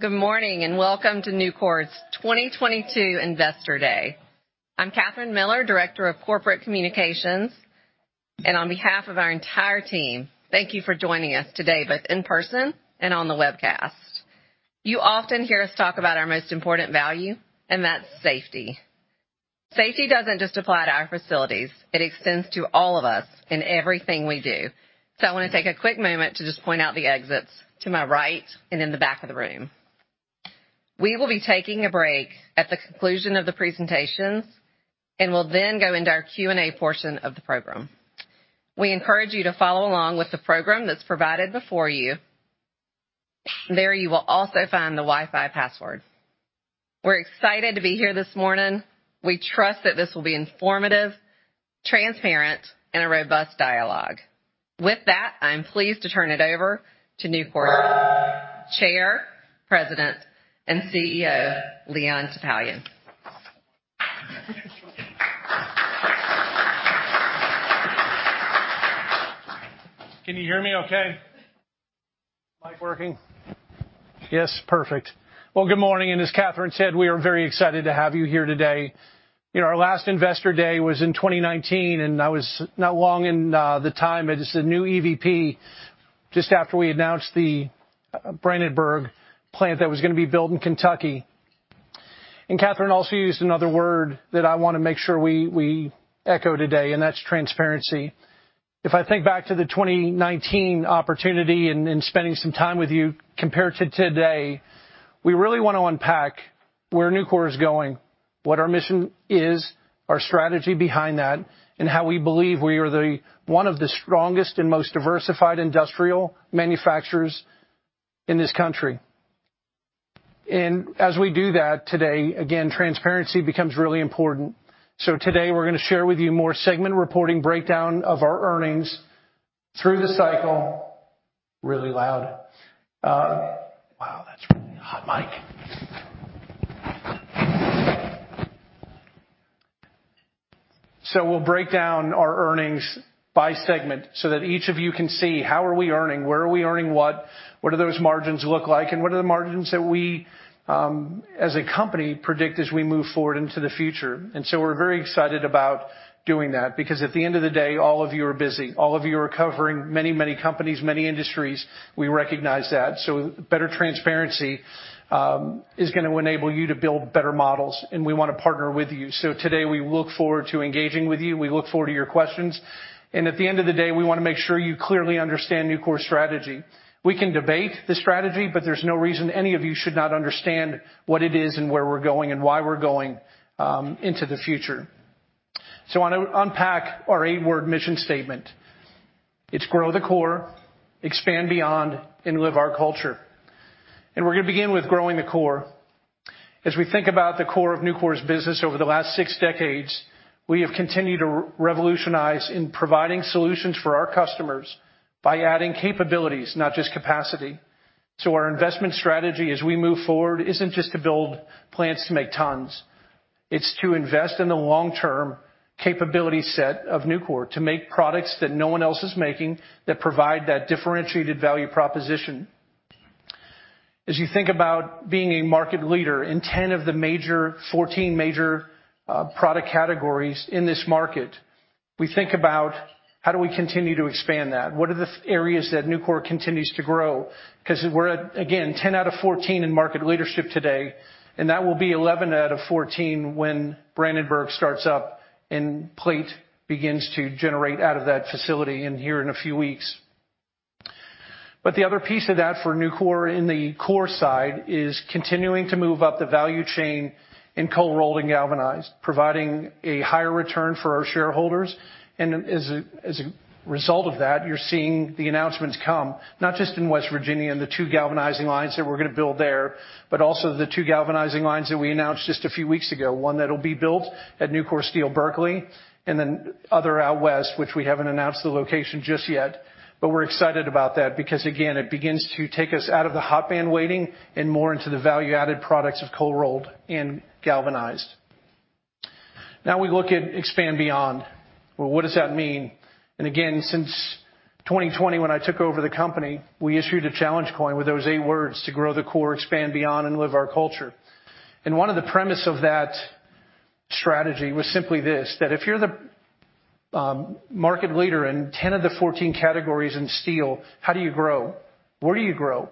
Good morning, and welcome to Nucor's 2022 Investor Day. I'm Katherine Miller, Director of Corporate Communications. On behalf of our entire team, thank you for joining us today, both in person and on the webcast. You often hear us talk about our most important value, and that's safety. Safety doesn't just apply to our facilities. It extends to all of us in everything we do. I want to take a quick moment to just point out the exits to my right and in the back of the room. We will be taking a break at the conclusion of the presentations, and we'll then go into our Q&A portion of the program. We encourage you to follow along with the program that's provided before you. There you will also find the Wi-Fi password. We're excited to be here this morning. We trust that this will be informative, transparent, and a robust dialogue. With that, I'm pleased to turn it over to Nucor's Chair, President, and CEO, Leon Topalian. Can you hear me okay? Mic working? Yes. Perfect. Well, good morning. As Katherine said, we are very excited to have you here today. Our last Investor Day was in 2019, and I was not long in the time as the new EVP, just after we announced the Brandenburg plant that was going to be built in Kentucky. Katherine also used another word that I want to make sure we echo today, and that's transparency. If I think back to the 2019 opportunity and spending some time with you, compared to today, we really want to unpack where Nucor is going, what our mission is, our strategy behind that, and how we believe we are one of the strongest and most diversified industrial manufacturers in this country. As we do that today, again, transparency becomes really important. Today we're going to share with you more segment reporting breakdown of our earnings through the cycle. Really loud. Wow, that's a hot mic. We'll break down our earnings by segment so that each of you can see how are we earning, where are we earning what do those margins look like, and what are the margins that we, as a company, predict as we move forward into the future. We're very excited about doing that, because at the end of the day, all of you are busy. All of you are covering many companies, many industries. We recognize that. Better transparency is going to enable you to build better models, and we want to partner with you. Today, we look forward to engaging with you. We look forward to your questions. At the end of the day, we want to make sure you clearly understand Nucor's strategy. We can debate the strategy, but there's no reason any of you should not understand what it is and where we're going and why we're going into the future. I want to unpack our eight-word mission statement. It's grow the core, expand beyond, and live our culture. We're going to begin with growing the core. As we think about the core of Nucor's business over the last six decades, we have continued to revolutionize in providing solutions for our customers by adding capabilities, not just capacity. Our investment strategy as we move forward isn't just to build plants to make tons. It's to invest in the long-term capability set of Nucor to make products that no one else is making that provide that differentiated value proposition. As you think about being a market leader in 10 of the 14 major product categories in this market, we think about how do we continue to expand that? What are the areas that Nucor continues to grow? Because we're, again, 10 out of 14 in market leadership today, and that will be 11 out of 14 when Brandenburg starts up and plate begins to generate out of that facility in here in a few weeks. The other piece of that for Nucor in the core side is continuing to move up the value chain in cold rolled and galvanized, providing a higher return for our shareholders. As a result of that, you're seeing the announcements come, not just in West Virginia and the two galvanizing lines that we're going to build there, but also the two galvanizing lines that we announced just a few weeks ago, one that'll be built at Nucor Steel Berkeley, and then other out west, which we haven't announced the location just yet. We're excited about that because, again, it begins to take us out of the hot band waiting and more into the value-added products of cold rolled and galvanized. Now we look at expand beyond. What does that mean? Again, since 2020, when I took over the company, we issued a challenge coin with those eight words: to grow the core, expand beyond, and live our culture. One of the premise of that strategy was simply this: that if you're the market leader in 10 of the 14 categories in steel, how do you grow? Where do you grow?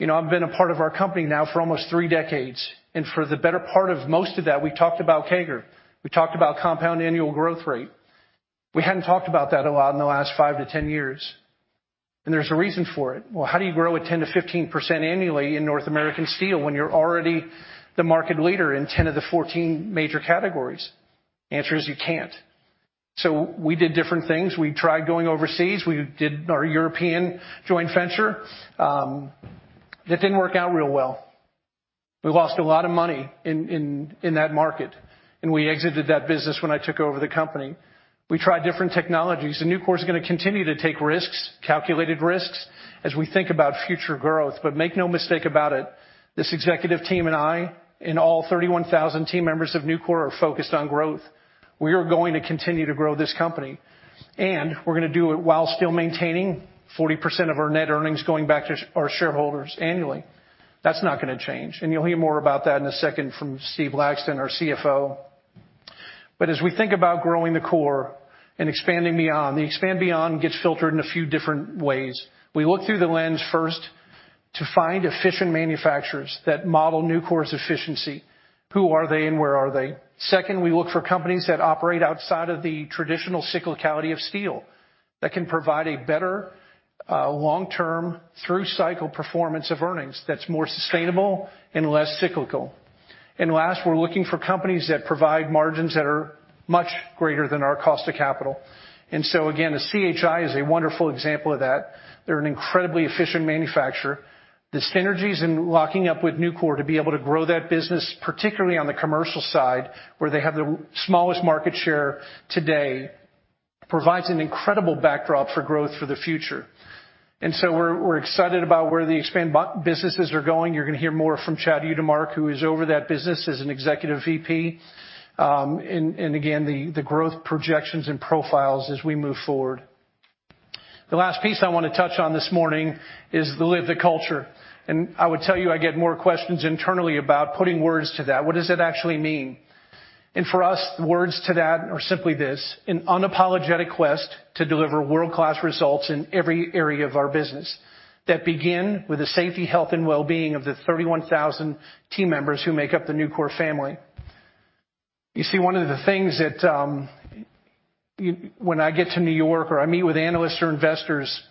I've been a part of our company now for almost three decades, and for the better part of most of that, we talked about CAGR. We talked about compound annual growth rate. We hadn't talked about that a lot in the last five to 10 years, and there's a reason for it. How do you grow at 10%-15% annually in North American steel when you're already the market leader in 10 of the 14 major categories? Answer is you can't. We did different things. We tried going overseas. We did our European joint venture. That didn't work out real well. We lost a lot of money in that market, we exited that business when I took over the company. We tried different technologies, Nucor is going to continue to take risks, calculated risks, as we think about future growth. Make no mistake about it, this executive team and I, and all 31,000 team members of Nucor, are focused on growth. We are going to continue to grow this company, and we're going to do it while still maintaining 40% of our net earnings going back to our shareholders annually. That's not going to change. You'll hear more about that in a second from Steve Laxton, our CFO. As we think about growing the core and expanding beyond, the expand beyond gets filtered in a few different ways. We look through the lens first to find efficient manufacturers that model Nucor's efficiency. Who are they and where are they? Second, we look for companies that operate outside of the traditional cyclicality of steel that can provide a better, long-term, through-cycle performance of earnings that's more sustainable and less cyclical. Last, we're looking for companies that provide margins that are much greater than our cost of capital. So again, CHI is a wonderful example of that. They're an incredibly efficient manufacturer. The synergies in locking up with Nucor to be able to grow that business, particularly on the commercial side, where they have the smallest market share today, provides an incredible backdrop for growth for the future. So we're excited about where the expand businesses are going. You're going to hear more from Chad Utermark, who is over that business as an Executive VP. Again, the growth projections and profiles as we move forward. The last piece I want to touch on this morning is the live the culture. I would tell you I get more questions internally about putting words to that. What does it actually mean? For us, words to that are simply this: An unapologetic quest to deliver world-class results in every area of our business that begin with the safety, health, and well-being of the 31,000 team members who make up the Nucor family. You see, one of the things that when I get to New York or I meet with analysts or investors,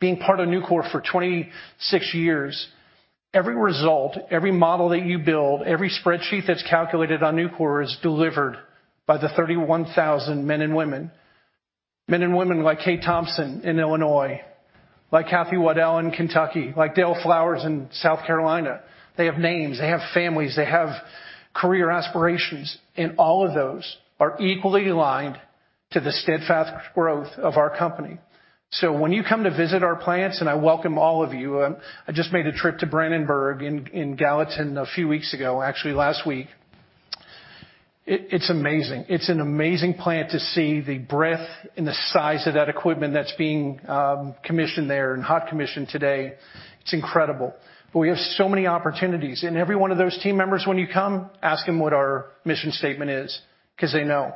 being part of Nucor for 26 years, every result, every model that you build, every spreadsheet that's calculated on Nucor is delivered by the 31,000 men and women. Men and women like Kate Thompson in Illinois, like Cathy Waddell in Kentucky, like Dale Flowers in South Carolina. They have names. They have families. They have career aspirations. All of those are equally aligned to the steadfast growth of our company. When you come to visit our plants, I welcome all of you. I just made a trip to Brandenburg and Gallatin a few weeks ago, actually last week. It's amazing. It's an amazing plant to see the breadth and the size of that equipment that's being commissioned there and hot commissioned today. It's incredible. We have so many opportunities. Every one of those team members, when you come, ask them what our mission statement is, because they know.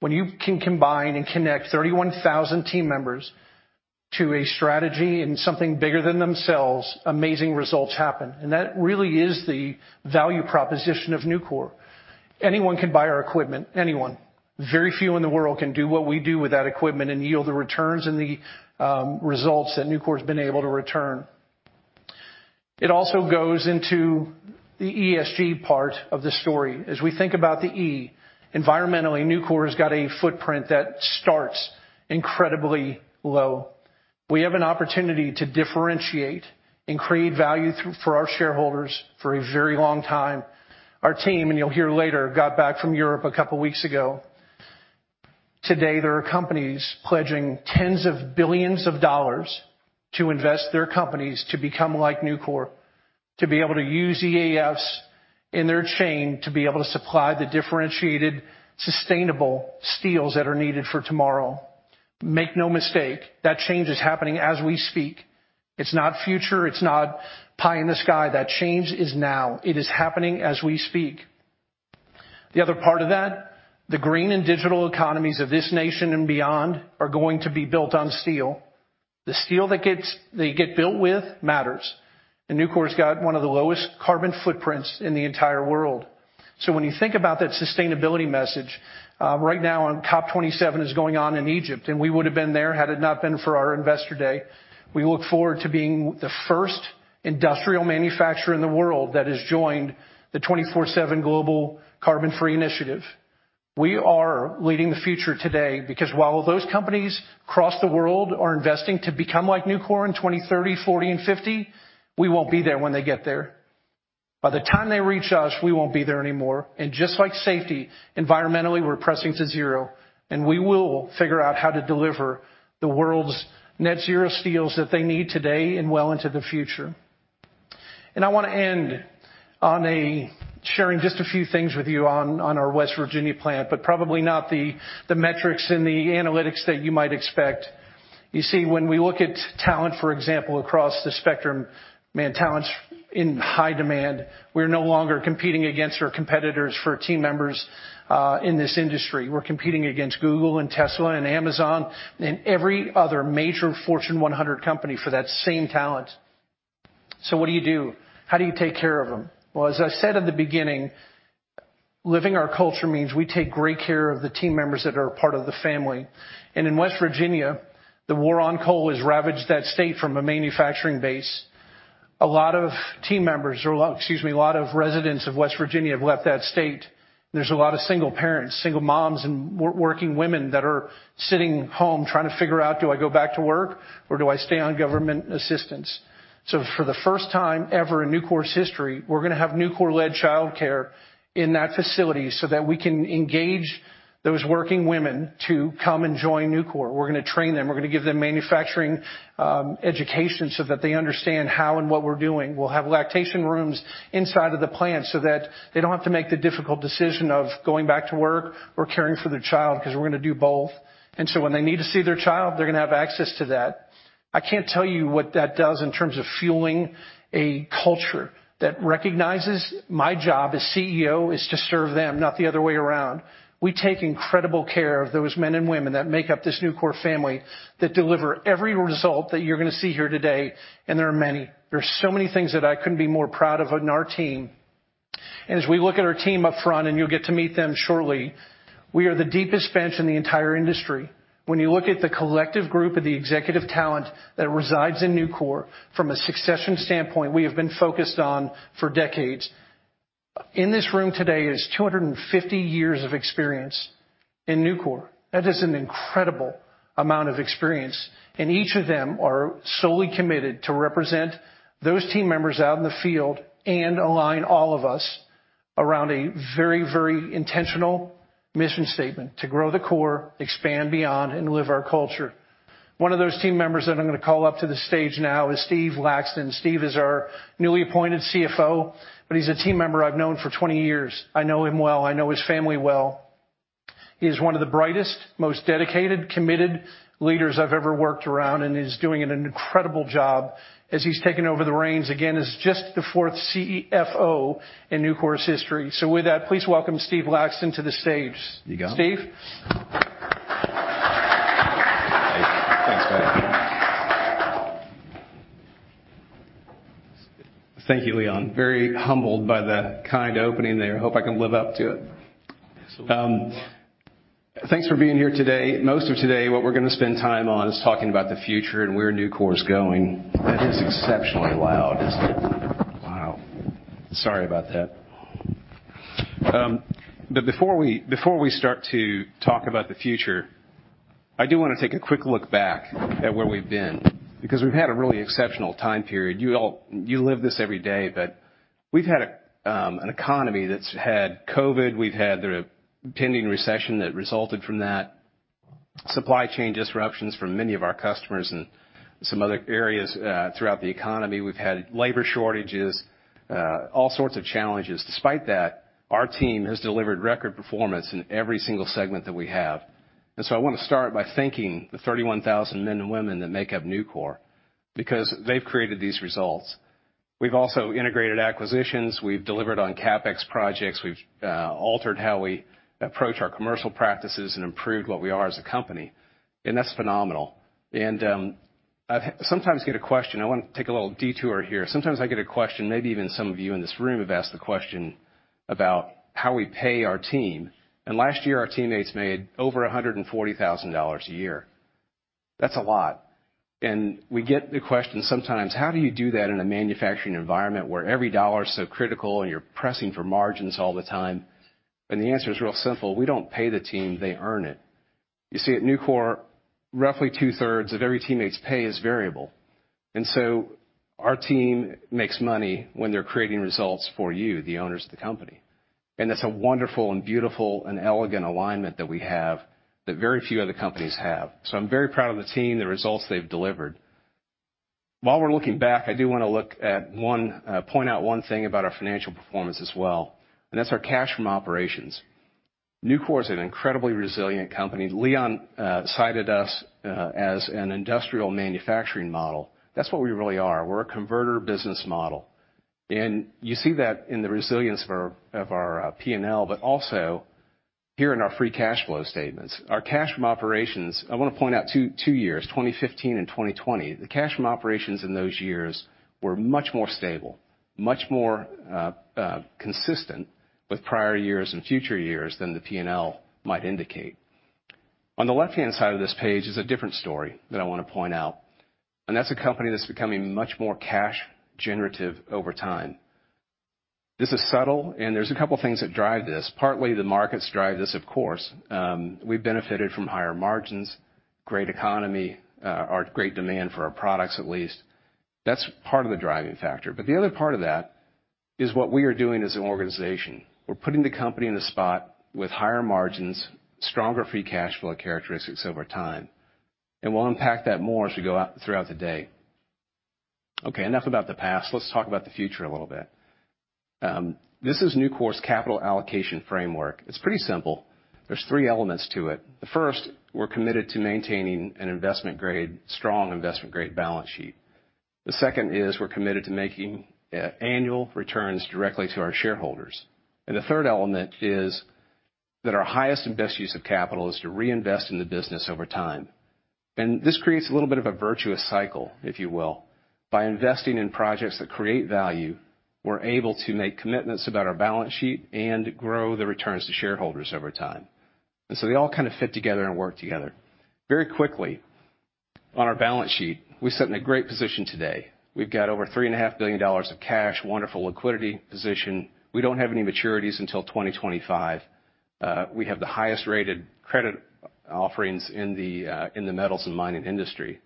When you can combine and connect 31,000 team members to a strategy and something bigger than themselves, amazing results happen. That really is the value proposition of Nucor. Anyone can buy our equipment, anyone. Very few in the world can do what we do with that equipment and yield the returns and the results that Nucor's been able to return. It also goes into the ESG part of the story. As we think about the E, environmentally, Nucor has got a footprint that starts incredibly low. We have an opportunity to differentiate and create value for our shareholders for a very long time. Our team, and you'll hear later, got back from Europe a couple of weeks ago. Today, there are companies pledging tens of billions of dollars to invest their companies to become like Nucor, to be able to use EAFs in their chain to be able to supply the differentiated, sustainable steels that are needed for tomorrow. Make no mistake, that change is happening as we speak. It's not future. It's not pie in the sky. That change is now. It is happening as we speak. The other part of that, the green and digital economies of this nation and beyond are going to be built on steel. The steel that they get built with matters. Nucor's got one of the lowest carbon footprints in the entire world. So when you think about that sustainability message, right now COP 27 is going on in Egypt, and we would have been there had it not been for our Investor Day. We look forward to being the first industrial manufacturer in the world that has joined the 24/7 Global Carbon-Free Initiative. We are leading the future today because while those companies across the world are investing to become like Nucor in 2030, 2040, and 2050, we won't be there when they get there. By the time they reach us, we won't be there anymore. Just like safety, environmentally, we're pressing to zero, and we will figure out how to deliver the world's net zero steels that they need today and well into the future. I want to end on sharing just a few things with you on our West Virginia plant, but probably not the metrics and the analytics that you might expect. You see, when we look at talent, for example, across the spectrum, man, talent's in high demand. We're no longer competing against our competitors for team members in this industry. We're competing against Google and Tesla and Amazon and every other major Fortune 100 company for that same talent. So what do you do? How do you take care of them? Well, as I said at the beginning, living our culture means we take great care of the team members that are a part of the family. In West Virginia, the war on coal has ravaged that state from a manufacturing base. A lot of team members or, excuse me, a lot of residents of West Virginia have left that state. There's a lot of single parents, single moms, and working women that are sitting home trying to figure out, do I go back to work or do I stay on government assistance? So for the first time ever in Nucor's history, we're going to have Nucor-led childcare in that facility so that we can engage those working women to come and join Nucor. We're going to train them. We're going to give them manufacturing education so that they understand how and what we're doing. We'll have lactation rooms inside of the plant so that they don't have to make the difficult decision of going back to work or caring for their child because we're going to do both. When they need to see their child, they're going to have access to that. I can't tell you what that does in terms of fueling a culture that recognizes my job as CEO is to serve them, not the other way around. We take incredible care of those men and women that make up this Nucor family that deliver every result that you're going to see here today, and there are many. There are so many things that I couldn't be more proud of in our team. As we look at our team up front, and you'll get to meet them shortly, we are the deepest bench in the entire industry. When you look at the collective group of the executive talent that resides in Nucor, from a succession standpoint, we have been focused on for decades. In this room today is 250 years of experience in Nucor. That is an incredible amount of experience, and each of them are solely committed to represent those team members out in the field and align all of us around a very intentional mission statement to grow the core, expand beyond, and live our culture. One of those team members that I'm going to call up to the stage now is Steve Laxton. Steve is our newly appointed CFO, but he's a team member I've known for 20 years. I know him well. I know his family well. He is one of the brightest, most dedicated, committed leaders I've ever worked around, and he's doing an incredible job as he's taken over the reins, again, as just the fourth CFO in Nucor's history. With that, please welcome Steve Laxton to the stage. You got it. Steve? Thanks, Leon. Thank you, Leon. Very humbled by the kind opening there. Hope I can live up to it. Absolutely. Thanks for being here today. Most of today, what we're going to spend time on is talking about the future and where Nucor's going. That is exceptionally loud, isn't it? Wow. Sorry about that. Before we start to talk about the future, I do want to take a quick look back at where we've been, because we've had a really exceptional time period. You live this every day, but we've had an economy that's had COVID, we've had the pending recession that resulted from that, supply chain disruptions from many of our customers and some other areas throughout the economy. We've had labor shortages, all sorts of challenges. Despite that, our team has delivered record performance in every single segment that we have. I want to start by thanking the 31,000 men and women that make up Nucor, because they've created these results. We've also integrated acquisitions, we've delivered on CapEx projects, we've altered how we approach our commercial practices and improved what we are as a company, that's phenomenal. I want to take a little detour here. Sometimes I get a question, maybe even some of you in this room have asked the question about how we pay our team, last year our teammates made over $140,000 a year. That's a lot. We get the question sometimes, how do you do that in a manufacturing environment where every dollar is so critical and you're pressing for margins all the time? The answer is real simple. We don't pay the team, they earn it. You see, at Nucor, roughly two-thirds of every teammate's pay is variable. Our team makes money when they're creating results for you, the owners of the company. That's a wonderful and beautiful and elegant alignment that we have that very few other companies have. I'm very proud of the team, the results they've delivered. While we're looking back, I do want to point out one thing about our financial performance as well, that's our cash from operations. Nucor is an incredibly resilient company. Leon cited us as an industrial manufacturing model. That's what we really are. We're a converter business model. You see that in the resilience of our P&L, here in our free cash flow statements. Our cash from operations, I want to point out two years, 2015 and 2020. The cash from operations in those years were much more stable, much more consistent with prior years and future years than the P&L might indicate. On the left-hand side of this page is a different story that I want to point out, and that's a company that's becoming much more cash generative over time. This is subtle, and there's a couple things that drive this. Partly, the markets drive this, of course. We've benefited from higher margins, great economy, or great demand for our products, at least. That's part of the driving factor. The other part of that is what we are doing as an organization. We're putting the company in a spot with higher margins, stronger free cash flow characteristics over time. We'll unpack that more as we go throughout the day. Okay, enough about the past. Let's talk about the future a little bit. This is Nucor's capital allocation framework. It's pretty simple. There's three elements to it. The first, we're committed to maintaining a strong investment-grade balance sheet. The second is we're committed to making annual returns directly to our shareholders. The third element is that our highest and best use of capital is to reinvest in the business over time. This creates a little bit of a virtuous cycle, if you will. By investing in projects that create value, we're able to make commitments about our balance sheet and grow the returns to shareholders over time. They all kind of fit together and work together. Very quickly, on our balance sheet, we sit in a great position today. We've got over $3.5 billion of cash, wonderful liquidity position. We don't have any maturities until 2025. We have the highest-rated credit offerings in the metals and mining industry.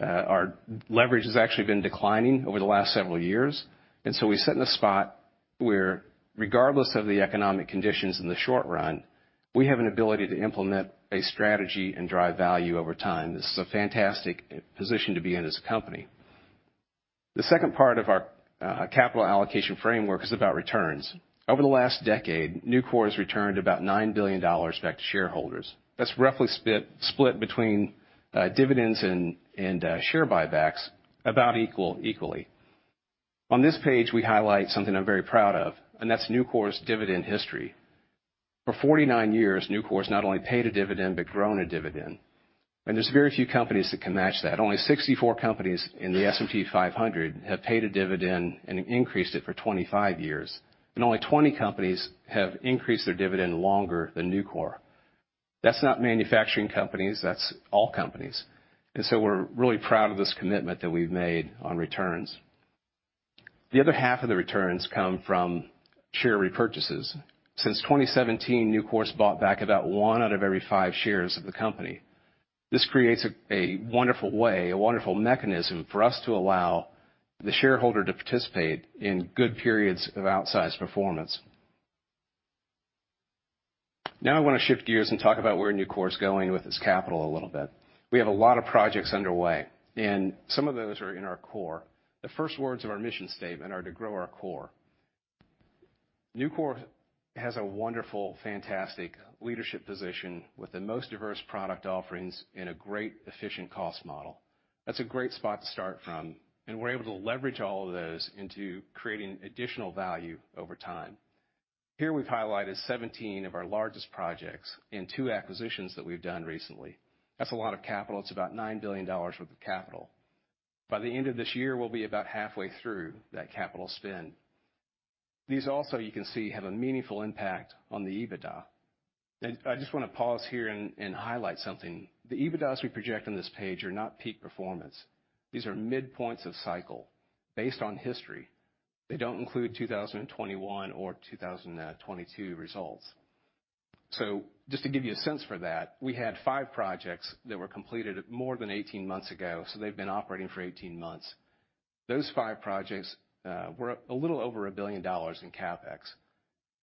Our leverage has actually been declining over the last several years, we sit in a spot where regardless of the economic conditions in the short run, we have an ability to implement a strategy and drive value over time. This is a fantastic position to be in as a company. The second part of our capital allocation framework is about returns. Over the last decade, Nucor has returned about $9 billion back to shareholders. That's roughly split between dividends and share buybacks about equally. On this page, we highlight something I'm very proud of, and that's Nucor's dividend history. For 49 years, Nucor has not only paid a dividend, but grown a dividend. There's very few companies that can match that. Only 64 companies in the S&P 500 have paid a dividend and increased it for 25 years, only 20 companies have increased their dividend longer than Nucor. That's not manufacturing companies, that's all companies. We're really proud of this commitment that we've made on returns. The other half of the returns come from share repurchases. Since 2017, Nucor's bought back about one out of every five shares of the company. This creates a wonderful way, a wonderful mechanism for us to allow the shareholder to participate in good periods of outsized performance. Now I want to shift gears and talk about where Nucor's going with its capital a little bit. We have a lot of projects underway, and some of those are in our core. The first words of our mission statement are to grow our core. Nucor has a wonderful, fantastic leadership position with the most diverse product offerings and a great efficient cost model. That's a great spot to start from. We're able to leverage all of those into creating additional value over time. Here, we've highlighted 17 of our largest projects and two acquisitions that we've done recently. That's a lot of capital. It's about $9 billion worth of capital. By the end of this year, we'll be about halfway through that capital spend. These also, you can see, have a meaningful impact on the EBITDA. I just want to pause here and highlight something. The EBITDAs we project on this page are not peak performance. These are midpoints of cycle based on history. They don't include 2021 or 2022 results. Just to give you a sense for that, we had five projects that were completed more than 18 months ago, so they've been operating for 18 months. Those five projects were a little over $1 billion in CapEx.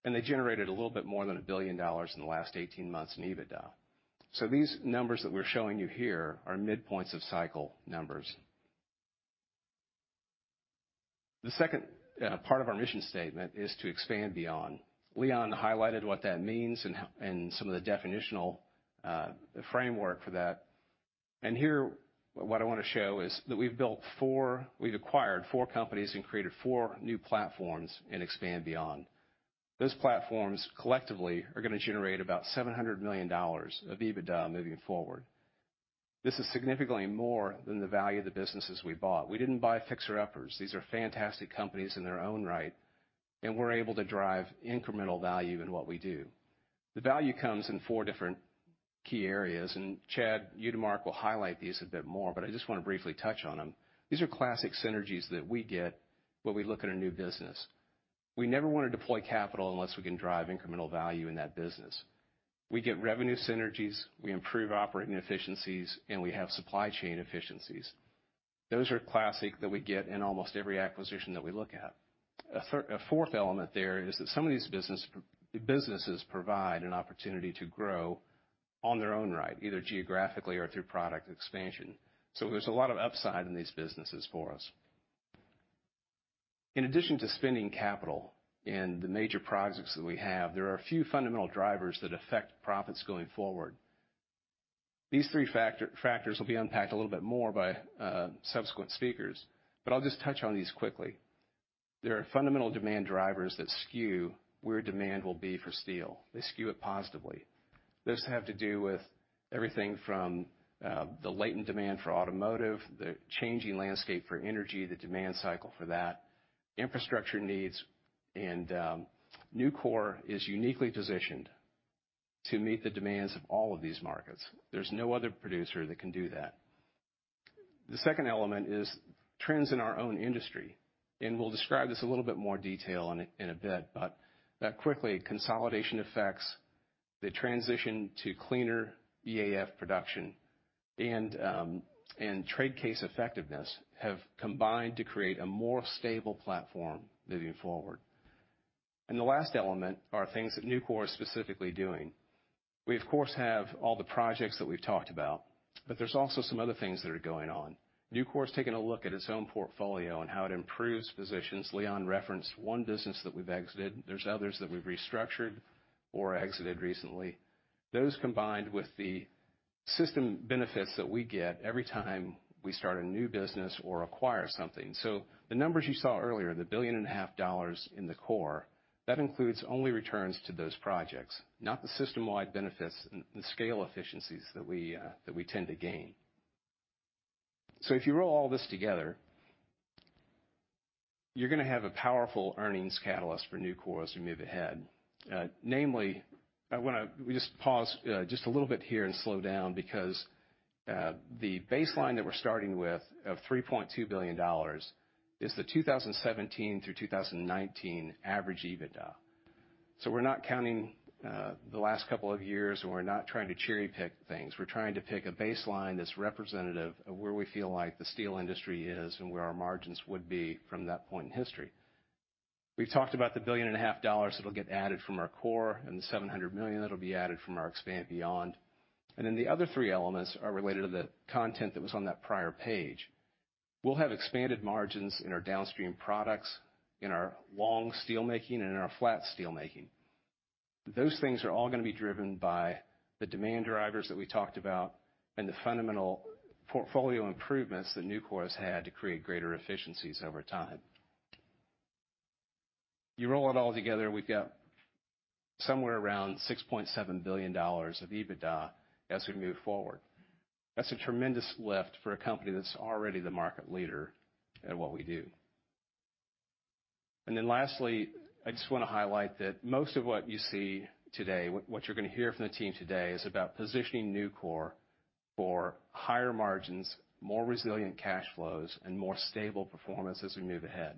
They generated a little bit more than $1 billion in the last 18 months in EBITDA. So these numbers that we're showing you here are midpoints of cycle numbers. The second part of our mission statement is to expand beyond. Leon highlighted what that means and some of the definitional framework for that. Here, what I want to show is that we've acquired four companies and created four new platforms in expand beyond. Those platforms collectively are going to generate about $700 million of EBITDA moving forward. This is significantly more than the value of the businesses we bought. We didn't buy fixer-uppers. These are fantastic companies in their own right. We're able to drive incremental value in what we do. The value comes in four different key areas. Chad Utermark will highlight these a bit more, I just want to briefly touch on them. These are classic synergies that we get when we look at a new business. We never want to deploy capital unless we can drive incremental value in that business. We get revenue synergies, we improve operating efficiencies, and we have supply chain efficiencies. Those are classic that we get in almost every acquisition that we look at. A fourth element there is that some of these businesses provide an opportunity to grow on their own right, either geographically or through product expansion. There's a lot of upside in these businesses for us. In addition to spending capital and the major projects that we have, there are a few fundamental drivers that affect profits going forward. These three factors will be unpacked a little bit more by subsequent speakers, I'll just touch on these quickly. There are fundamental demand drivers that skew where demand will be for steel. They skew it positively. Those have to do with everything from the latent demand for automotive, the changing landscape for energy, the demand cycle for that, infrastructure needs. Nucor is uniquely positioned to meet the demands of all of these markets. There's no other producer that can do that. The second element is trends in our own industry. We'll describe this a little bit more detail in a bit. Quickly, consolidation effects, the transition to cleaner EAF production, and trade case effectiveness have combined to create a more stable platform moving forward. The last element are things that Nucor is specifically doing. We, of course, have all the projects that we've talked about, but there's also some other things that are going on. Nucor's taken a look at its own portfolio and how it improves positions. Leon referenced one business that we've exited. There's others that we've restructured or exited recently. Those combined with the system benefits that we get every time we start a new business or acquire something. The numbers you saw earlier, the billion and a half dollars in the core, that includes only returns to those projects, not the system-wide benefits and the scale efficiencies that we tend to gain. If you roll all this together, you're going to have a powerful earnings catalyst for Nucor as we move ahead. Namely, I want to just pause just a little bit here and slow down because the baseline that we're starting with of $3.2 billion is the 2017 through 2019 average EBITDA. We're not counting the last couple of years. We're not trying to cherry-pick things. We're trying to pick a baseline that's representative of where we feel like the steel industry is and where our margins would be from that point in history. We've talked about the billion and a half dollars that'll get added from our core and the $700 million that'll be added from our expand beyond. The other three elements are related to the content that was on that prior page. We'll have expanded margins in our downstream products, in our long steel making and in our flat steel making. Those things are all going to be driven by the demand drivers that we talked about and the fundamental portfolio improvements that Nucor has had to create greater efficiencies over time. You roll it all together, we've got somewhere around $6.7 billion of EBITDA as we move forward. That's a tremendous lift for a company that's already the market leader at what we do. Lastly, I just want to highlight that most of what you see today, what you're going to hear from the team today, is about positioning Nucor for higher margins, more resilient cash flows, and more stable performance as we move ahead.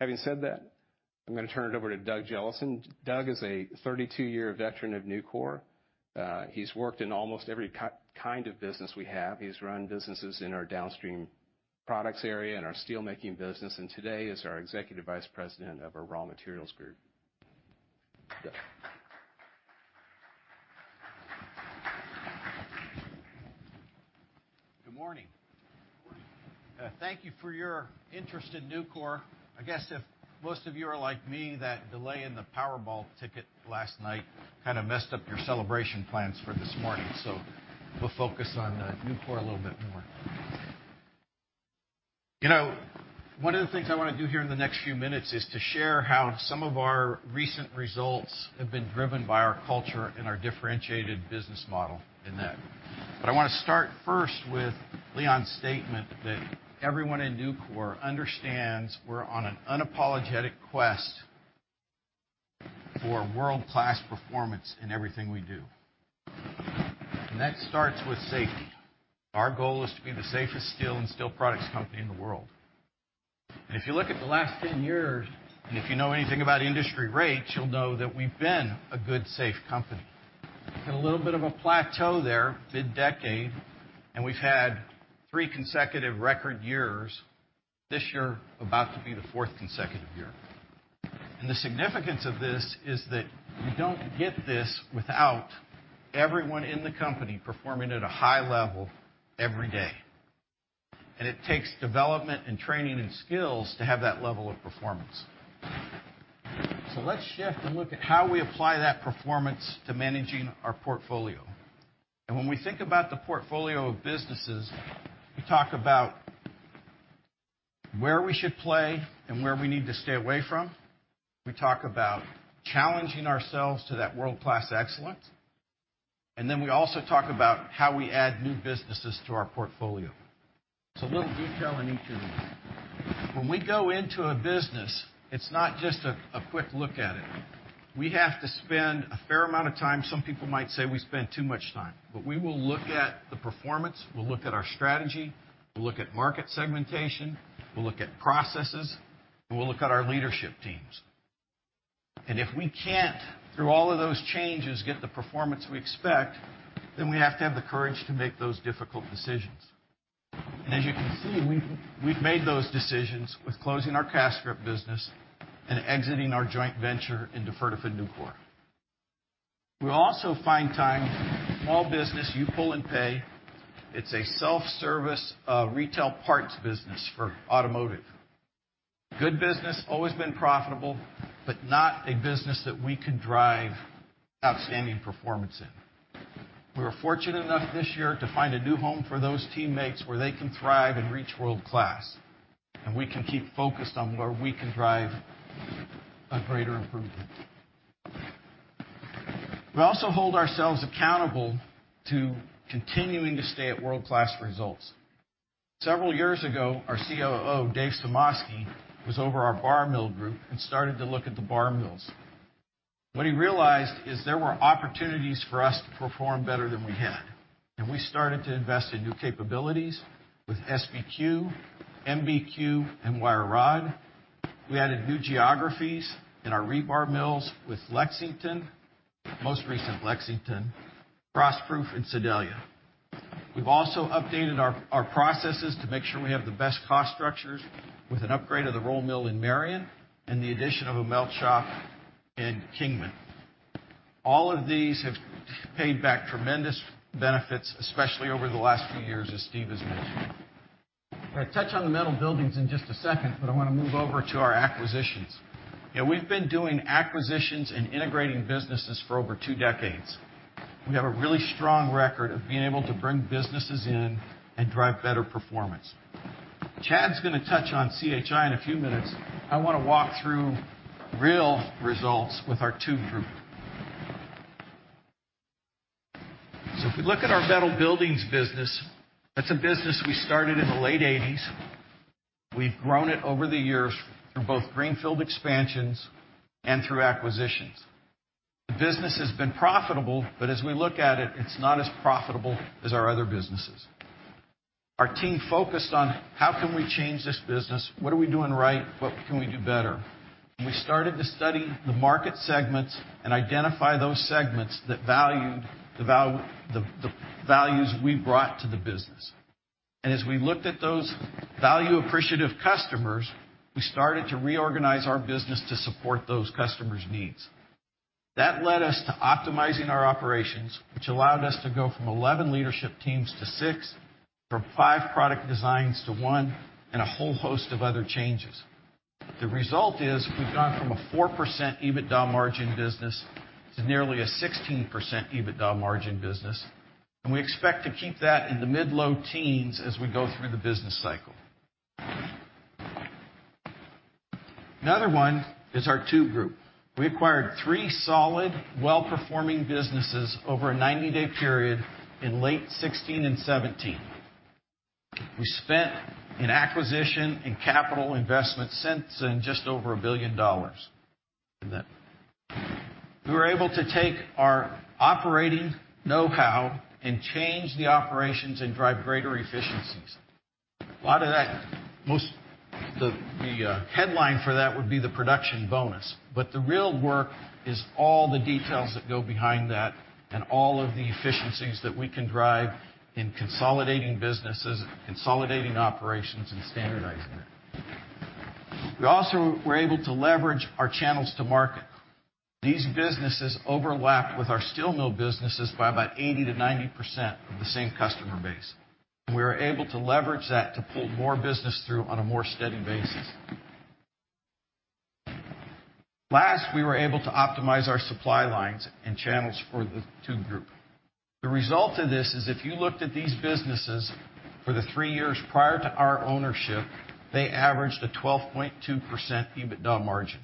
Having said that, I'm going to turn it over to Doug Jellison. Doug is a 32-year veteran of Nucor. He's worked in almost every kind of business we have. He's run businesses in our downstream products area, in our steel making business, and today is our Executive Vice President of our Raw Materials group. Doug. Good morning. Good morning. Thank you for your interest in Nucor. I guess if most of you are like me, that delay in the Powerball ticket last night kind of messed up your celebration plans for this morning, we'll focus on Nucor a little bit more. One of the things I want to do here in the next few minutes is to share how some of our recent results have been driven by our culture and our differentiated business model in that. I want to start first with Leon's statement that everyone in Nucor understands we're on an unapologetic quest for world-class performance in everything we do. That starts with safety. Our goal is to be the safest steel and steel products company in the world. If you look at the last 10 years, if you know anything about industry rates, you'll know that we've been a good, safe company. Had a little bit of a plateau there, mid-decade, we've had three consecutive record years. This year about to be the fourth consecutive year. The significance of this is that you don't get this without everyone in the company performing at a high level every day. It takes development and training and skills to have that level of performance. Let's shift and look at how we apply that performance to managing our portfolio. When we think about the portfolio of businesses, we talk about where we should play and where we need to stay away from. We talk about challenging ourselves to that world-class excellence. We also talk about how we add new businesses to our portfolio. A little detail in each of these. When we go into a business, it's not just a quick look at it. We have to spend a fair amount of time. Some people might say we spend too much time. We will look at the performance, we'll look at our strategy, we'll look at market segmentation, we'll look at processes, and we'll look at our leadership teams. If we can't, through all of those changes, get the performance we expect, then we have to have the courage to make those difficult decisions. As you can see, we've made those decisions with closing our Castrip business and exiting our joint venture in Duferdofin-Nucor. We also find time for small business, U-Pull-&-Pay. It's a self-service, retail parts business for automotive. Good business, always been profitable, but not a business that we could drive outstanding performance in. We were fortunate enough this year to find a new home for those teammates where they can thrive and reach world-class, and we can keep focused on where we can drive a greater improvement. We also hold ourselves accountable to continuing to stay at world-class results. Several years ago, our COO, Dave Sumoski, was over our bar mill group and started to look at the bar mills. What he realized is there were opportunities for us to perform better than we had. We started to invest in new capabilities with SBQ, MBQ, and wire rod. We added new geographies in our rebar mills with Lexington, most recent Lexington, Frostproof, and Sedalia. We've also updated our processes to make sure we have the best cost structures with an upgrade of the roll mill in Marion and the addition of a melt shop in Kingman. All of these have paid back tremendous benefits, especially over the last few years, as Steve has mentioned. I touch on the metal buildings in just a second, but I want to move over to our acquisitions. We've been doing acquisitions and integrating businesses for over 2 decades. We have a really strong record of being able to bring businesses in and drive better performance. Chad's going to touch on C.H.I. in a few minutes. I want to walk through real results with our tube group. If we look at our metal buildings business, that's a business we started in the late '80s. We've grown it over the years through both greenfield expansions and through acquisitions. The business has been profitable, but as we look at it's not as profitable as our other businesses. Our team focused on: How can we change this business? What are we doing right? What can we do better? We started to study the market segments and identify those segments that valued the values we brought to the business. As we looked at those value-appreciative customers, we started to reorganize our business to support those customers' needs. That led us to optimizing our operations, which allowed us to go from 11 leadership teams to 6, from 5 product designs to 1, and a whole host of other changes. The result is we've gone from a 4% EBITDA margin business to nearly a 16% EBITDA margin business. We expect to keep that in the mid-low teens as we go through the business cycle. Another one is our tube group. We acquired three solid, well-performing businesses over a 90-day period in late 2016 and 2017. We spent in acquisition and capital investment since then just over $1 billion. We were able to take our operating knowhow and change the operations and drive greater efficiencies. The headline for that would be the production bonus. The real work is all the details that go behind that and all of the efficiencies that we can drive in consolidating businesses, consolidating operations, and standardizing it. We also were able to leverage our channels to market. These businesses overlap with our steel mill businesses by about 80%-90% of the same customer base. We were able to leverage that to pull more business through on a more steady basis. Last, we were able to optimize our supply lines and channels for the tube group. The result of this is, if you looked at these businesses for the 3 years prior to our ownership, they averaged a 12.2% EBITDA margin.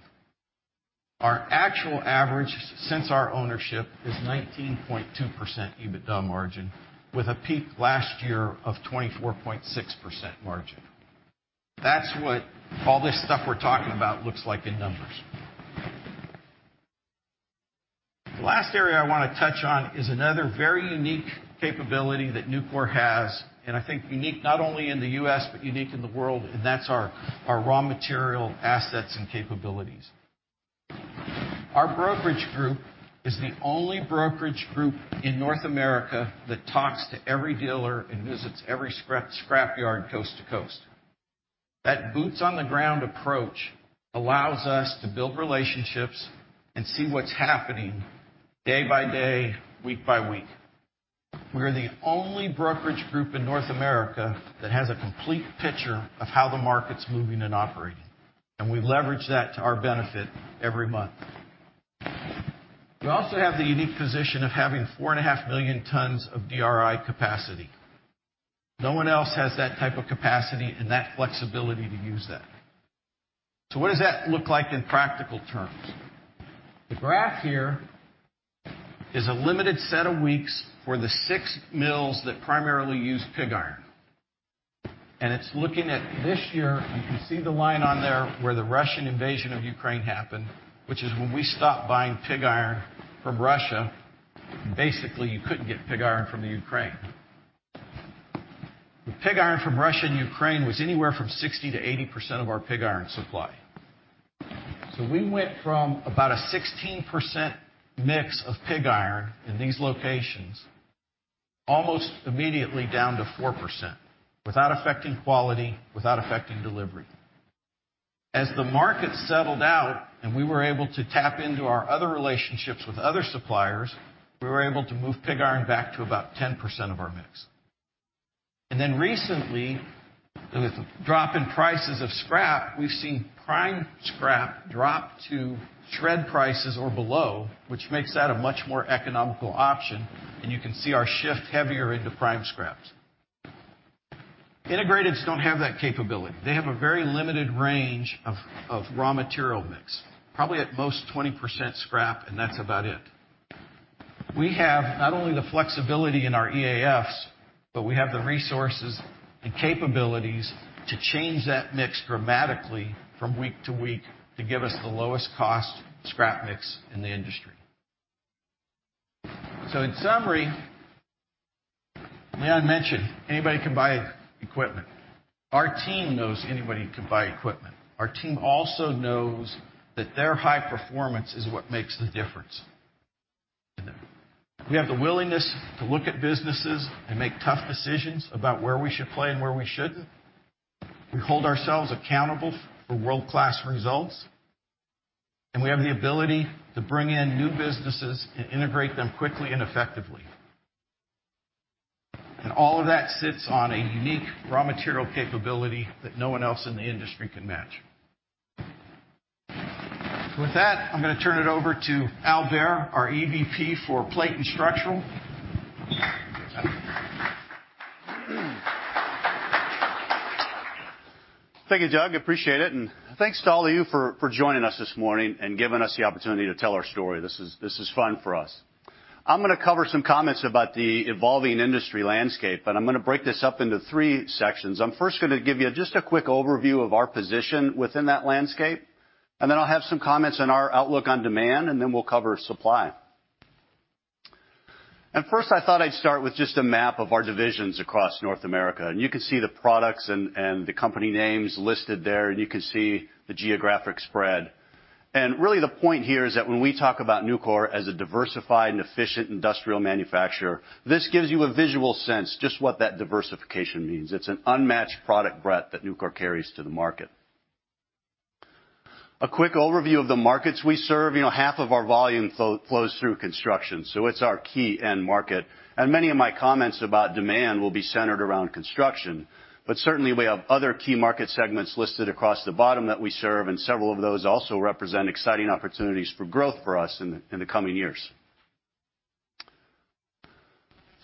Our actual average since our ownership is 19.2% EBITDA margin, with a peak last year of 24.6% margin. That's what all this stuff we're talking about looks like in numbers. The last area I want to touch on is another very unique capability that Nucor has, and I think unique not only in the U.S. but unique in the world, and that's our raw material assets and capabilities. Our brokerage group is the only brokerage group in North America that talks to every dealer and visits every scrap yard coast to coast. That boots-on-the-ground approach allows us to build relationships and see what's happening day by day, week by week. We are the only brokerage group in North America that has a complete picture of how the market's moving and operating, and we leverage that to our benefit every month. We also have the unique position of having 4.5 million tons of DRI capacity. No one else has that type of capacity and that flexibility to use that. What does that look like in practical terms? The graph here is a limited set of weeks for the 6 mills that primarily use pig iron. It's looking at this year. You can see the line on there where the Russian invasion of Ukraine happened, which is when we stopped buying pig iron from Russia. Basically, you couldn't get pig iron from the Ukraine. The pig iron from Russia and Ukraine was anywhere from 60%-80% of our pig iron supply. We went from about a 16% mix of pig iron in these locations, almost immediately down to 4%, without affecting quality, without affecting delivery. As the market settled out and we were able to tap into our other relationships with other suppliers, we were able to move pig iron back to about 10% of our mix. Recently, with drop in prices of scrap, we've seen prime scrap drop to shred prices or below, which makes that a much more economical option, and you can see our shift heavier into prime scraps. Integrates don't have that capability. They have a very limited range of raw material mix, probably at most 20% scrap, and that's about it. We have not only the flexibility in our EAFs, but we have the resources and capabilities to change that mix dramatically from week to week to give us the lowest cost scrap mix in the industry. In summary, may I mention, anybody can buy equipment. Our team knows anybody can buy equipment. Our team also knows that their high performance is what makes the difference. We have the willingness to look at businesses and make tough decisions about where we should play and where we shouldn't. We hold ourselves accountable for world-class results. We have the ability to bring in new businesses and integrate them quickly and effectively. All of that sits on a unique raw material capability that no one else in the industry can match. With that, I'm going to turn it over to Al Behr, our EVP for Plate and Structural. Thank you, Doug. Appreciate it. Thanks to all of you for joining us this morning and giving us the opportunity to tell our story. This is fun for us. I'm going to cover some comments about the evolving industry landscape, I'm going to break this up into three sections. I'm first going to give you just a quick overview of our position within that landscape. Then I'll have some comments on our outlook on demand, then we'll cover supply. First, I thought I'd start with just a map of our divisions across North America. You can see the products and the company names listed there, you can see the geographic spread. Really the point here is that when we talk about Nucor as a diversified and efficient industrial manufacturer, this gives you a visual sense just what that diversification means. It's an unmatched product breadth that Nucor carries to the market. A quick overview of the markets we serve. Half of our volume flows through construction, it's our key end market. Many of my comments about demand will be centered around construction. Certainly, we have other key market segments listed across the bottom that we serve, several of those also represent exciting opportunities for growth for us in the coming years.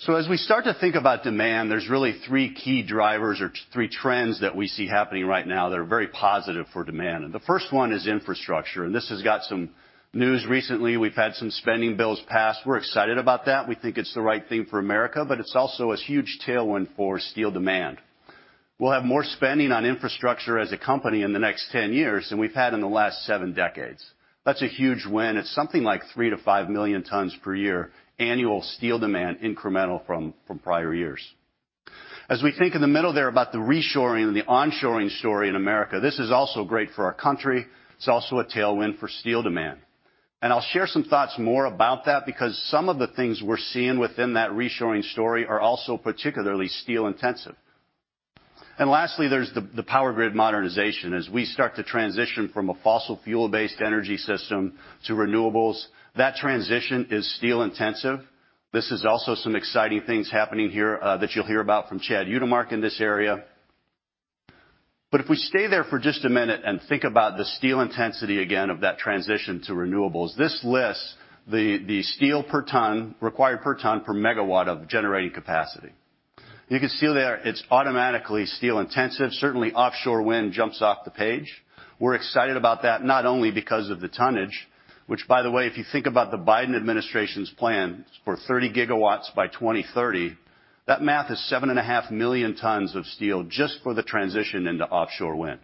As we start to think about demand, there's really three key drivers or three trends that we see happening right now that are very positive for demand. The first one is infrastructure, this has got some news recently. We've had some spending bills passed. We're excited about that. We think it's the right thing for America, it's also a huge tailwind for steel demand. We'll have more spending on infrastructure as a company in the next 10 years than we've had in the last seven decades. That's a huge win. It's something like 3 million-5 million tons per year annual steel demand incremental from prior years. As we think in the middle there about the reshoring and the onshoring story in America, this is also great for our country. It's also a tailwind for steel demand. I'll share some thoughts more about that because some of the things we're seeing within that reshoring story are also particularly steel-intensive. Lastly, there's the power grid modernization. As we start to transition from a fossil fuel-based energy system to renewables, that transition is steel intensive. This is also some exciting things happening here that you'll hear about from Chad Utermark in this area. If we stay there for just a minute and think about the steel intensity, again, of that transition to renewables, this lists the steel required per ton per megawatt of generating capacity. You can see there, it's automatically steel intensive. Certainly, offshore wind jumps off the page. We're excited about that, not only because of the tonnage, which by the way, if you think about the Biden administration's plan for 30 gigawatts by 2030, that math is seven and a half million tons of steel just for the transition into offshore wind.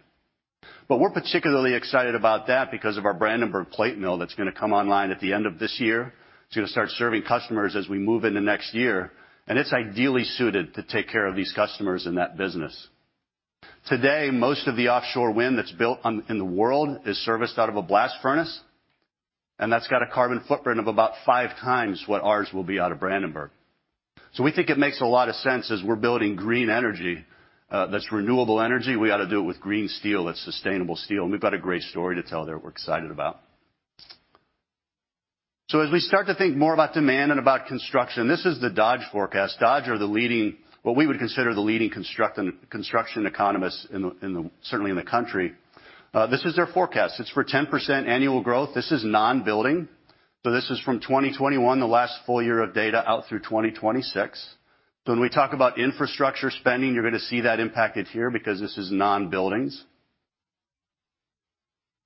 We're particularly excited about that because of our Brandenburg plate mill that's going to come online at the end of this year. It's going to start serving customers as we move into next year, and it's ideally suited to take care of these customers in that business. Today, most of the offshore wind that's built in the world is serviced out of a blast furnace, and that's got a carbon footprint of about five times what ours will be out of Brandenburg. We think it makes a lot of sense as we're building green energy, that's renewable energy, we ought to do it with green steel, that's sustainable steel, and we've got a great story to tell there we're excited about. As we start to think more about demand and about construction, this is the Dodge forecast. Dodge are the leading, what we would consider the leading construction economists, certainly in the country. This is their forecast. It's for 10% annual growth. This is non-building. This is from 2021, the last full year of data, out through 2026. When we talk about infrastructure spending, you're going to see that impacted here because this is non-buildings.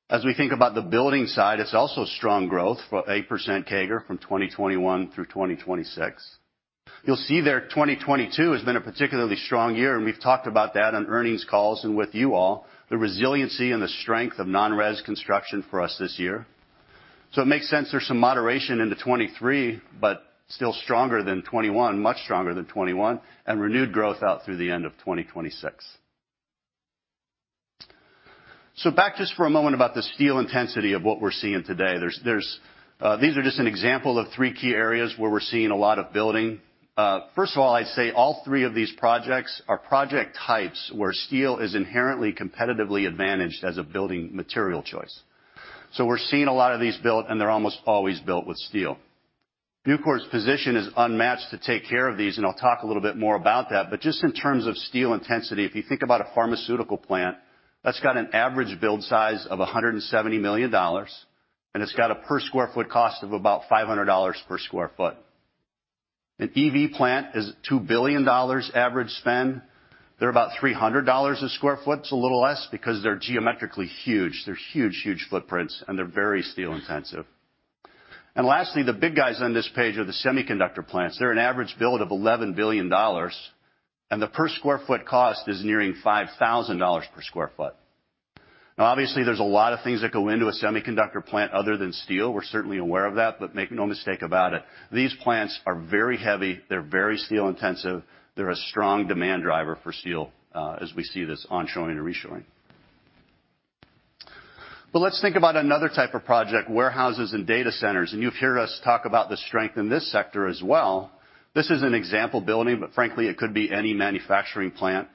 As we think about the building side, it's also strong growth for 8% CAGR from 2021 through 2026. You'll see there 2022 has been a particularly strong year, and we've talked about that on earnings calls and with you all, the resiliency and the strength of non-res construction for us this year. It makes sense there's some moderation into 2023, but still stronger than 2021, much stronger than 2021, and renewed growth out through the end of 2026. Back just for a moment about the steel intensity of what we're seeing today. These are just an example of three key areas where we're seeing a lot of building. First of all, I'd say all three of these projects are project types where steel is inherently competitively advantaged as a building material choice. We're seeing a lot of these built, and they're almost always built with steel. Nucor's position is unmatched to take care of these, and I'll talk a little bit more about that. Just in terms of steel intensity, if you think about a pharmaceutical plant, that's got an average build size of $170 million, and it's got a per square foot cost of about $500 per square foot. An EV plant is $2 billion average spend. They're about $300 a square foot. It's a little less because they're geometrically huge. They're huge footprints, and they're very steel intensive. Lastly, the big guys on this page are the semiconductor plants. They're an average build of $11 billion. The per square foot cost is nearing $5,000 per square foot. Obviously, there's a lot of things that go into a semiconductor plant other than steel. We're certainly aware of that, make no mistake about it, these plants are very heavy. They're very steel intensive. They're a strong demand driver for steel as we see this onshoring and reshoring. Let's think about another type of project, warehouses and data centers, and you've heard us talk about the strength in this sector as well. This is an example building, frankly, it could be any manufacturing plant.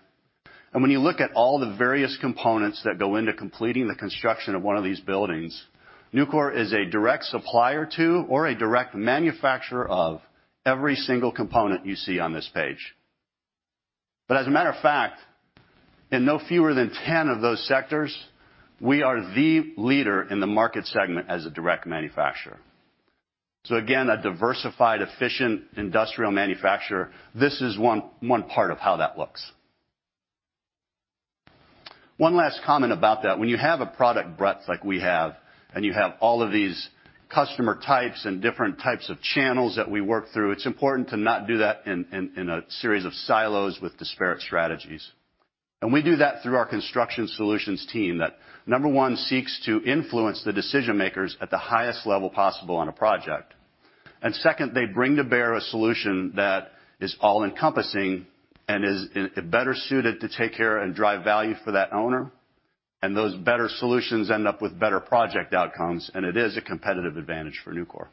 When you look at all the various components that go into completing the construction of one of these buildings, Nucor is a direct supplier to or a direct manufacturer of every single component you see on this page. As a matter of fact, in no fewer than 10 of those sectors, we are the leader in the market segment as a direct manufacturer. Again, a diversified, efficient industrial manufacturer. This is one part of how that looks. One last comment about that. When you have a product breadth like we have, and you have all of these customer types and different types of channels that we work through, it's important to not do that in a series of silos with disparate strategies. We do that through our construction solutions team that, number one, seeks to influence the decision-makers at the highest level possible on a project. Second, they bring to bear a solution that is all-encompassing and is better suited to take care and drive value for that owner. Those better solutions end up with better project outcomes, and it is a competitive advantage for Nucor.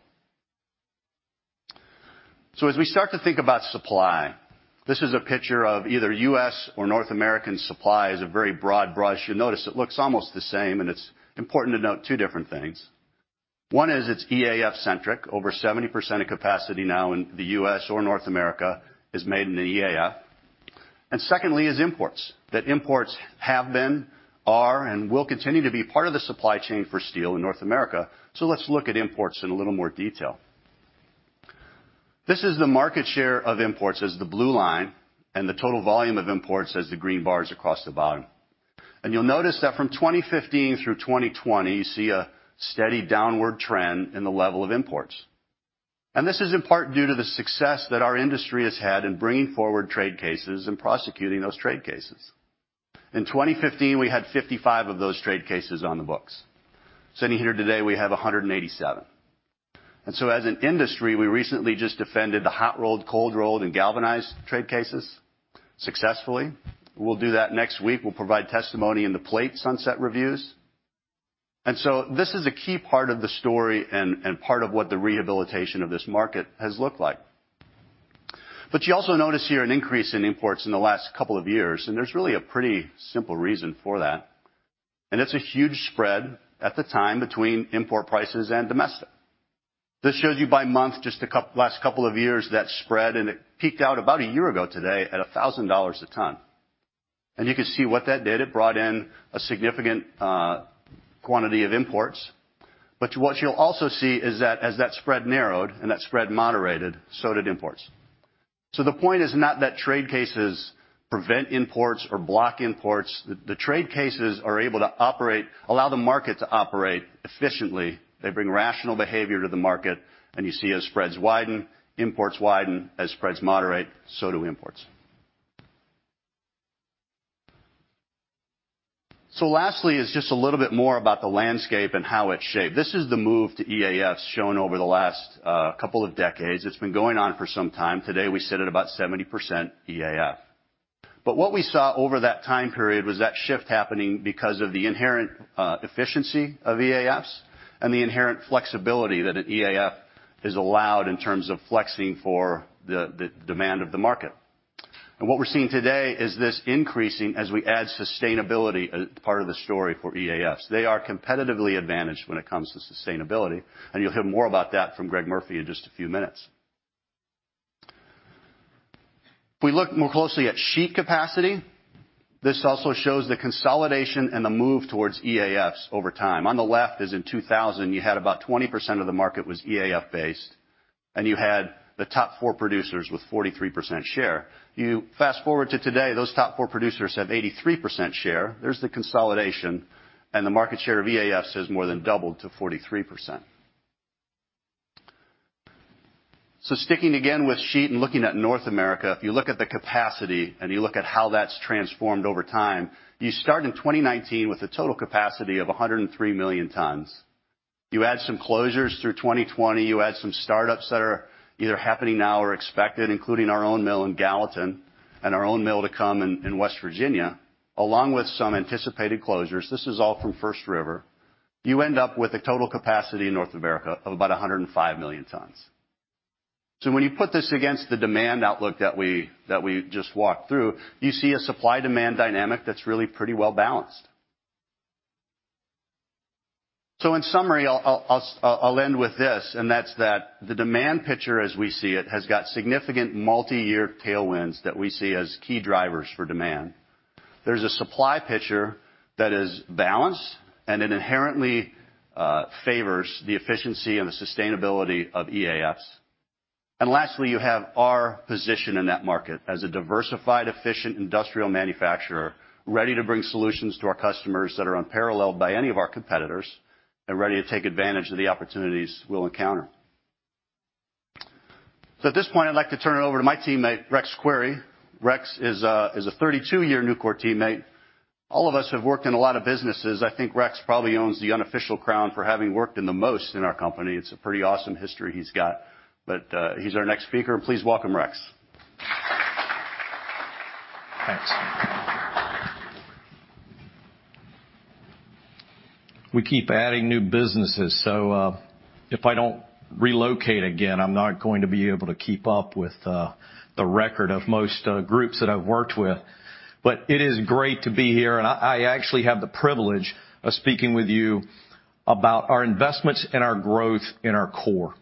As we start to think about supply, this is a picture of either U.S. or North American supply as a very broad brush. You'll notice it looks almost the same, it's important to note two different things. One is it's EAF-centric. Over 70% of capacity now in the U.S. or North America is made in the EAF. Secondly is imports. That imports have been, are, and will continue to be part of the supply chain for steel in North America. Let's look at imports in a little more detail. This is the market share of imports as the blue line, the total volume of imports as the green bars across the bottom. You'll notice that from 2015 through 2020, you see a steady downward trend in the level of imports. This is in part due to the success that our industry has had in bringing forward trade cases and prosecuting those trade cases. In 2015, we had 55 of those trade cases on the books. Sitting here today, we have 187. As an industry, we recently just defended the hot-rolled, cold-rolled, and galvanized trade cases successfully. We'll do that next week. We'll provide testimony in the plate sunset reviews. This is a key part of the story and part of what the rehabilitation of this market has looked like. You also notice here an increase in imports in the last couple of years, there's really a pretty simple reason for that. It's a huge spread at the time between import prices and domestic. This shows you by month, just the last couple of years, that spread, and it peaked out about a year ago today at $1,000 a ton. You can see what that did. It brought in a significant quantity of imports. What you'll also see is that as that spread narrowed and that spread moderated, so did imports. The point is not that trade cases prevent imports or block imports. The trade cases are able to allow the market to operate efficiently. They bring rational behavior to the market, and you see as spreads widen, imports widen. As spreads moderate, so do imports. Lastly is just a little bit more about the landscape and how it's shaped. This is the move to EAFs shown over the last couple of decades. It's been going on for some time. Today, we sit at about 70% EAF. What we saw over that time period was that shift happening because of the inherent efficiency of EAFs and the inherent flexibility that an EAF is allowed in terms of flexing for the demand of the market. What we're seeing today is this increasing as we add sustainability as part of the story for EAFs. They are competitively advantaged when it comes to sustainability, and you'll hear more about that from Greg Murphy in just a few minutes. If we look more closely at sheet capacity, this also shows the consolidation and the move towards EAFs over time. On the left is in 2000, you had about 20% of the market was EAF based, and you had the top four producers with 43% share. You fast-forward to today, those top four producers have 83% share. There's the consolidation, the market share of EAFs has more than doubled to 43%. Sticking again with sheet and looking at North America, if you look at the capacity and you look at how that's transformed over time, you start in 2019 with a total capacity of 103 million tons. You add some closures through 2020, you add some startups that are either happening now or expected, including our own mill in Gallatin and our own mill to come in West Virginia, along with some anticipated closures. This is all from First River. You end up with a total capacity in North America of about 105 million tons. When you put this against the demand outlook that we just walked through, you see a supply-demand dynamic that's really pretty well-balanced. In summary, I'll end with this, that's that the demand picture as we see it has got significant multi-year tailwinds that we see as key drivers for demand. There's a supply picture that is balanced and it inherently favors the efficiency and the sustainability of EAFs. Lastly, you have our position in that market as a diversified, efficient industrial manufacturer, ready to bring solutions to our customers that are unparalleled by any of our competitors and ready to take advantage of the opportunities we'll encounter. At this point, I'd like to turn it over to my teammate, Rex Query. Rex is a 32-year Nucor teammate. All of us have worked in a lot of businesses. I think Rex probably owns the unofficial crown for having worked in the most in our company. It's a pretty awesome history he's got. He's our next speaker, and please welcome Rex. Thanks. We keep adding new businesses, so if I don't relocate again, I'm not going to be able to keep up with the record of most groups that I've worked with. It is great to be here, and I actually have the privilege of speaking with you about our investments and our growth in our core.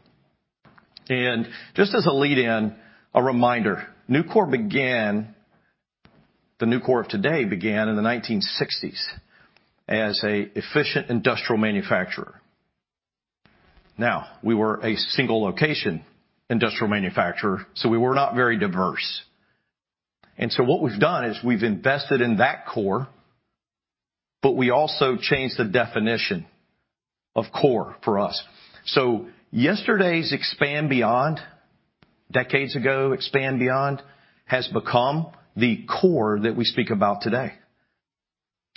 Just as a lead in, a reminder, Nucor began, the Nucor of today began in the 1960s as an efficient industrial manufacturer. Now, we were a single location industrial manufacturer, so we were not very diverse. What we've done is we've invested in that core, but we also changed the definition of core for us. Yesterday's expand beyond, decades ago, expand beyond has become the core that we speak about today.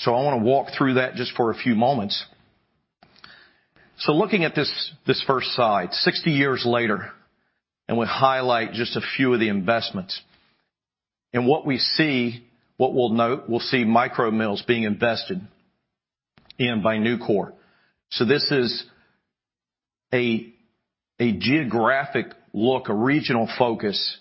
I want to walk through that just for a few moments. Looking at this first slide, 60 years later, we highlight just a few of the investments. What we see, what we'll note, we'll see micro mills being invested in by Nucor. This is a geographic look, a regional focus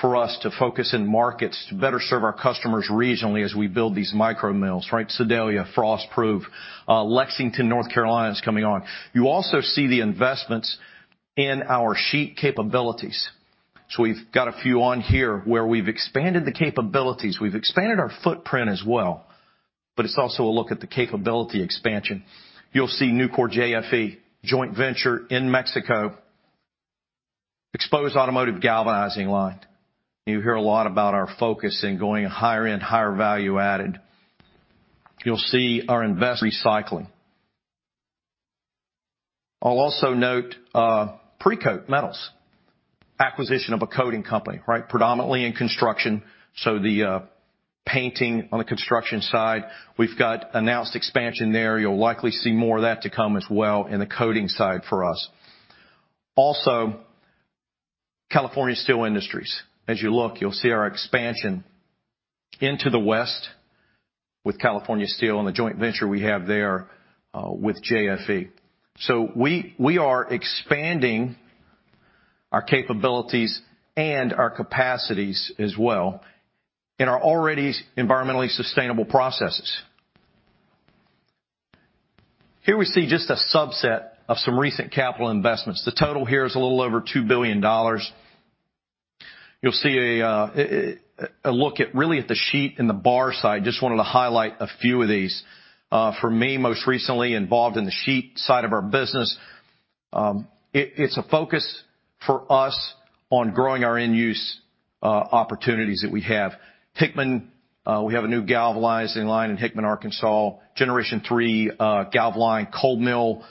for us to focus in markets to better serve our customers regionally as we build these micro mills, right? Sedalia, Frostproof, Lexington, North Carolina is coming on. You also see the investments in our sheet capabilities. We've got a few on here where we've expanded the capabilities. We've expanded our footprint as well, but it's also a look at the capability expansion. You'll see Nucor-JFE, joint venture in Mexico, exposed automotive galvanizing line. You hear a lot about our focus in going higher end, higher value added. You'll see our invest recycling. I'll also note Precoat Metals, acquisition of a coating company, predominantly in construction. The painting on the construction side, we've got announced expansion there. You'll likely see more of that to come as well in the coating side for us. Also, California Steel Industries. As you look, you'll see our expansion into the West with California Steel and the joint venture we have there with JFE. We are expanding our capabilities and our capacities as well in our already environmentally sustainable processes. Here we see just a subset of some recent capital investments. The total here is a little over $2 billion. You'll see a look really at the sheet and the bar side. Just wanted to highlight a few of these. For me, most recently involved in the sheet side of our business. It's a focus for us on growing our end-use opportunities that we have. Hickman, we have a new galvanizing line in Hickman, Arkansas. Generation 3 galv line, cold mill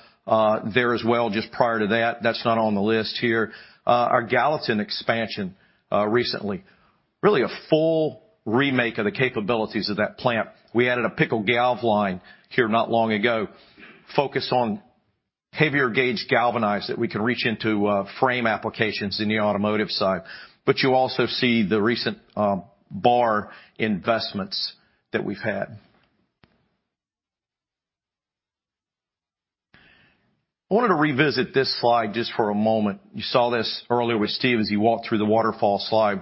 there as well, just prior to that. That's not on the list here. Our Gallatin expansion recently, really a full remake of the capabilities of that plant. We added a pickle galv line here not long ago, focused on heavier gauge galvanize that we can reach into frame applications in the automotive side. You also see the recent bar investments that we've had. I wanted to revisit this slide just for a moment. You saw this earlier with Steve as he walked through the waterfall slide.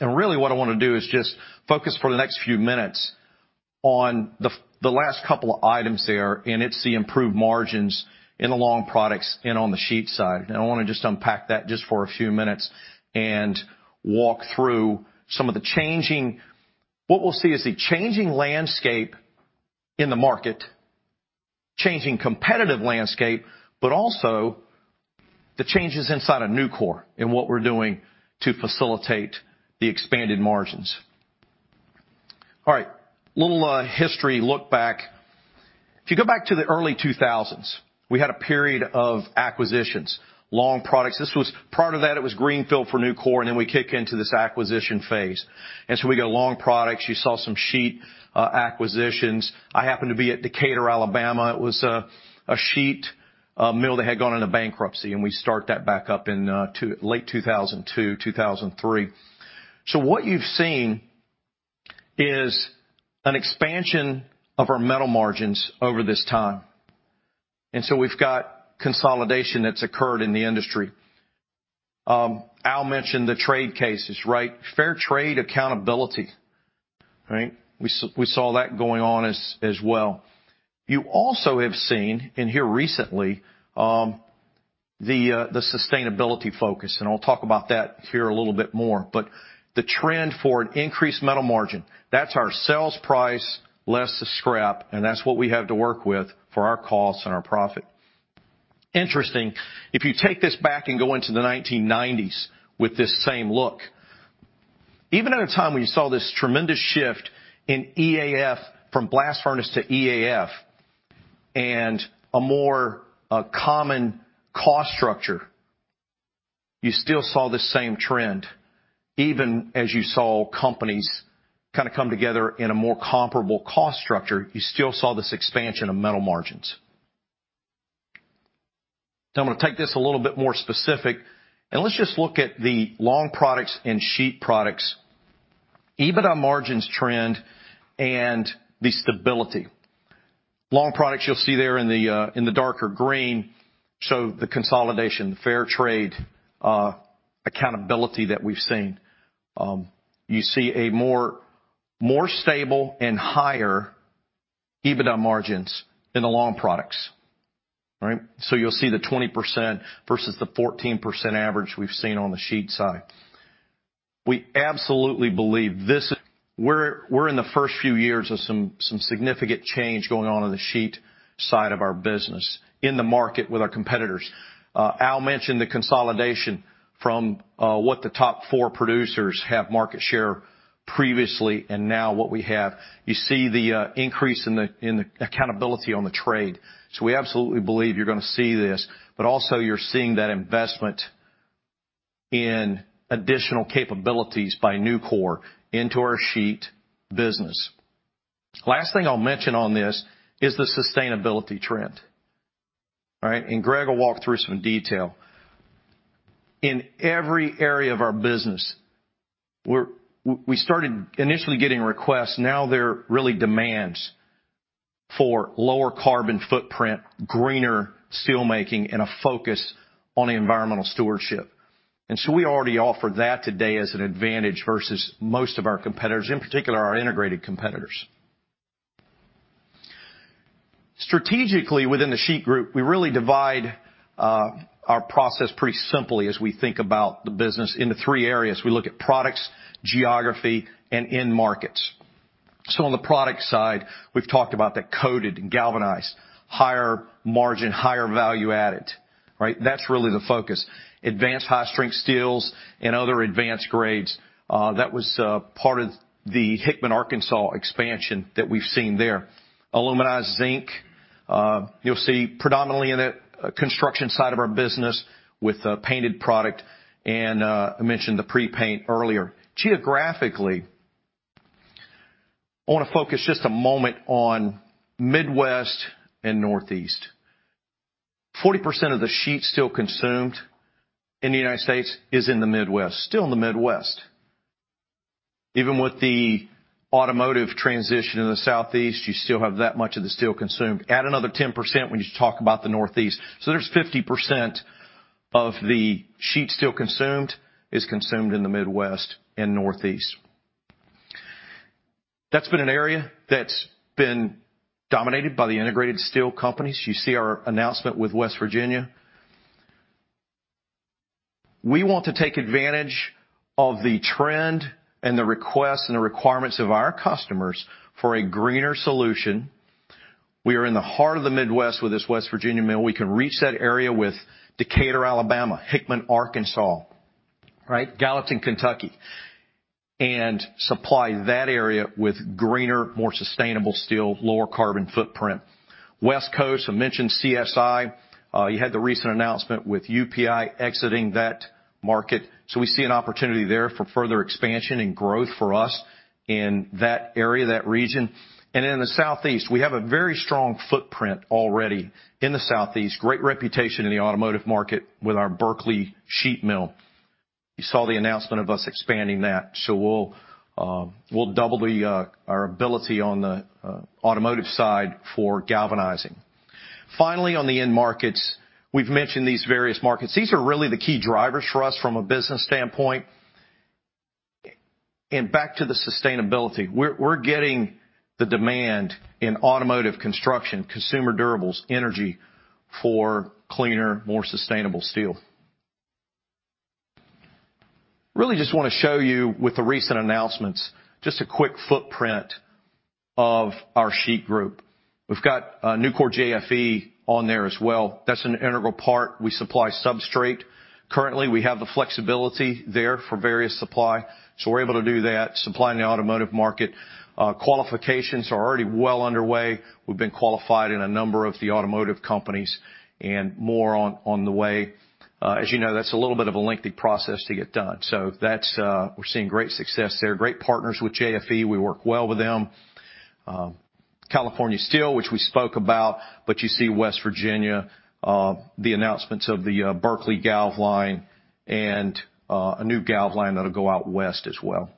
Really what I want to do is just focus for the next few minutes on the last couple of items there, and it's the improved margins in the long products and on the sheet side. I want to just unpack that just for a few minutes and walk through some of the changing. What we'll see is the changing landscape in the market, changing competitive landscape, also the changes inside of Nucor and what we're doing to facilitate the expanded margins. All right. A little history look back. If you go back to the early 2000s, we had a period of acquisitions, long products. Prior to that, it was greenfield for Nucor, then we kick into this acquisition phase. We got long products. You saw some sheet acquisitions. I happened to be at Decatur, Alabama. It was a sheet mill that had gone into bankruptcy, and we start that back up in late 2002, 2003. What you've seen is an expansion of our metal margins over this time. We've got consolidation that's occurred in the industry. Al mentioned the trade cases. Fair trade accountability. We saw that going on as well. You also have seen in here recently, the sustainability focus, I'll talk about that here a little bit more. The trend for an increased metal margin, that's our sales price less the scrap, and that's what we have to work with for our costs and our profit. Interesting, if you take this back and go into the 1990s with this same look. Even at a time when you saw this tremendous shift in EAF from blast furnace to EAF and a more common cost structure, you still saw the same trend. Even as you saw companies come together in a more comparable cost structure, you still saw this expansion of metal margins. I'm going to take this a little bit more specific, let's just look at the long products and sheet products, EBITDA margins trend, and the stability. Long products you'll see there in the darker green, the consolidation, fair trade accountability that we've seen. You see a more stable and higher EBITDA margins in the long products. You'll see the 20% versus the 14% average we've seen on the sheet side. We absolutely believe we're in the first few years of some significant change going on in the sheet side of our business in the market with our competitors. Al mentioned the consolidation from what the top four producers have market share previously and now what we have. You see the increase in the accountability on the trade. We absolutely believe you're going to see this, also you're seeing that investment in additional capabilities by Nucor into our sheet business. Last thing I'll mention on this is the sustainability trend. All right? Greg will walk through some detail. In every area of our business, we started initially getting requests, now they're really demands for lower carbon footprint, greener steelmaking, and a focus on environmental stewardship. We already offer that today as an advantage versus most of our competitors, in particular, our integrated competitors. Strategically, within the Sheet Group, we really divide our process pretty simply as we think about the business into three areas. We look at products, geography, and end markets. On the product side, we've talked about the coated and galvanized, higher margin, higher value-added. That's really the focus. Advanced high-strength steels and other advanced grades. That was part of the Hickman, Arkansas expansion that we've seen there. Aluminized zinc, you'll see predominantly in the construction side of our business with the painted product, and I mentioned the pre-paint earlier. Geographically, I want to focus just a moment on Midwest and Northeast. 40% of the sheet still consumed in the United States is in the Midwest. Still in the Midwest. Even with the automotive transition in the Southeast, you still have that much of the steel consumed. Add another 10% when you talk about the Northeast. There's 50% of the sheet steel consumed is consumed in the Midwest and Northeast. That's been an area that's been dominated by the integrated steel companies. You see our announcement with West Virginia. We want to take advantage of the trend and the requests and the requirements of our customers for a greener solution. We are in the heart of the Midwest with this West Virginia mill. We can reach that area with Decatur, Alabama, Hickman, Arkansas, Gallatin, Kentucky, and supply that area with greener, more sustainable steel, lower carbon footprint. West Coast, I mentioned CSI. You had the recent announcement with UPI exiting that market. We see an opportunity there for further expansion and growth for us in that area, that region. In the Southeast, we have a very strong footprint already in the Southeast. Great reputation in the automotive market with our Berkeley sheet mill. You saw the announcement of us expanding that. We'll double our ability on the automotive side for galvanizing. Finally, on the end markets, we've mentioned these various markets. These are really the key drivers for us from a business standpoint. Back to the sustainability. We're getting the demand in automotive construction, consumer durables, energy for cleaner, more sustainable steel. Really just want to show you with the recent announcements, just a quick footprint of our Sheet Group. We've got Nucor-JFE on there as well. That's an integral part. We supply substrate. Currently, we have the flexibility there for various supply. We're able to do that, supplying the automotive market. Qualifications are already well underway. We've been qualified in a number of the automotive companies, and more on the way. As you know, that's a little bit of a lengthy process to get done. We're seeing great success there. Great partners with JFE. We work well with them. California Steel, which we spoke about, but you see West Virginia, the announcements of the Berkeley galv line and a new galv line that'll go out west as well.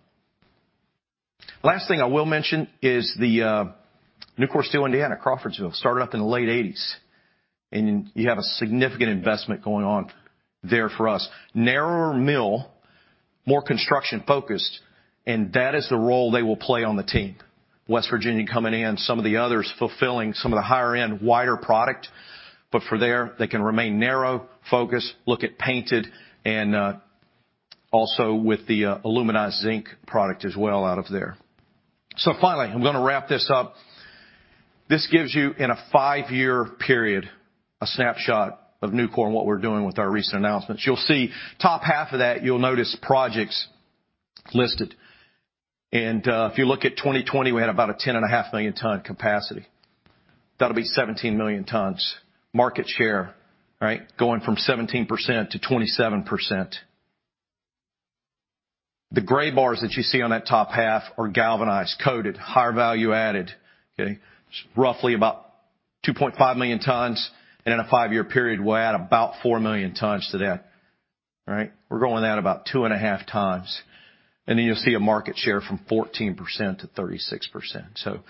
Last thing I will mention is the Nucor Steel Indiana, Crawfordsville, started up in the late 1980s. You have a significant investment going on there for us. Narrower mill, more construction-focused, and that is the role they will play on the team. West Virginia coming in, some of the others fulfilling some of the higher-end, wider product. For there, they can remain narrow, focused, look at painted, and also with the aluminized zinc product as well out of there. Finally, I'm going to wrap this up. This gives you, in a five-year period, a snapshot of Nucor and what we're doing with our recent announcements. You'll see top half of that, you'll notice projects listed. If you look at 2020, we had about a 10.5 million ton capacity. That'll be 17 million tons. Market share. Going from 17% to 27%. The gray bars that you see on that top half are galvanized, coated, higher value-added. Roughly about 2.5 million tons. In a five-year period, we'll add about 4 million tons to that. We're going at about 2.5 times. You'll see a market share from 14% to 36%.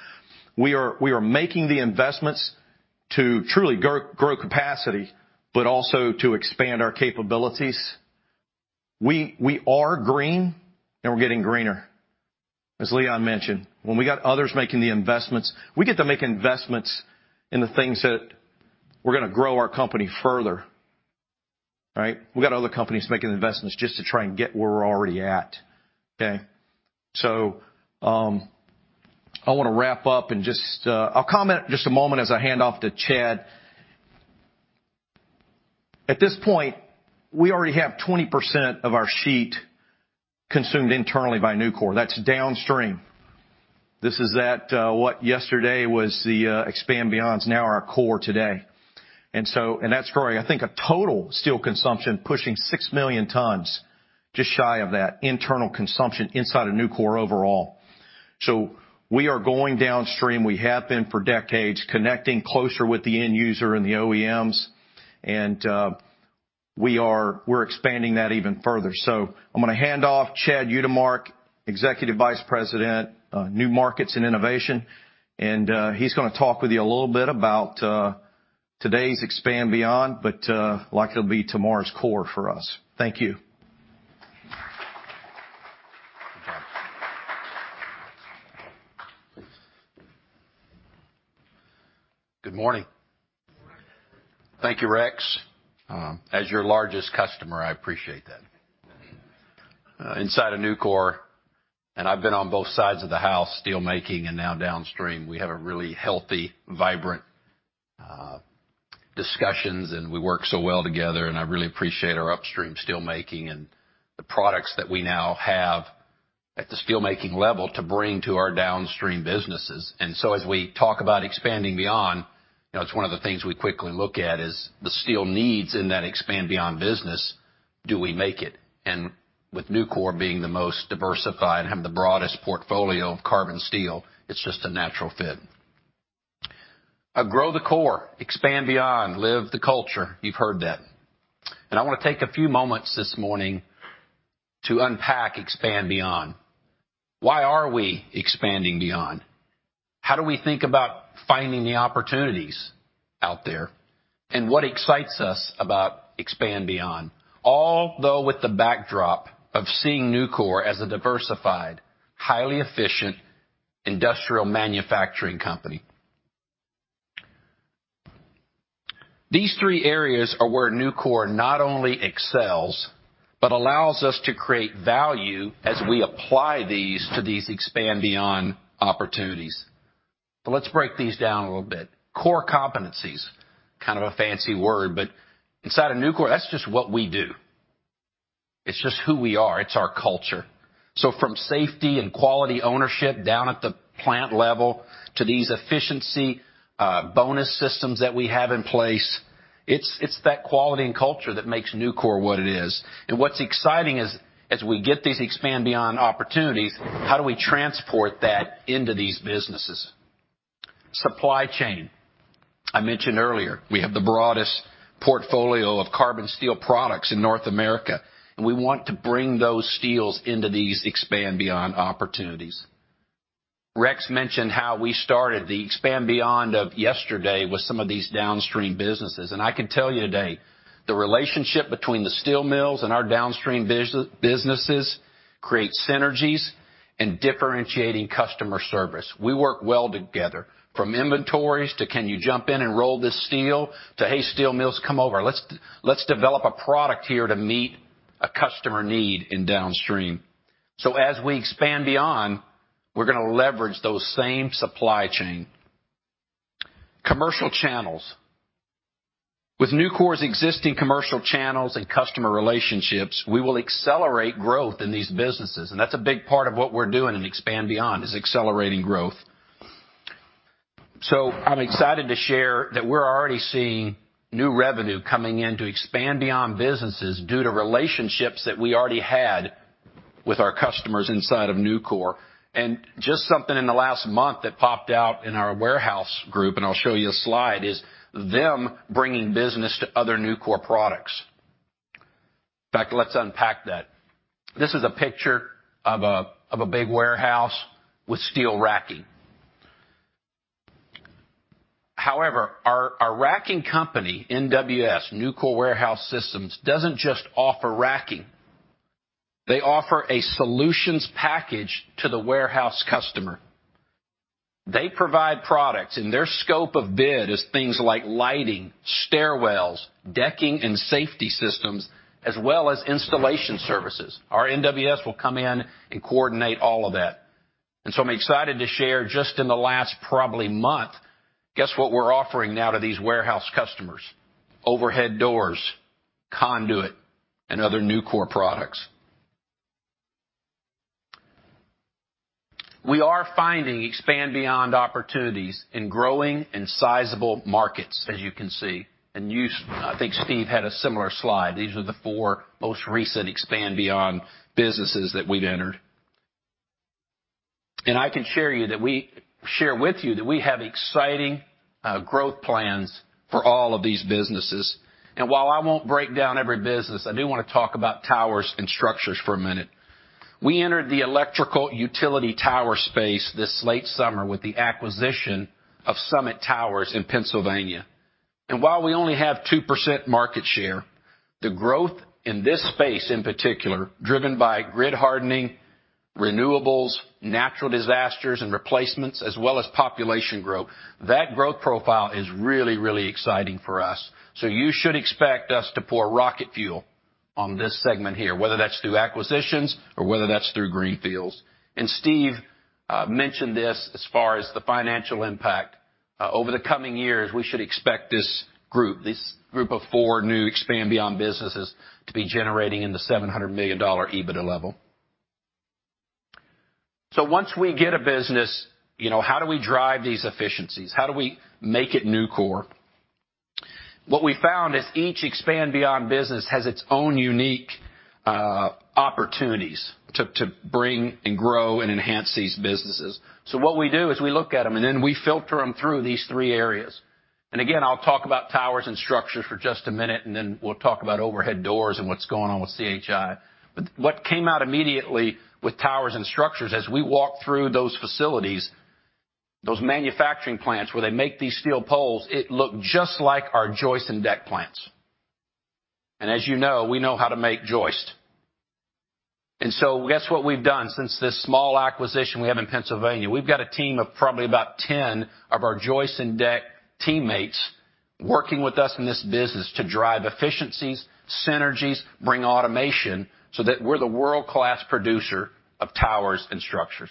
We are making the investments to truly grow capacity, but also to expand our capabilities. We are green, and we're getting greener. As Leon mentioned, when we got others making the investments, we get to make investments in the things that we're going to grow our company further. We got other companies making investments just to try and get where we're already at. I want to wrap up and just I'll comment just a moment as I hand off to Chad. At this point, we already have 20% of our sheet consumed internally by Nucor. That's downstream. This is that what yesterday was the Expand Beyond is now our core today. That's growing. I think a total steel consumption pushing 6 million tons, just shy of that internal consumption inside of Nucor overall. We are going downstream. We have been for decades, connecting closer with the end user and the OEMs, and we're expanding that even further. I'm going to hand off. Chad Utermark, Executive Vice President, New Markets and Innovation, and he's going to talk with you a little bit about today's Expand Beyond, but like it'll be tomorrow's core for us. Thank you Good morning. Thank you, Rex. As your largest customer, I appreciate that. Inside of Nucor, I've been on both sides of the house, steel making and now downstream, we have a really healthy, vibrant, discussions, and we work so well together, and I really appreciate our upstream steel making and the products that we now have at the steel making level to bring to our downstream businesses. As we talk about Expand Beyond, it's one of the things we quickly look at is the steel needs in that Expand Beyond business, do we make it? With Nucor being the most diversified, having the broadest portfolio of carbon steel, it's just a natural fit. Grow the core, Expand Beyond, live the culture. You've heard that. I want to take a few moments this morning to unpack Expand Beyond. Why are we expanding beyond? How do we think about finding the opportunities out there? What excites us about expand beyond? Although with the backdrop of seeing Nucor as a diversified, highly efficient industrial manufacturing company, these three areas are where Nucor not only excels but allows us to create value as we apply these to these expand beyond opportunities. Let's break these down a little bit. Core competencies, kind of a fancy word, but inside of Nucor, that's just what we do. It's just who we are. It's our culture. From safety and quality ownership down at the plant level to these efficiency bonus systems that we have in place, it's that quality and culture that makes Nucor what it is. What's exciting is, as we get these expand beyond opportunities, how do we transport that into these businesses? Supply chain. I mentioned earlier, we have the broadest portfolio of carbon steel products in North America. We want to bring those steels into these expand beyond opportunities. Rex mentioned how we started the expand beyond of yesterday with some of these downstream businesses. I can tell you today, the relationship between the steel mills and our downstream businesses create synergies and differentiating customer service. We work well together, from inventories to can you jump in and roll this steel, to, "Hey, steel mills, come over. Let's develop a product here to meet a customer need in downstream." As we expand beyond, we are going to leverage those same supply chain. Commercial channels. With Nucor's existing commercial channels and customer relationships, we will accelerate growth in these businesses, and that's a big part of what we are doing in expand beyond, is accelerating growth. I'm excited to share that we are already seeing new revenue coming in to expand beyond businesses due to relationships that we already had with our customers inside of Nucor. Just something in the last month that popped out in our warehouse group, and I will show you a slide, is them bringing business to other Nucor products. In fact, let's unpack that. This is a picture of a big warehouse with steel racking. However, our racking company, NWS, Nucor Warehouse Systems, doesn't just offer racking. They offer a solutions package to the warehouse customer. They provide products, their scope of bid is things like lighting, stairwells, decking, and safety systems, as well as installation services. Our NWS will come in and coordinate all of that. I'm excited to share just in the last probably month, guess what we are offering now to these warehouse customers? Overhead doors, conduit, other Nucor products. We are finding expand beyond opportunities in growing and sizable markets, as you can see. I think Steve had a similar slide. These are the four most recent expand beyond businesses that we have entered. I can share with you that we have exciting growth plans for all of these businesses. While I won't break down every business, I do want to talk about towers and structures for a minute. We entered the electrical utility tower space this late summer with the acquisition of Summit Utility Structures in Pennsylvania. While we only have 2% market share, the growth in this space, in particular, driven by grid hardening, renewables, natural disasters, replacements, as well as population growth, that growth profile is really, really exciting for us. You should expect us to pour rocket fuel on this segment here, whether that's through acquisitions or whether that's through greenfields. Steve mentioned this as far as the financial impact. Over the coming years, we should expect this group, this group of four new expand beyond businesses, to be generating in the $700 million EBITDA level. Once we get a business, how do we drive these efficiencies? How do we make it Nucor? What we found is each expand beyond business has its own unique opportunities to bring and grow and enhance these businesses. What we do is we look at them, then we filter them through these three areas. I'll talk about towers and structures for just a minute, then we'll talk about overhead doors and what's going on with CHI. What came out immediately with towers and structures as we walked through those facilities, those manufacturing plants where they make these steel poles, it looked just like our joists and deck plants. As you know, we know how to make joist. Guess what we've done since this small acquisition we have in Pennsylvania? We've got a team of probably about 10 of our joist and deck teammates working with us in this business to drive efficiencies, synergies, bring automation, so that we're the world-class producer of towers and structures.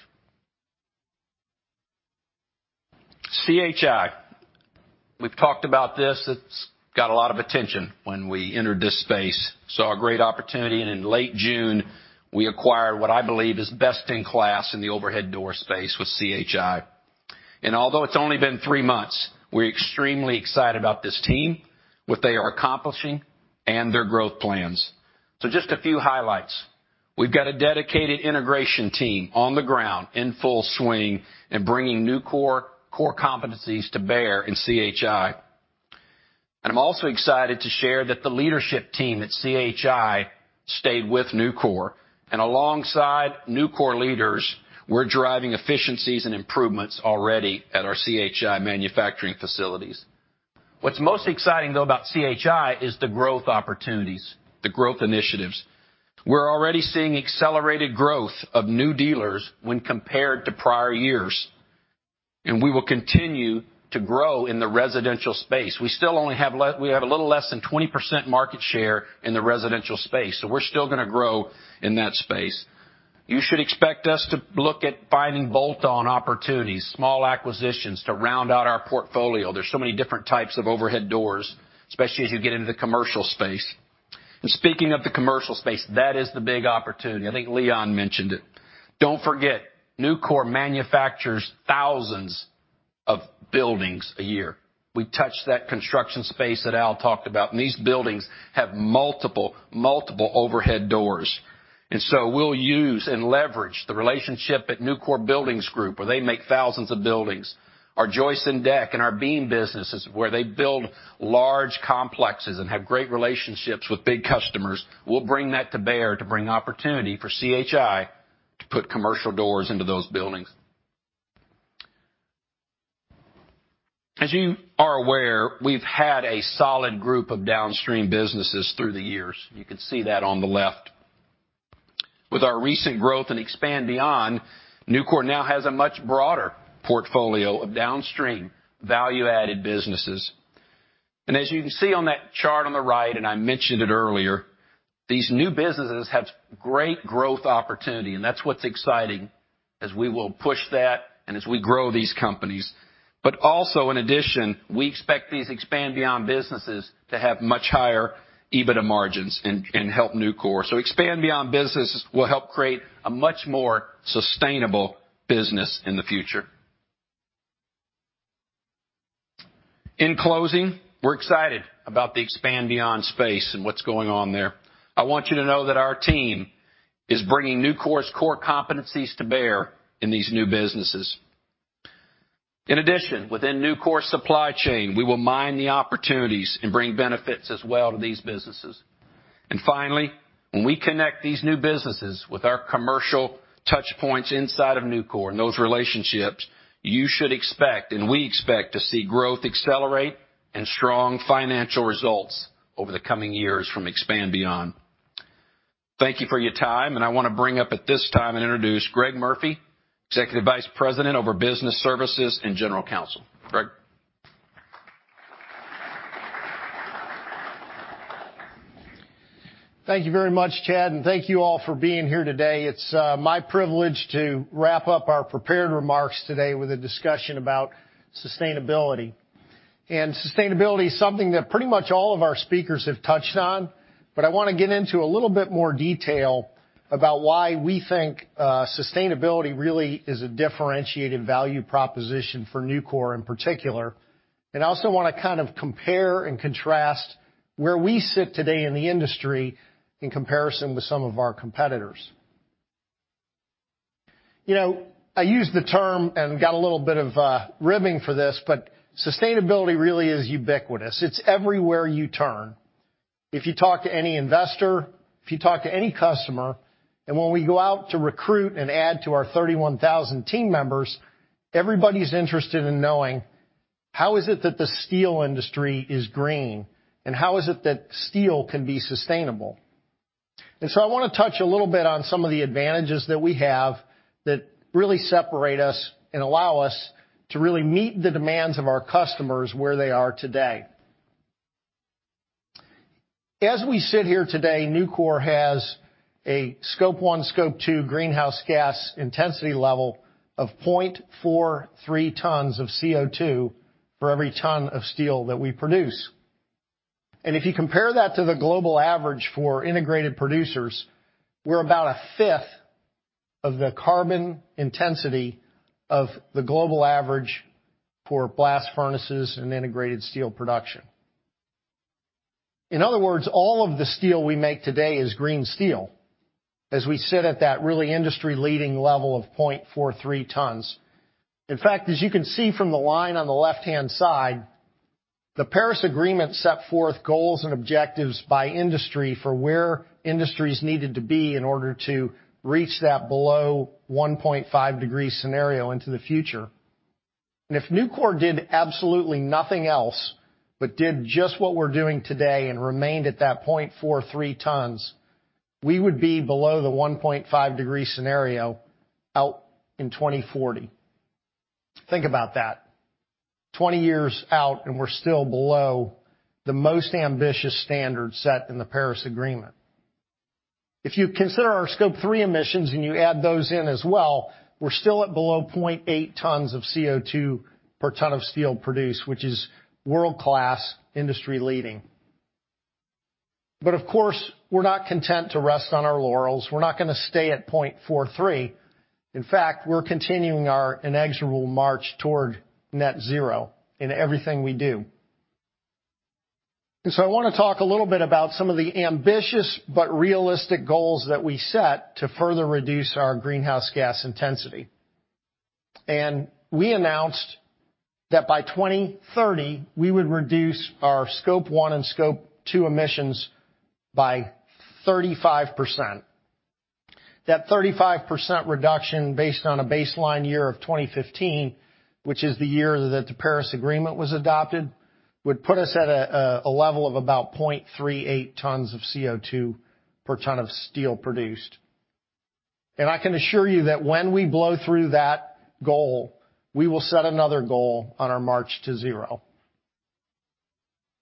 CHI. We've talked about this. It's got a lot of attention when we entered this space, saw a great opportunity, in late June, we acquired what I believe is best in class in the overhead door space with CHI. Although it's only been three months, we're extremely excited about this team, what they are accomplishing, and their growth plans. Just a few highlights. We've got a dedicated integration team on the ground in full swing and bringing Nucor core competencies to bear in CHI. I'm also excited to share that the leadership team at CHI stayed with Nucor, and alongside Nucor leaders, we're driving efficiencies and improvements already at our CHI manufacturing facilities. What's most exciting, though, about CHI is the growth opportunities, the growth initiatives. We're already seeing accelerated growth of new dealers when compared to prior years, and we will continue to grow in the residential space. We have a little less than 20% market share in the residential space, we're still going to grow in that space. You should expect us to look at finding bolt-on opportunities, small acquisitions to round out our portfolio. There's so many different types of overhead doors, especially as you get into the commercial space. Speaking of the commercial space, that is the big opportunity. I think Leon mentioned it. Don't forget, Nucor manufactures thousands of buildings a year. We touch that construction space that Al talked about, and these buildings have multiple overhead doors. We'll use and leverage the relationship at Nucor Buildings Group, where they make thousands of buildings. Our joist and deck and our beam businesses, where they build large complexes and have great relationships with big customers, we'll bring that to bear to bring opportunity for CHI to put commercial doors into those buildings. As you are aware, we've had a solid group of downstream businesses through the years. You can see that on the left. With our recent growth and Expand Beyond, Nucor now has a much broader portfolio of downstream value-added businesses. As you can see on that chart on the right, and I mentioned it earlier, these new businesses have great growth opportunity, and that's what's exciting as we will push that and as we grow these companies. Also, in addition, we expect these Expand Beyond businesses to have much higher EBITDA margins and help Nucor. Expand Beyond businesses will help create a much more sustainable business in the future. In closing, we're excited about the Expand Beyond space and what's going on there. I want you to know that our team is bringing Nucor's core competencies to bear in these new businesses. In addition, within Nucor supply chain, we will mine the opportunities and bring benefits as well to these businesses. Finally, when we connect these new businesses with our commercial touchpoints inside of Nucor and those relationships, you should expect, and we expect to see growth accelerate and strong financial results over the coming years from Expand Beyond. Thank you for your time, and I want to bring up at this time and introduce Greg Murphy, Executive Vice President over Business Services and General Counsel. Greg. Thank you very much, Chad, and thank you all for being here today. It's my privilege to wrap up our prepared remarks today with a discussion about sustainability. Sustainability is something that pretty much all of our speakers have touched on, but I want to get into a little bit more detail about why we think sustainability really is a differentiated value proposition for Nucor in particular. I also want to compare and contrast where we sit today in the industry in comparison to some of our competitors. I use the term and got a little bit of ribbing for this, sustainability really is ubiquitous. It's everywhere you turn. If you talk to any investor, if you talk to any customer, when we go out to recruit and add to our 31,000 team members, everybody's interested in knowing how is it that the steel industry is green, and how is it that steel can be sustainable. I want to touch a little bit on some of the advantages that we have that really separate us and allow us to really meet the demands of our customers where they are today. As we sit here today, Nucor has a Scope 1, Scope 2 greenhouse gas intensity level of 0.43 tons of CO2 for every ton of steel that we produce. If you compare that to the global average for integrated producers, we're about a fifth of the carbon intensity of the global average for blast furnaces and integrated steel production. In other words, all of the steel we make today is green steel, as we sit at that really industry-leading level of 0.43 tons. In fact, as you can see from the line on the left-hand side, the Paris Agreement set forth goals and objectives by industry for where industries needed to be in order to reach that below 1.5 degree scenario into the future. If Nucor did absolutely nothing else but did just what we're doing today and remained at that 0.43 tons, we would be below the 1.5 degree scenario out in 2040. Think about that. 20 years out, we're still below the most ambitious standard set in the Paris Agreement. If you consider our Scope 3 emissions and you add those in as well, we're still at below 0.8 tons of CO2 per ton of steel produced, which is world-class, industry-leading. Of course, we're not content to rest on our laurels. We're not going to stay at 0.43. In fact, we're continuing our inexorable march toward net zero in everything we do. I want to talk a little bit about some of the ambitious but realistic goals that we set to further reduce our greenhouse gas intensity. We announced that by 2030, we would reduce our Scope 1 and Scope 2 emissions by 35%. That 35% reduction based on a baseline year of 2015, which is the year that the Paris Agreement was adopted, would put us at a level of about 0.38 tons of CO2 per ton of steel produced. I can assure you that when we blow through that goal, we will set another goal on our march to zero.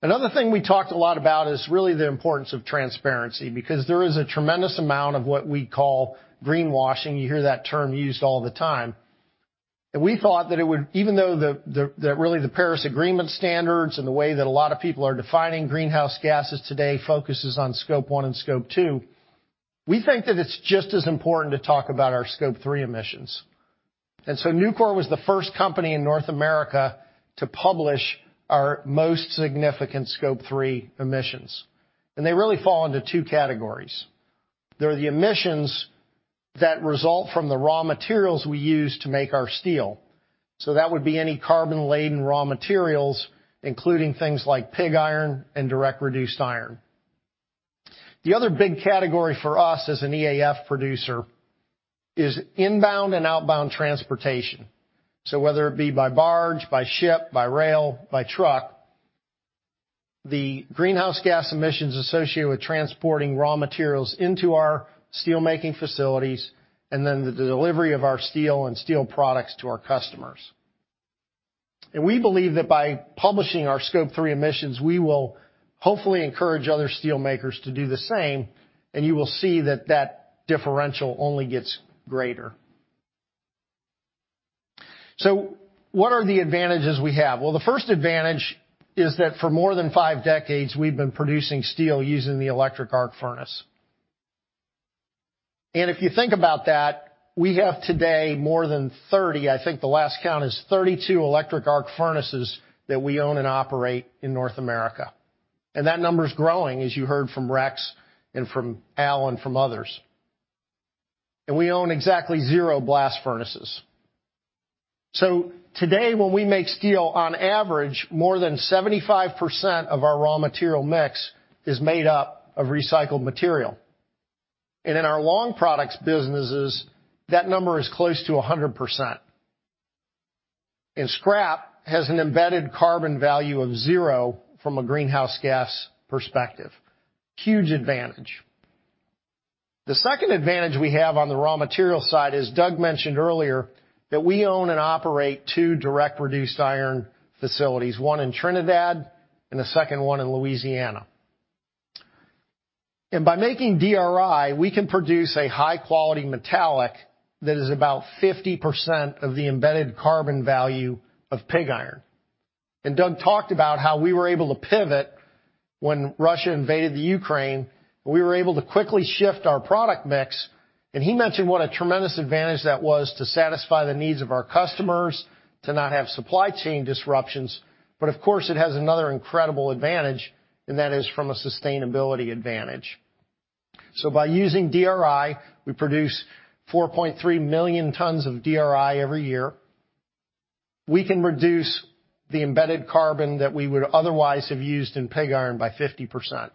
Another thing we talked a lot about is really the importance of transparency, because there is a tremendous amount of what we call greenwashing. You hear that term used all the time. We thought that even though really the Paris Agreement standards and the way that a lot of people are defining greenhouse gases today focuses on Scope 1 and Scope 2, we think that it's just as important to talk about our Scope 3 emissions. Nucor was the first company in North America to publish our most significant Scope 3 emissions. They really fall into 2 categories. They're the emissions that result from the raw materials we use to make our steel. That would be any carbon-laden raw materials, including things like pig iron and direct reduced iron. The other big category for us as an EAF producer is inbound and outbound transportation. Whether it be by barge, by ship, by rail, by truck, the greenhouse gas emissions associated with transporting raw materials into our steel-making facilities, and then the delivery of our steel and steel products to our customers. We believe that by publishing our Scope 3 emissions, we will hopefully encourage other steel makers to do the same, and you will see that that differential only gets greater. What are the advantages we have? Well, the first advantage is that for more than five decades, we've been producing steel using the electric arc furnace. If you think about that, we have today more than 30, I think the last count is 32 electric arc furnaces that we own and operate in North America. That number's growing, as you heard from Rex and from Al and from others. We own exactly zero blast furnaces. Today, when we make steel, on average, more than 75% of our raw material mix is made up of recycled material. In our long products businesses, that number is close to 100%. Scrap has an embedded carbon value of zero from a greenhouse gas perspective. Huge advantage. The second advantage we have on the raw material side, as Doug mentioned earlier, that we own and operate two direct reduced iron facilities, one in Trinidad and a second one in Louisiana. By making DRI, we can produce a high-quality metallic that is about 50% of the embedded carbon value of pig iron. Doug talked about how we were able to pivot when Russia invaded the Ukraine. We were able to quickly shift our product mix, he mentioned what a tremendous advantage that was to satisfy the needs of our customers, to not have supply chain disruptions. Of course, it has another incredible advantage, that is from a sustainability advantage. By using DRI, we produce 4.3 million tons of DRI every year. We can reduce the embedded carbon that we would otherwise have used in pig iron by 50%.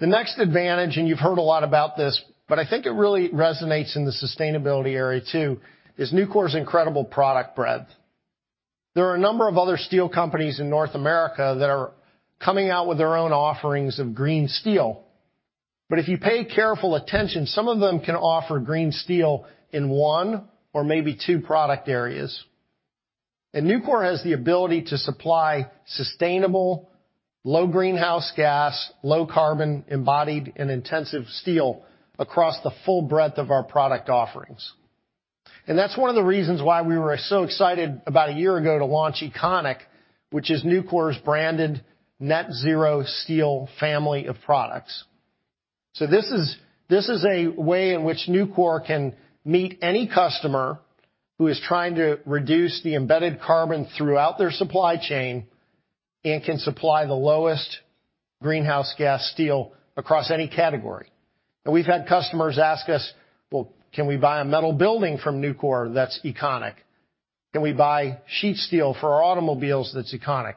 The next advantage, you've heard a lot about this, but I think it really resonates in the sustainability area too, is Nucor's incredible product breadth. There are a number of other steel companies in North America that are coming out with their own offerings of green steel. If you pay careful attention, some of them can offer green steel in one or maybe two product areas. Nucor has the ability to supply sustainable, low greenhouse gas, low carbon embodied and intensive steel across the full breadth of our product offerings. That's one of the reasons why we were so excited about a year ago to launch Econiq, which is Nucor's branded net zero steel family of products. This is a way in which Nucor can meet any customer who is trying to reduce the embedded carbon throughout their supply chain and can supply the lowest greenhouse gas steel across any category. We've had customers ask us, "Well, can we buy a metal building from Nucor that's Econiq?" Can we buy sheet steel for our automobiles that's Econiq?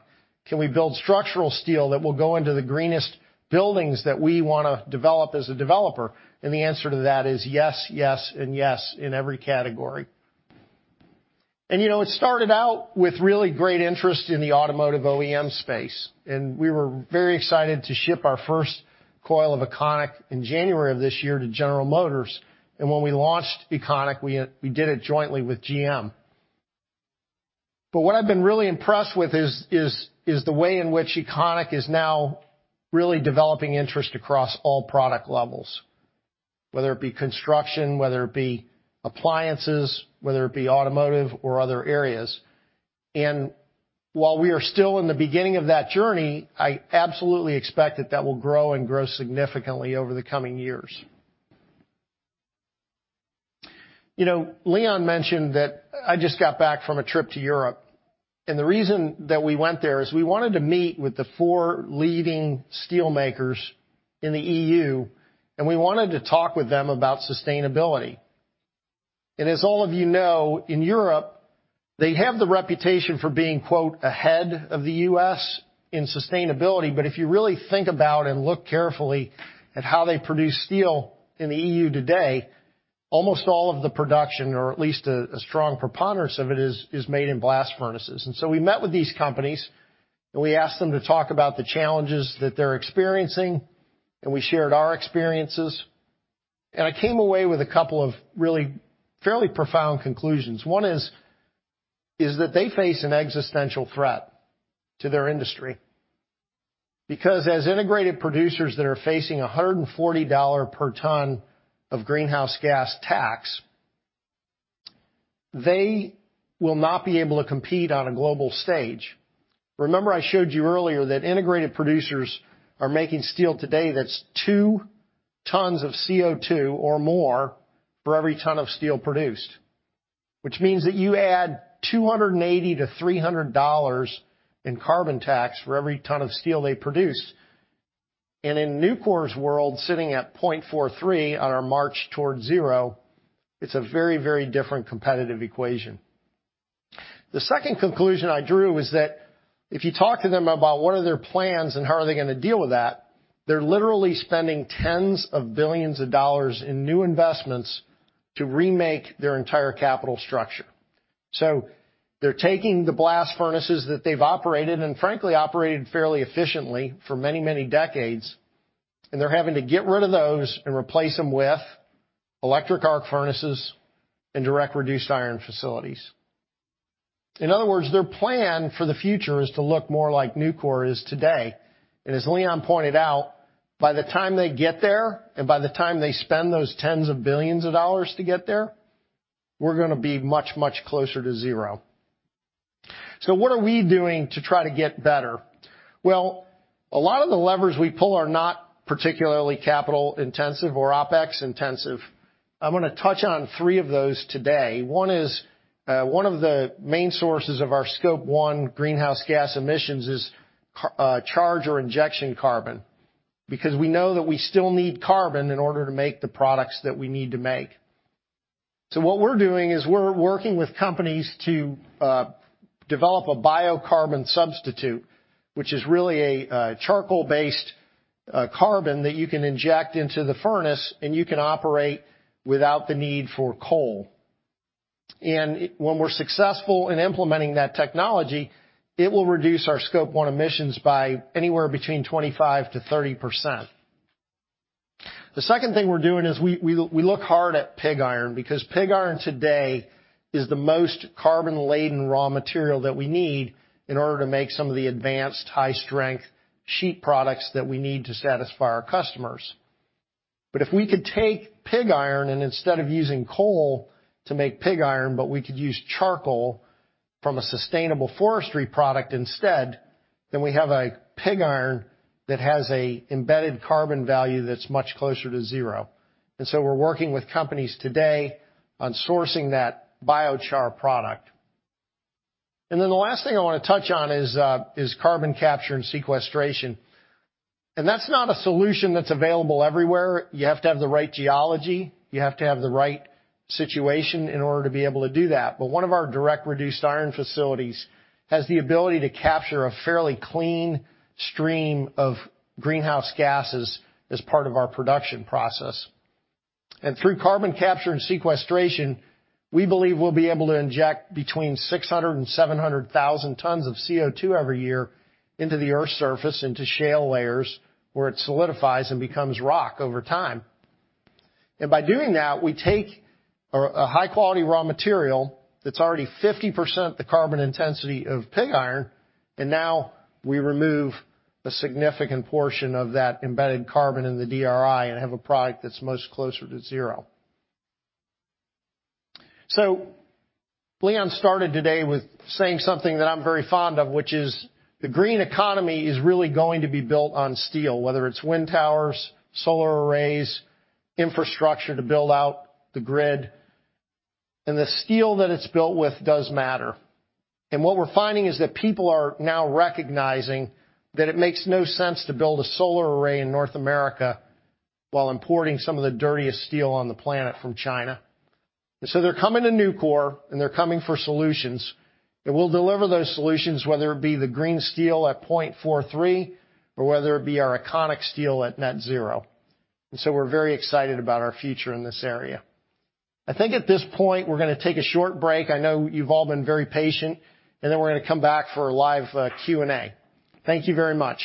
Can we build structural steel that will go into the greenest buildings that we want to develop as a developer? The answer to that is yes, and yes, in every category. It started out with really great interest in the automotive OEM space, we were very excited to ship our first coil of Econiq in January of this year to General Motors. When we launched Econiq, we did it jointly with GM. What I've been really impressed with is the way in which Econiq is now really developing interest across all product levels, whether it be construction, whether it be appliances, whether it be automotive or other areas. While we are still in the beginning of that journey, I absolutely expect that that will grow and grow significantly over the coming years. Leon mentioned that I just got back from a trip to Europe, the reason that we went there is we wanted to meet with the four leading steel makers in the EU, we wanted to talk with them about sustainability. As all of you know, in Europe, they have the reputation for being, quote, "ahead of the U.S. in sustainability." If you really think about and look carefully at how they produce steel in the EU today, almost all of the production, or at least a strong preponderance of it, is made in blast furnaces. We met with these companies, and we asked them to talk about the challenges that they're experiencing, and we shared our experiences. I came away with a couple of really fairly profound conclusions. One is that they face an existential threat to their industry, because as integrated producers that are facing $140 per ton of greenhouse gas tax, they will not be able to compete on a global stage. Remember I showed you earlier that integrated producers are making steel today that's two tons of CO2 or more for every ton of steel produced. Which means that you add $280-$300 in carbon tax for every ton of steel they produce. In Nucor's world, sitting at 0.43 on our march toward zero, it's a very, very different competitive equation. The second conclusion I drew was that if you talk to them about what are their plans and how are they going to deal with that, they're literally spending tens of billions of dollars in new investments to remake their entire capital structure. They're taking the blast furnaces that they've operated, and frankly operated fairly efficiently for many, many decades, and they're having to get rid of those and replace them with electric arc furnaces and direct reduced iron facilities. In other words, their plan for the future is to look more like Nucor is today. As Leon pointed out, by the time they get there, and by the time they spend those tens of billions of dollars to get there, we're going to be much, much closer to zero. Well, what are we doing to try to get better? A lot of the levers we pull are not particularly capital-intensive or OpEx-intensive. I'm going to touch on three of those today. One is, one of the main sources of our Scope 1 greenhouse gas emissions is charge or injection carbon, because we know that we still need carbon in order to make the products that we need to make. What we're doing is we're working with companies to develop a biocarbon substitute, which is really a charcoal-based carbon that you can inject into the furnace, and you can operate without the need for coal. When we're successful in implementing that technology, it will reduce our Scope 1 emissions by anywhere between 25%-30%. The second thing we're doing is we look hard at pig iron, because pig iron today is the most carbon-laden raw material that we need in order to make some of the advanced high-strength sheet products that we need to satisfy our customers. If we could take pig iron and instead of using coal to make pig iron, but we could use charcoal from a sustainable forestry product instead, then we have a embedded carbon value that's much closer to zero. We're working with companies today on sourcing that biochar product. The last thing I want to touch on is carbon capture and sequestration. That's not a solution that's available everywhere. You have to have the right geology. You have to have the right situation in order to be able to do that. One of our direct reduced iron facilities has the ability to capture a fairly clean stream of greenhouse gases as part of our production process. Through carbon capture and sequestration, we believe we'll be able to inject between 600,000 and 700,000 tons of CO2 every year into the Earth's surface, into shale layers, where it solidifies and becomes rock over time. By doing that, we take a high-quality raw material that's already 50% the carbon intensity of pig iron, and now we remove a significant portion of that embedded carbon in the DRI and have a product that's much closer to zero. Leon started today with saying something that I'm very fond of, which is the green economy is really going to be built on steel, whether it's wind towers, solar arrays, infrastructure to build out the grid. The steel that it's built with does matter. What we're finding is that people are now recognizing that it makes no sense to build a solar array in North America while importing some of the dirtiest steel on the planet from China. They're coming to Nucor, and they're coming for solutions. We'll deliver those solutions, whether it be the green steel at 0.43 or whether it be our Econiq steel at net zero. We're very excited about our future in this area. I think at this point, we're going to take a short break. I know you've all been very patient, and then we're going to come back for a live Q&A. Thank you very much.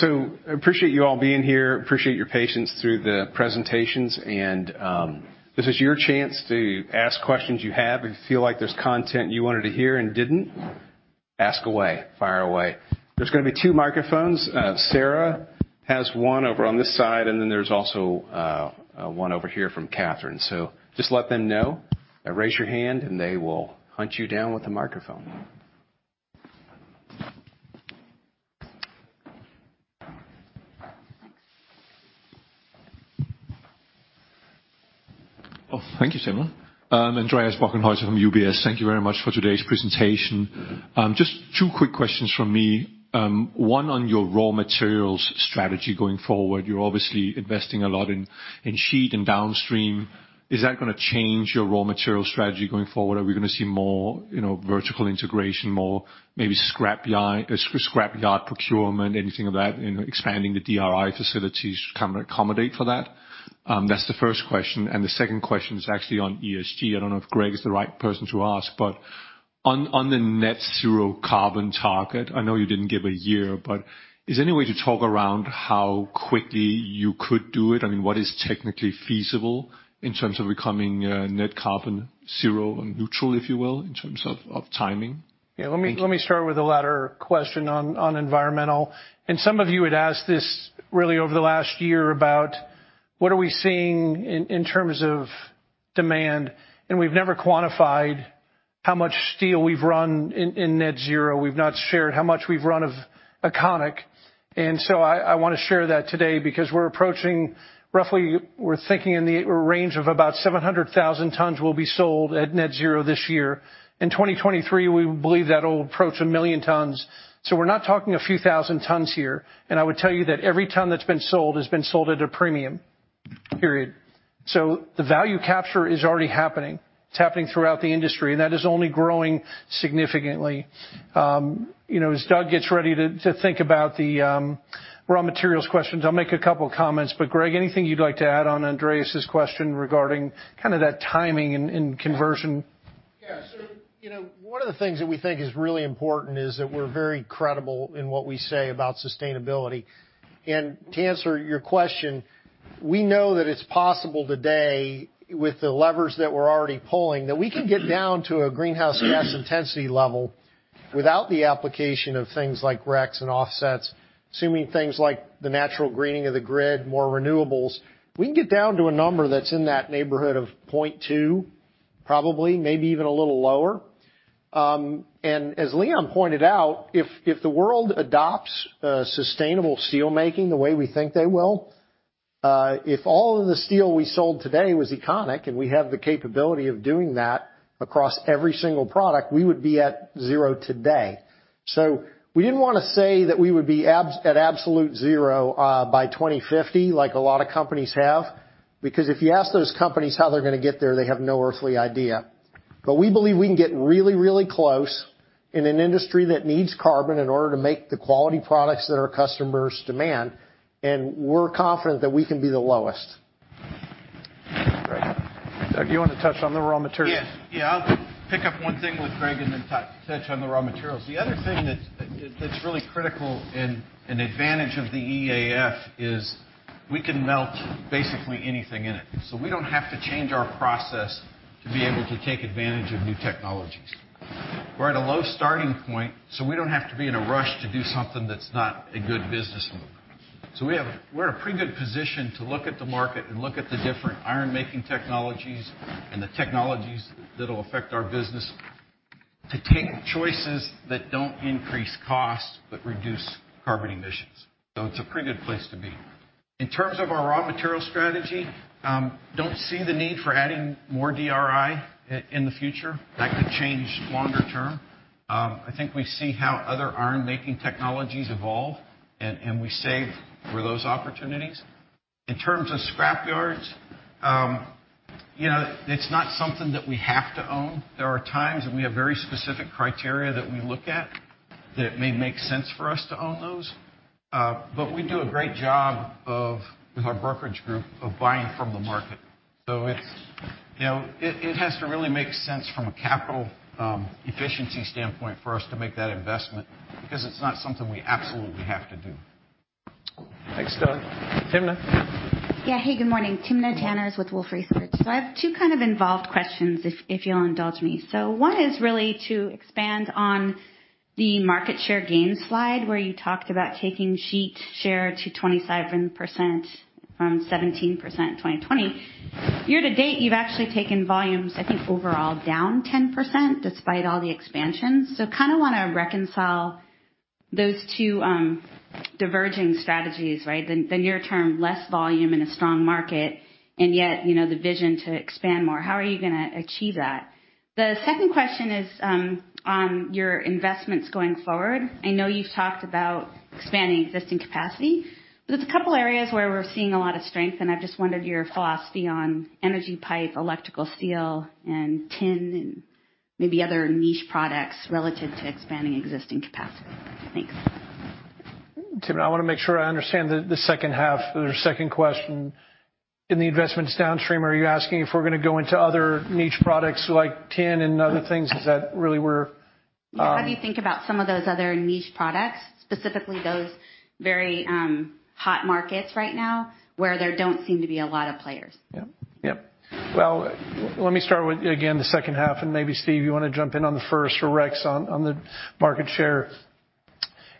Thanks. Thanks. You too. You too. I appreciate you all being here. Appreciate your patience through the presentations. This is your chance to ask questions you have. If you feel like there's content you wanted to hear and didn't, ask away. Fire away. There's going to be two microphones. Sarah has one over on this side, and then there's also one over here from Katherine. Just let them know or raise your hand, and they will hunt you down with a microphone. Oh, thank you, Simon. Andreas Bokkenheuser from UBS. Thank you very much for today's presentation. Just two quick questions from me. One on your raw materials strategy going forward. You're obviously investing a lot in sheet and downstream. Is that going to change your raw material strategy going forward? Are we going to see more vertical integration, more maybe scrapyard procurement, anything of that in expanding the DRI facilities to accommodate for that? That's the first question. The second question is actually on ESG. I don't know if Greg is the right person to ask, but on the net-zero carbon target, I know you didn't give a year, but is there any way to talk around how quickly you could do it? I mean, what is technically feasible in terms of becoming net-zero carbon zero and neutral, if you will, in terms of timing? Yeah. Let me start with the latter question on environmental. Some of you had asked this really over the last year about what are we seeing in terms of demand. We've never quantified how much steel we've run in net-zero. We've not shared how much we've run of Econiq. I want to share that today because we're approaching roughly, we're thinking in the range of about 700,000 tons will be sold at net-zero this year. In 2023, we believe that'll approach 1 million tons. We're not talking a few thousand tons here. I would tell you that every ton that's been sold has been sold at a premium. Period. The value capture is already happening. It's happening throughout the industry. That is only growing significantly. As Doug gets ready to think about the raw materials questions, I'll make a couple of comments. Greg, anything you'd like to add on Andreas' question regarding kind of that timing and conversion? One of the things that we think is really important is that we're very credible in what we say about sustainability. To answer your question, we know that it's possible today, with the levers that we're already pulling, that we can get down to a greenhouse gas intensity level without the application of things like RECs and offsets. Assuming things like the natural greening of the grid, more renewables, we can get down to a number that's in that neighborhood of 0.2, probably, maybe even a little lower. As Leon pointed out, if the world adopts sustainable steel making the way we think they will, if all of the steel we sold today was Econiq, and we have the capability of doing that across every single product, we would be at zero today. We didn't want to say that we would be at absolute zero by 2050 like a lot of companies have. Because if you ask those companies how they're going to get there, they have no earthly idea. We believe we can get really close in an industry that needs carbon in order to make the quality products that our customers demand, and we're confident that we can be the lowest. Thanks, Greg. Doug, do you want to touch on the raw materials? Yes. I'll pick up one thing with Greg and then touch on the raw materials. The other thing that's really critical and an advantage of the EAF is we can melt basically anything in it. We don't have to change our process to be able to take advantage of new technologies. We're at a low starting point, we don't have to be in a rush to do something that's not a good business move. We're in a pretty good position to look at the market and look at the different iron-making technologies and the technologies that'll affect our business to take choices that don't increase costs but reduce carbon emissions. It's a pretty good place to be. In terms of our raw material strategy, don't see the need for adding more DRI in the future. That could change longer term. I think we see how other iron-making technologies evolve, we save for those opportunities. In terms of scrapyards, it's not something that we have to own. There are times when we have very specific criteria that we look at that may make sense for us to own those. We do a great job with our brokerage group of buying from the market. It has to really make sense from a capital efficiency standpoint for us to make that investment because it's not something we absolutely have to do. Thanks, Doug. Timna. Yeah. Hey, good morning. Timna Tanners with Wolfe Research. I have two kind of involved questions if you'll indulge me. One is really to expand on the market share gain slide where you talked about taking sheet share to 27% from 17% in 2020. Year-to-date, you've actually taken volumes, I think, overall down 10%, despite all the expansions. Kind of want to reconcile those two diverging strategies, right? The near term, less volume and a strong market, yet, the vision to expand more. How are you going to achieve that? The second question is on your investments going forward. I know you've talked about expanding existing capacity, there's a couple areas where we're seeing a lot of strength, and I just wondered your philosophy on energy pipe, electrical steel and tin, and maybe other niche products relative to expanding existing capacity. Thanks. Timna, I want to make sure I understand the second half or the second question. In the investments downstream, are you asking if we're going to go into other niche products like tin and other things? Is that really where? Yeah. How do you think about some of those other niche products, specifically those very hot markets right now where there don't seem to be a lot of players? Yep. Well, let me start with, again, the second half, and maybe Steve, you want to jump in on the first, or Rex, on the market share.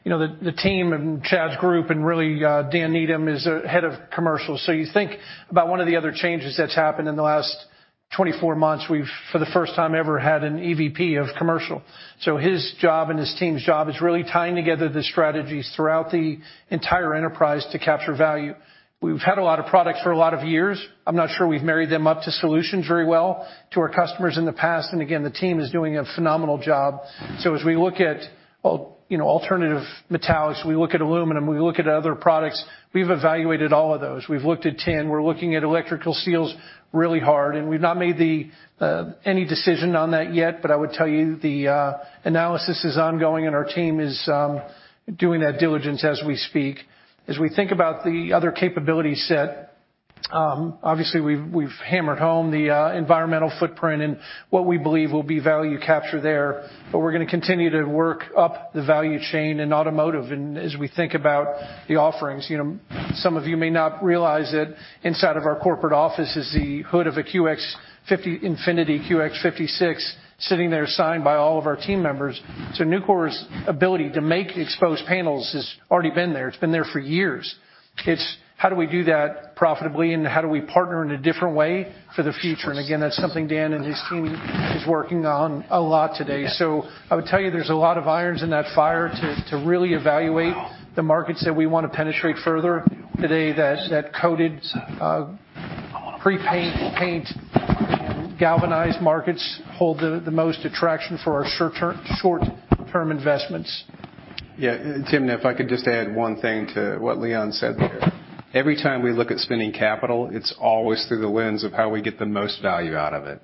The team and Chad's group, and really, Dan Needham is Head of Commercial. You think about one of the other changes that's happened in the last 24 months, we've, for the first time ever, had an EVP of Commercial. His job and his team's job is really tying together the strategies throughout the entire enterprise to capture value. We've had a lot of products for a lot of years. I'm not sure we've married them up to solutions very well to our customers in the past. Again, the team is doing a phenomenal job. As we look at alternative metallics, we look at aluminum, we look at other products, we've evaluated all of those. We've looked at tin. We're looking at electrical steels really hard. We've not made any decision on that yet, I would tell you the analysis is ongoing and our team is doing that diligence as we speak. As we think about the other capability set, obviously we've hammered home the environmental footprint and what we believe will be value capture there. We're going to continue to work up the value chain in automotive and as we think about the offerings. Some of you may not realize that inside of our corporate office is the hood of a Infiniti QX56 sitting there signed by all of our team members. Nucor's ability to make exposed panels has already been there. It's been there for years. It's how do we do that profitably and how do we partner in a different way for the future? Again, that's something Dan and his team is working on a lot today. I would tell you there's a lot of irons in that fire to really evaluate the markets that we want to penetrate further. Today, that coated pre-paint, paint, and galvanized markets hold the most attraction for our short-term investments. Yeah. Tim, if I could just add one thing to what Leon said there. Every time we look at spending capital, it's always through the lens of how we get the most value out of it.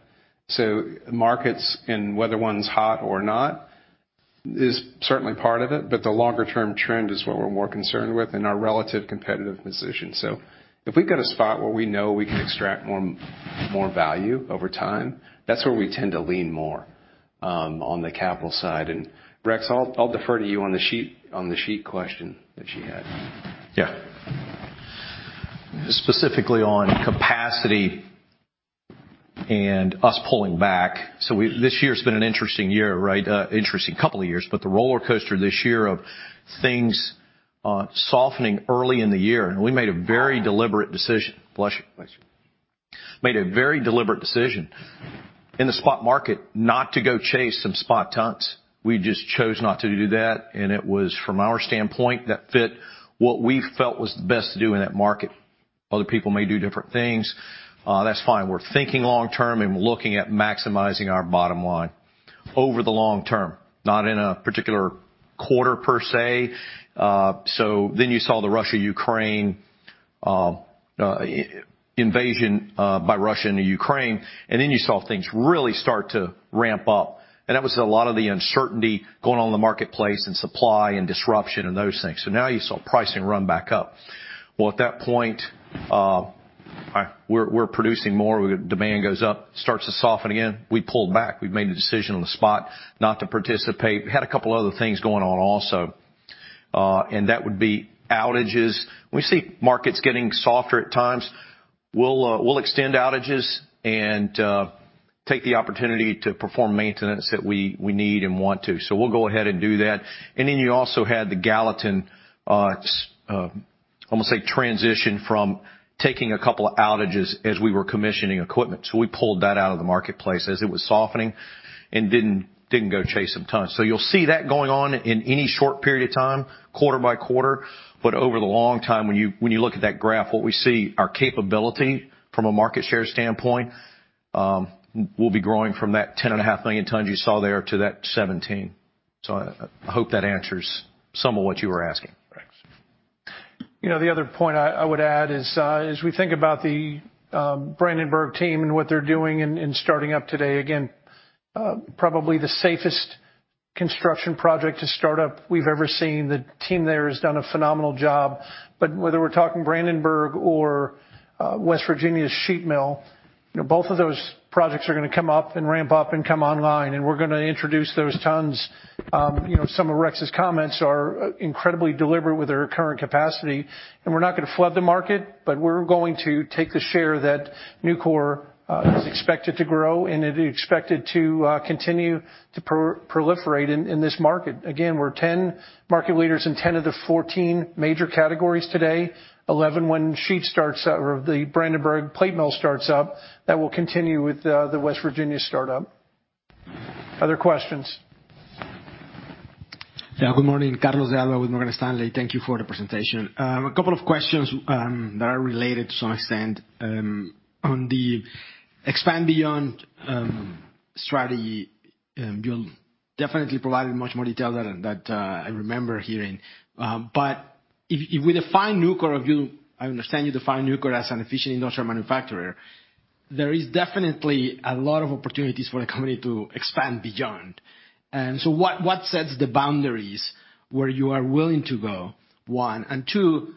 Markets, and whether one's hot or not, is certainly part of it, but the longer-term trend is what we're more concerned with and our relative competitive position. If we've got a spot where we know we can extract more value over time, that's where we tend to lean more on the capital side. Rex, I'll defer to you on the sheet question that she had. Yeah. Specifically on capacity and us pulling back. This year's been an interesting year, right? Interesting couple of years, but the rollercoaster this year of things softening early in the year, we made a very deliberate decision. Bless you. Bless you. Made a very deliberate decision in the spot market not to go chase some spot tons. We just chose not to do that, and it was from our standpoint, that fit what we felt was the best to do in that market. Other people may do different things. That's fine. We're thinking long term, we're looking at maximizing our bottom line over the long term, not in a particular quarter per se. You saw the invasion, by Russia into Ukraine, you saw things really start to ramp up. That was a lot of the uncertainty going on in the marketplace in supply and disruption and those things. You saw pricing run back up. Well, at that point, we're producing more, demand goes up, starts to soften again. We pulled back. We made the decision on the spot not to participate. We had a couple other things going on also, and that would be outages. When we see markets getting softer at times, we'll extend outages and take the opportunity to perform maintenance that we need and want to. We'll go ahead and do that. You also had the Nucor Steel Gallatin, I'm going to say transition from taking a couple of outages as we were commissioning equipment. We pulled that out of the marketplace as it was softening and didn't go chase some tons. You'll see that going on in any short period of time, quarter by quarter. Over the long time, when you look at that graph, what we see, our capability from a market share standpoint, will be growing from that 10.5 million tons you saw there to that 17. I hope that answers some of what you were asking. Thanks. The other point I would add is as we think about the Brandenburg team and what they're doing in starting up today, again, probably the safest construction project to start up we've ever seen. The team there has done a phenomenal job. Whether we're talking Brandenburg or West Virginia's sheet mill, both of those projects are going to come up and ramp up and come online and we're going to introduce those tons. Some of Rex's comments are incredibly deliberate with their current capacity, and we're not going to flood the market, but we're going to take the share that Nucor is expected to grow, and it is expected to continue to proliferate in this market. Again, we're 10 market leaders in 10 of the 14 major categories today, 11 when sheet starts or the Brandenburg plate mill starts up. That will continue with the West Virginia start-up. Other questions? Good morning, Carlos de Alba with Morgan Stanley. Thank you for the presentation. A couple of questions that are related to some extent. On the expand beyond strategy, you definitely provided much more detail than that I remember hearing. If we define Nucor, I understand you define Nucor as an efficient industrial manufacturer, there is definitely a lot of opportunities for the company to expand beyond. What sets the boundaries where you are willing to go, one? Two,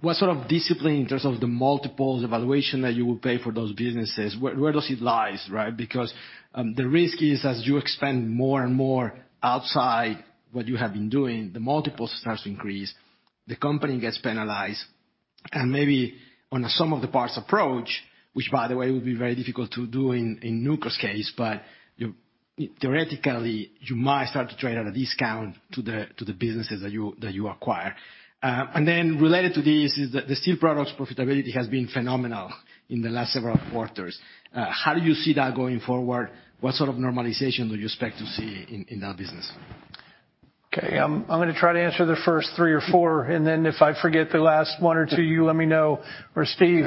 what sort of discipline in terms of the multiples, evaluation that you will pay for those businesses, where does it lie? The risk is as you expand more and more outside what you have been doing, the multiples start to increase, the company gets penalized, and maybe on sum of the parts approach, which by the way, would be very difficult to do in Nucor's case, but theoretically, you might start to trade at a discount to the businesses that you acquire. Related to this is that the steel products profitability has been phenomenal in the last several quarters. How do you see that going forward? What sort of normalization do you expect to see in that business? Okay. I'm going to try to answer the first three or four, and then if I forget the last one or two, you let me know, or Steve.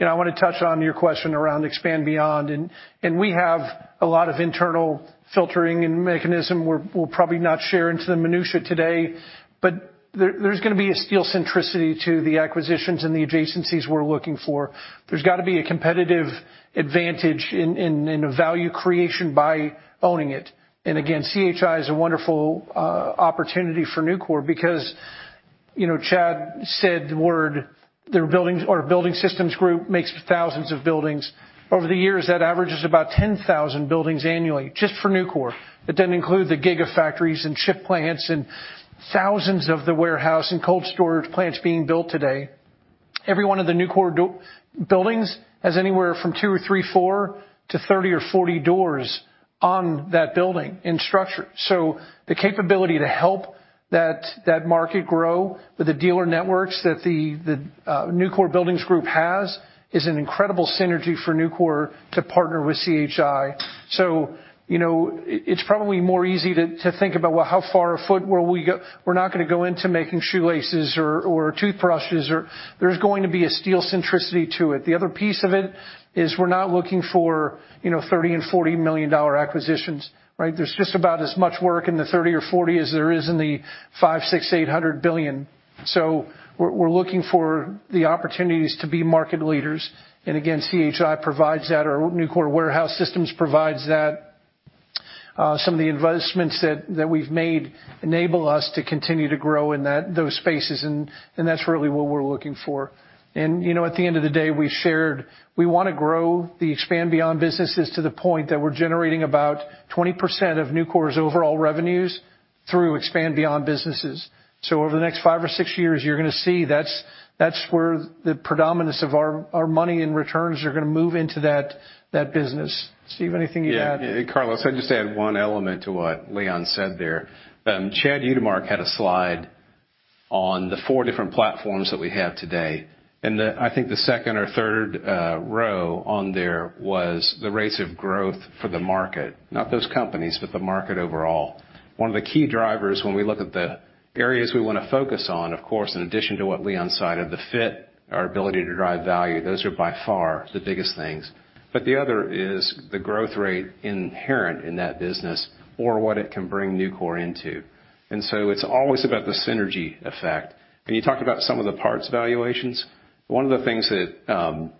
Yeah. I want to touch on your question around expand beyond. We have a lot of internal filtering and mechanism we're probably not sharing into the minutia today, but there's going to be a steel centricity to the acquisitions and the adjacencies we're looking for. There's got to be a competitive advantage and a value creation by owning it. Again, C.H.I. is a wonderful opportunity for Nucor because Chad said the word, our Nucor Buildings Group makes thousands of buildings. Over the years, that averages about 10,000 buildings annually just for Nucor. That doesn't include the gigafactories and chip plants and thousands of the warehouse and cold storage plants being built today. Every one of the Nucor buildings has anywhere from two or three, four to 30 or 40 doors on that building in structure. The capability to help that market grow with the dealer networks that the Nucor Buildings Group has is an incredible synergy for Nucor to partner with C.H.I. It's probably more easy to think about, well, how far afoot will we go? We're not going to go into making shoelaces or toothbrushes. There's going to be a steel centricity to it. The other piece of it is we're not looking for $30 million and $40 million acquisitions, right? There's just about as much work in the 30 or 40 as there is in the five, six, $800 billion. We're looking for the opportunities to be market leaders. Again, C.H.I. provides that, or Nucor Warehouse Systems provides that. Some of the investments that we've made enable us to continue to grow in those spaces, and that's really what we're looking for. At the end of the day, we want to grow the expand beyond businesses to the point that we're generating about 20% of Nucor's overall revenues through expand beyond businesses. Over the next five or six years, you're going to see that's where the predominance of our money in returns are going to move into that business. Steve, anything to add? Yeah. Carlos, I'd just add one element to what Leon said there. Chad Utermark had a slide on the four different platforms that we have today, and I think the second or third row on there was the rates of growth for the market, not those companies, but the market overall. One of the key drivers when we look at the areas we want to focus on, of course, in addition to what Leon cited, the fit, our ability to drive value, those are by far the biggest things. The other is the growth rate inherent in that business or what it can bring Nucor into. It's always about the synergy effect. You talked about some of the parts valuations. One of the things that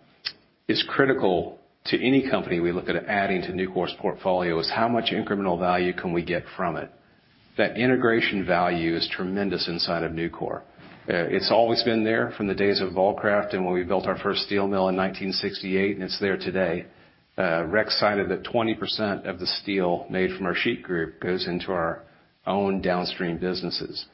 is critical to any company we look at adding to Nucor's portfolio is how much incremental value can we get from it? That integration value is tremendous inside of Nucor. It's always been there from the days of Vulcraft and when we built our first steel mill in 1968, and it's there today. Rex cited that 20% of the steel made from our sheet group goes into our own downstream businesses.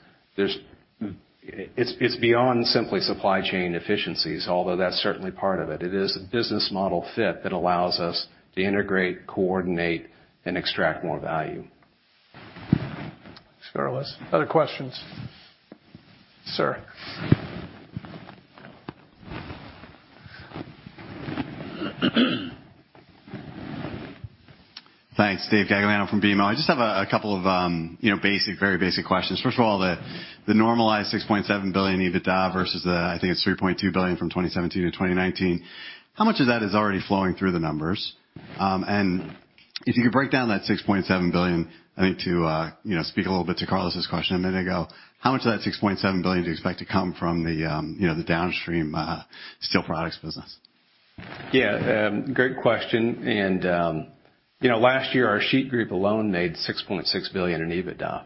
It's beyond simply supply chain efficiencies, although that's certainly part of it. It is a business model fit that allows us to integrate, coordinate, and extract more value. Thanks, Carlos. Other questions? Sir. Thanks. David Gagliano from BMO. I just have a couple of very basic questions. First of all, the normalized $6.7 billion EBITDA versus the, I think it's $3.2 billion from 2017 to 2019. How much of that is already flowing through the numbers? If you could break down that $6.7 billion, I think to speak a little bit to Carlos's question a minute ago, how much of that $6.7 billion do you expect to come from the downstream steel products business? Yeah. Great question. Last year, our sheet group alone made $6.6 billion in EBITDA.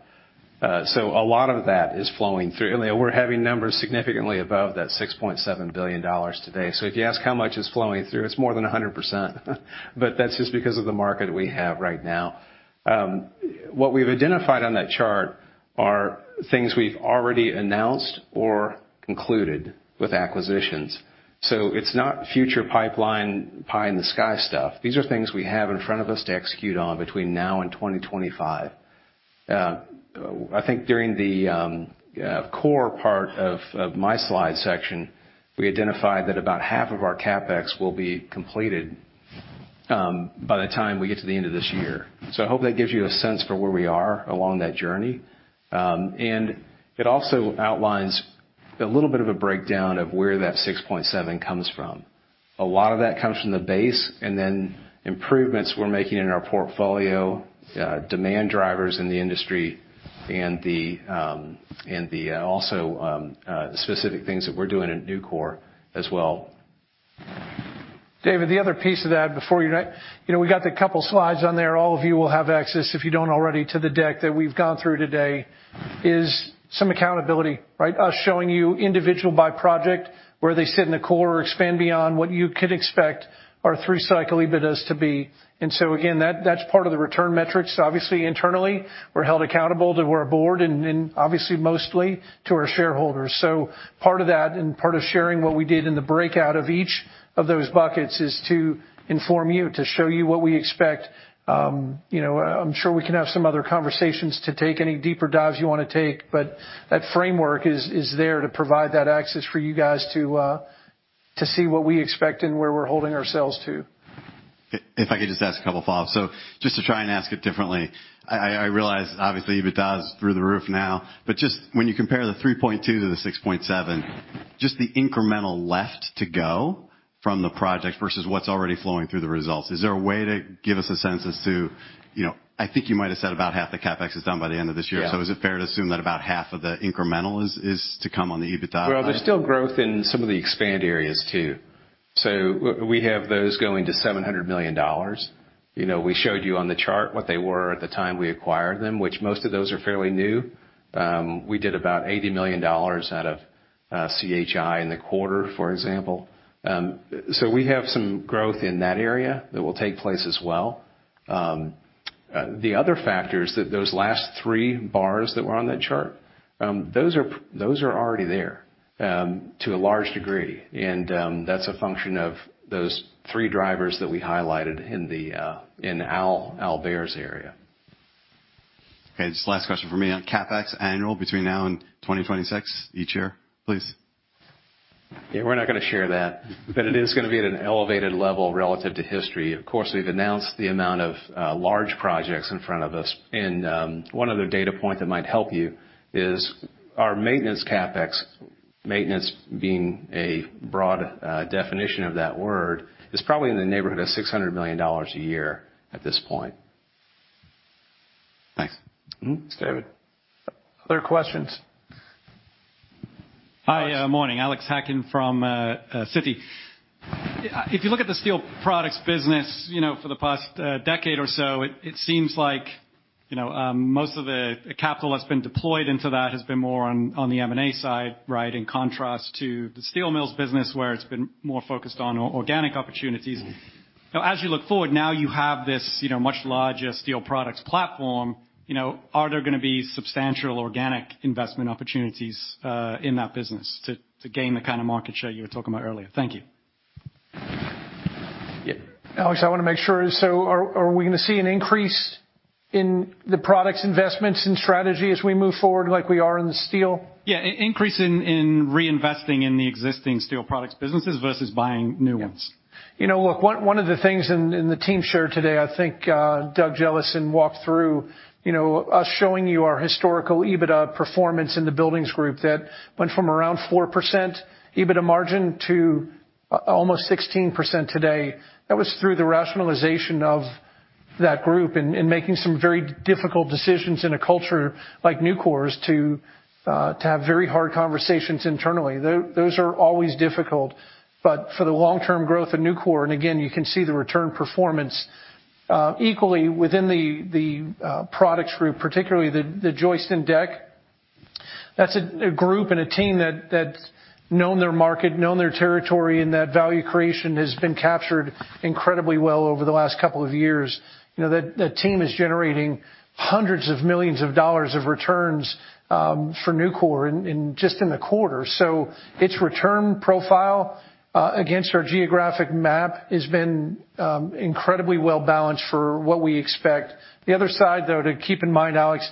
A lot of that is flowing through. Leon, we're having numbers significantly above that $6.7 billion today. If you ask how much is flowing through, it's more than 100%. That's just because of the market we have right now. What we've identified on that chart are things we've already announced or concluded with acquisitions. It's not future pipeline pie in the sky stuff. These are things we have in front of us to execute on between now and 2025. I think during the core part of my slide section, we identified that about half of our CapEx will be completed by the time we get to the end of this year. I hope that gives you a sense for where we are along that journey. It also outlines a little bit of a breakdown of where that $6.7 billion comes from. A lot of that comes from the base and then improvements we're making in our portfolio, demand drivers in the industry, and also specific things that we're doing at Nucor as well. David, the other piece of that. We got the couple slides on there. All of you will have access, if you don't already, to the deck that we've gone through today, is some accountability, right? Us showing you individual by project, where they sit in the core or expand beyond what you could expect our three-cycle EBITAs to be. Again, that's part of the return metrics. Obviously, internally, we're held accountable to our board and obviously mostly to our shareholders. Part of that and part of sharing what we did in the breakout of each of those buckets is to inform you, to show you what we expect. I'm sure we can have some other conversations to take any deeper dives you want to take, but that framework is there to provide that access for you guys to see what we expect and where we're holding ourselves to. If I could just ask a couple follows. Just to try and ask it differently. I realize obviously EBITDA is through the roof now. Just when you compare the 3.2 to the 6.7, just the incremental left to go from the projects versus what's already flowing through the results. Is there a way to give us a sense as to I think you might've said about half the CapEx is done by the end of this year. Yeah. Is it fair to assume that about half of the incremental is to come on the EBITDA plan? Well, there's still growth in some of the expand areas, too. We have those going to $700 million. We showed you on the chart what they were at the time we acquired them, which most of those are fairly new. We did about $80 million out of CHI in the quarter, for example. We have some growth in that area that will take place as well. The other factors, those last three bars that were on that chart, those are already there to a large degree, and that's a function of those three drivers that we highlighted in Al's area. Okay, just last question from me. On CapEx annual between now and 2026 each year, please. Yeah, we're not going to share that, but it is going to be at an elevated level relative to history. Of course, we've announced the amount of large projects in front of us, and one other data point that might help you is our maintenance CapEx. Maintenance being a broad definition of that word, is probably in the neighborhood of $600 million a year at this point. Thanks. Thanks, David. Other questions? Hi, morning. Alexander Hacking from Citi. If you look at the steel products business for the past decade or so, it seems like most of the capital that's been deployed into that has been more on the M&A side, right? In contrast to the steel mills business, where it's been more focused on organic opportunities. Now, as you look forward, now you have this much larger steel products platform. Are there going to be substantial organic investment opportunities in that business to gain the kind of market share you were talking about earlier? Thank you. Yeah. Alex, I want to make sure. Are we going to see an increase in the products investments and strategy as we move forward like we are in the steel? Yeah, increase in reinvesting in the existing steel products businesses versus buying new ones. Yeah. Look, one of the things, and the team shared today, I think Doug Jellison walked through us showing you our historical EBITDA performance in the Buildings Group that went from around 4% EBITDA margin to almost 16% today. That was through the rationalization of that group and making some very difficult decisions in a culture like Nucor's to have very hard conversations internally. Those are always difficult. For the long-term growth of Nucor, and again, you can see the return performance. Equally, within the products group, particularly the joist and deck. That's a group and a team that's known their market, known their territory, and that value creation has been captured incredibly well over the last couple of years. That team is generating hundreds of millions of dollars of returns for Nucor in just the quarter. Its return profile against our geographic map has been incredibly well-balanced for what we expect. The other side, though, to keep in mind, Alex,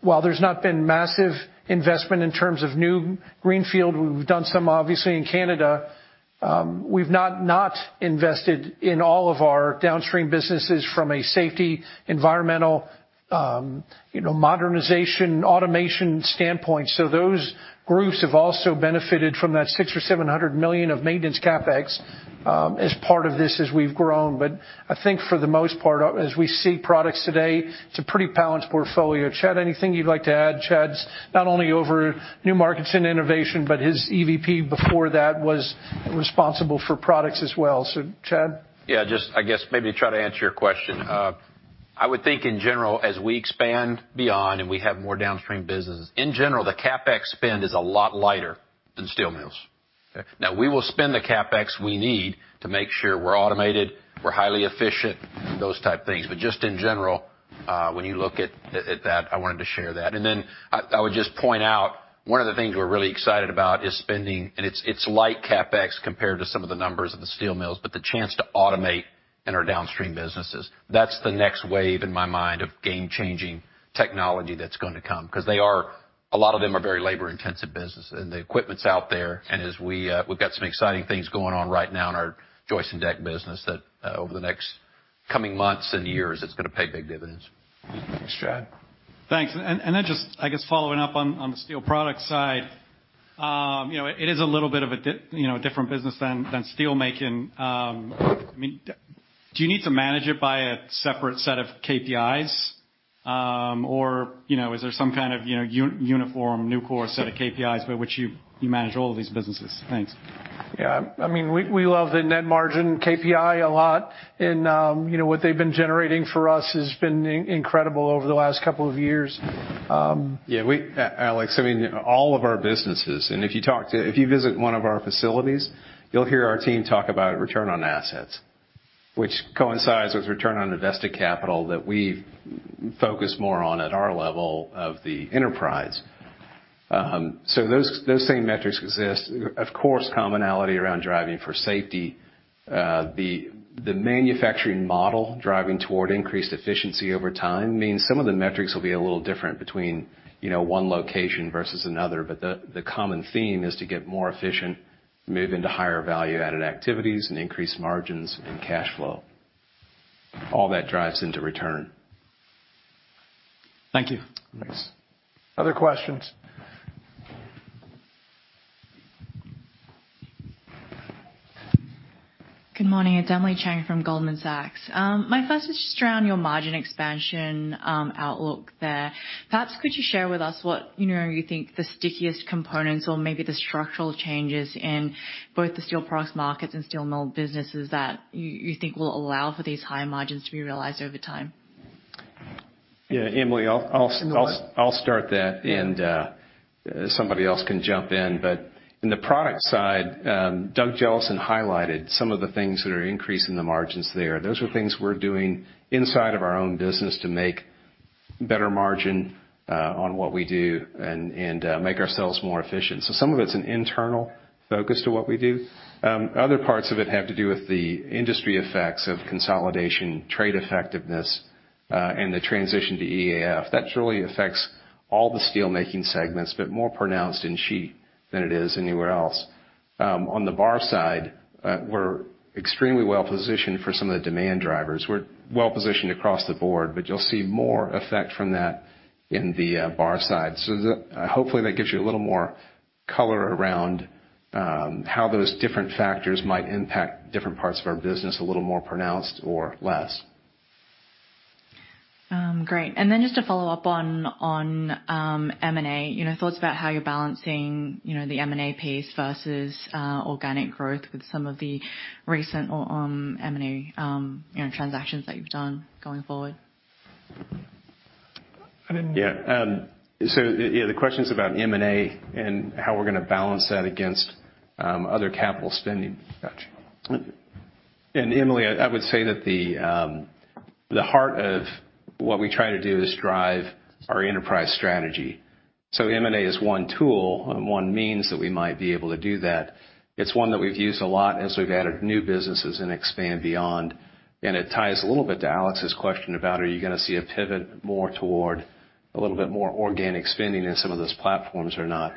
while there's not been massive investment in terms of new greenfield, we've done some obviously in Canada. We've not invested in all of our downstream businesses from a safety, environmental, modernization, automation standpoint. Those groups have also benefited from that $600 million-$700 million of maintenance CapEx as part of this as we've grown. I think for the most part, as we see products today, it's a pretty balanced portfolio. Chad, anything you'd like to add? Chad's not only over new markets and innovation, but his EVP before that was responsible for products as well. Chad? Just I guess maybe to try to answer your question. I would think in general, as we expand beyond and we have more downstream business, in general, the CapEx spend is a lot lighter than steel mills. Okay. Now, we will spend the CapEx we need to make sure we're automated, we're highly efficient, those type things. Just in general, when you look at that, I wanted to share that. I would just point out, one of the things we're really excited about is spending, and it's light CapEx compared to some of the numbers in the steel mills. The chance to automate in our downstream businesses. That's the next wave in my mind of game-changing technology that's going to come because a lot of them are very labor-intensive business. The equipment's out there, and we've got some exciting things going on right now in our joist and deck business that over the next coming months and years, it's going to pay big dividends. Thanks, Chad. Thanks. Just, I guess following up on the steel product side. It is a little bit of a different business than steel making. Do you need to manage it by a separate set of KPIs? Or is there some kind of uniform Nucor set of KPIs by which you manage all of these businesses? Thanks. Yeah. We love the net margin KPI a lot, and what they've been generating for us has been incredible over the last couple of years. Yeah. Alex, all of our businesses, and if you visit one of our facilities, you'll hear our team talk about return on assets, which coincides with return on invested capital that we focus more on at our level of the enterprise. Those same metrics exist. Of course, commonality around driving for safety. The manufacturing model driving toward increased efficiency over time means some of the metrics will be a little different between one location versus another. The common theme is to get more efficient, move into higher value-added activities and increase margins and cash flow. All that drives into return. Thank you. Thanks. Other questions? Good morning. It's Emily Chang from Goldman Sachs. My first is just around your margin expansion outlook there. Perhaps could you share with us what you think the stickiest components or maybe the structural changes in both the steel products markets and steel mill businesses that you think will allow for these high margins to be realized over time? Yeah, Emily, I'll start that and somebody else can jump in. In the product side, Doug Jellison highlighted some of the things that are increasing the margins there. Those are things we're doing inside of our own business to make better margin on what we do and make ourselves more efficient. Some of it's an internal focus to what we do. Other parts of it have to do with the industry effects of consolidation, trade effectiveness, and the transition to EAF. That truly affects all the steel-making segments, but more pronounced in sheet than it is anywhere else. On the bar side, we're extremely well-positioned for some of the demand drivers. We're well-positioned across the board, but you'll see more effect from that in the bar side. Hopefully that gives you a little more color around how those different factors might impact different parts of our business a little more pronounced or less. Great. Just to follow up on M&A, thoughts about how you're balancing the M&A pace versus organic growth with some of the recent M&A transactions that you've done going forward. I didn't- Yeah. The question's about M&A and how we're going to balance that against other capital spending. Got you. Emily, I would say that the heart of what we try to do is drive our enterprise strategy. M&A is one tool, one means that we might be able to do that. It's one that we've used a lot as we've added new businesses and expand beyond, and it ties a little bit to Alex's question about, are you going to see a pivot more toward a little bit more organic spending in some of those platforms or not?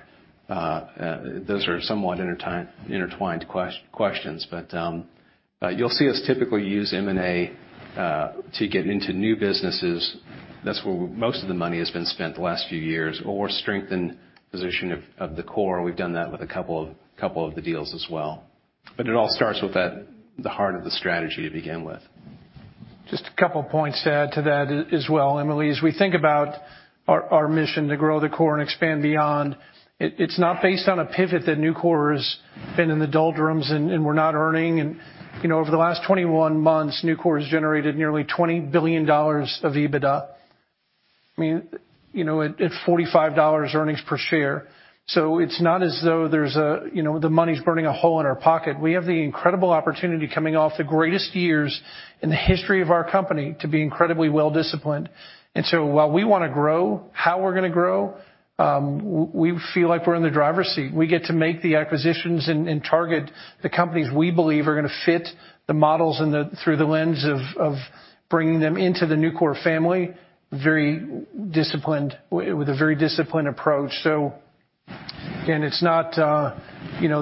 Those are somewhat intertwined questions. You'll see us typically use M&A to get into new businesses. That's where most of the money has been spent the last few years or strengthen position of the core, and we've done that with a couple of the deals as well. It all starts with the heart of the strategy to begin with. Just a couple points to add to that as well, Emily. As we think about our mission to grow the core and expand beyond, it's not based on a pivot that Nucor has been in the doldrums and we're not earning. Over the last 21 months, Nucor has generated nearly $20 billion of EBITDA at $45 earnings per share. It's not as though the money's burning a hole in our pocket. We have the incredible opportunity coming off the greatest years in the history of our company to be incredibly well-disciplined. While we want to grow, how we're going to grow, we feel like we're in the driver's seat. We get to make the acquisitions and target the companies we believe are going to fit the models through the lens of bringing them into the Nucor family with a very disciplined approach. Again, it's not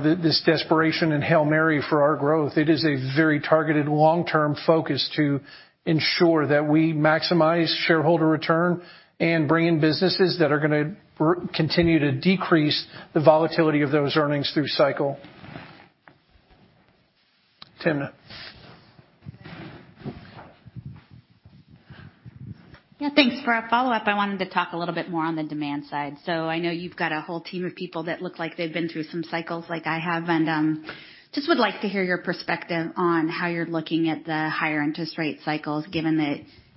this desperation and Hail Mary for our growth. It is a very targeted long-term focus to ensure that we maximize shareholder return and bring in businesses that are going to continue to decrease the volatility of those earnings through cycle. Timna. Yeah, thanks. For a follow-up, I wanted to talk a little bit more on the demand side. I know you've got a whole team of people that look like they've been through some cycles like I have, and just would like to hear your perspective on how you're looking at the higher interest rate cycles, given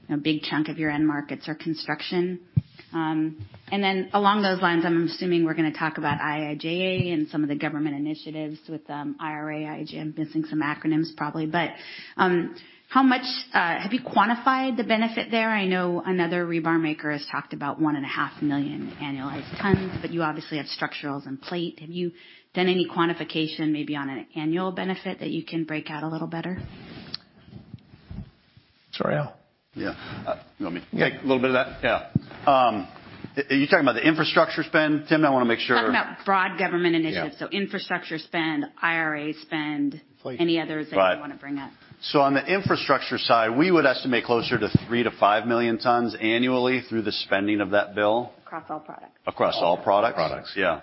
that a big chunk of your end markets are construction. Then along those lines, I'm assuming we're going to talk about IIJA and some of the government initiatives with IRA, IGM, missing some acronyms probably. Have you quantified the benefit there? I know another rebar maker has talked about one and a half million annualized tons, but you obviously have structurals and plate. Have you done any quantification, maybe on an annual benefit that you can break out a little better? Sorry, Al. Yeah. You want me. Yeah. A little bit of that? Yeah. Are you talking about the infrastructure spend, Tim? I want to make sure. Talking about broad government initiatives. Yeah. Infrastructure spend, IRA spend. Plate Any others that. Right you want to bring up. On the infrastructure side, we would estimate closer to three to five million tons annually through the spending of that bill. Across all products. Across all products. Products. Yeah.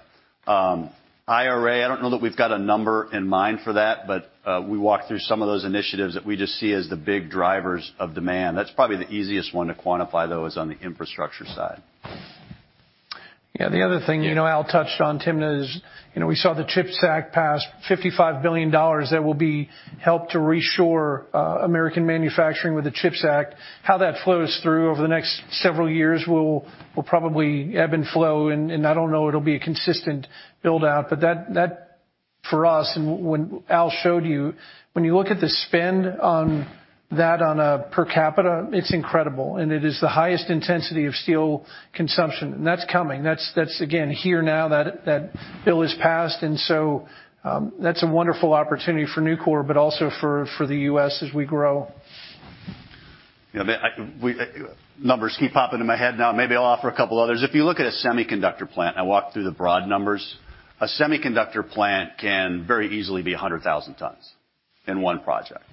IRA, I don't know that we've got a number in mind for that, we walk through some of those initiatives that we just see as the big drivers of demand. That's probably the easiest one to quantify, though, is on the infrastructure side. Yeah, the other thing Al touched on, Timna, is we saw the CHIPS Act pass $55 billion that will be helped to reshore American manufacturing with the CHIPS Act. How that flows through over the next several years will probably ebb and flow, and I don't know it'll be a consistent build-out. That for us, Al showed you, when you look at the spend on that on a per capita, it's incredible, and it is the highest intensity of steel consumption, and that's coming. That's again, here now, that bill is passed, that's a wonderful opportunity for Nucor, but also for the U.S. as we grow. Numbers keep popping in my head now. Maybe I'll offer a couple others. If you look at a semiconductor plant, I walked through the broad numbers. A semiconductor plant can very easily be 100,000 tons in one project.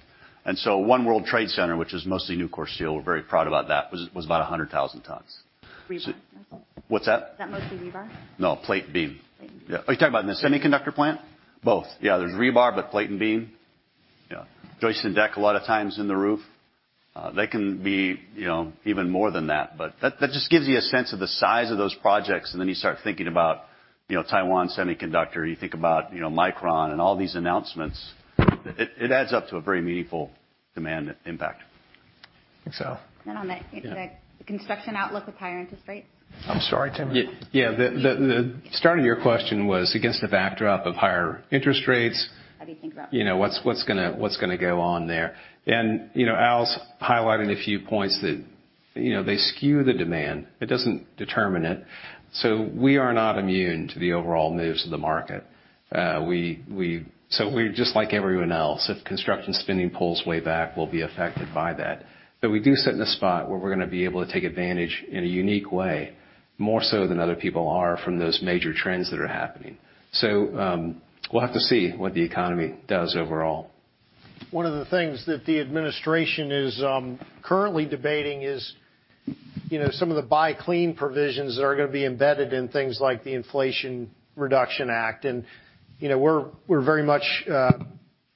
One World Trade Center, which is mostly Nucor Steel, we're very proud about that, was about 100,000 tons. Rebar. What's that? Is that mostly rebar? No, plate and beam. Plate and beam. Yeah. Are you talking about in the semiconductor plant? Both. Yeah, there's rebar, but plate and beam. Yeah. Joist and deck, a lot of times in the roof. They can be even more than that, but that just gives you a sense of the size of those projects. You start thinking about Taiwan Semiconductor. You think about Micron and all these announcements. It adds up to a very meaningful demand impact. I think so. On the construction outlook with higher interest rates? I'm sorry, Tim. Yeah. The start of your question was against the backdrop of higher interest rates. How do you think about- What's going to go on there? Al's highlighting a few points that they skew the demand. It doesn't determine it. We are not immune to the overall moves of the market. We're just like everyone else. If construction spending pulls way back, we'll be affected by that. We do sit in a spot where we're going to be able to take advantage in a unique way, more so than other people are from those major trends that are happening. We'll have to see what the economy does overall. One of the things that the administration is currently debating is some of the buy clean provisions that are going to be embedded in things like the Inflation Reduction Act, we're very much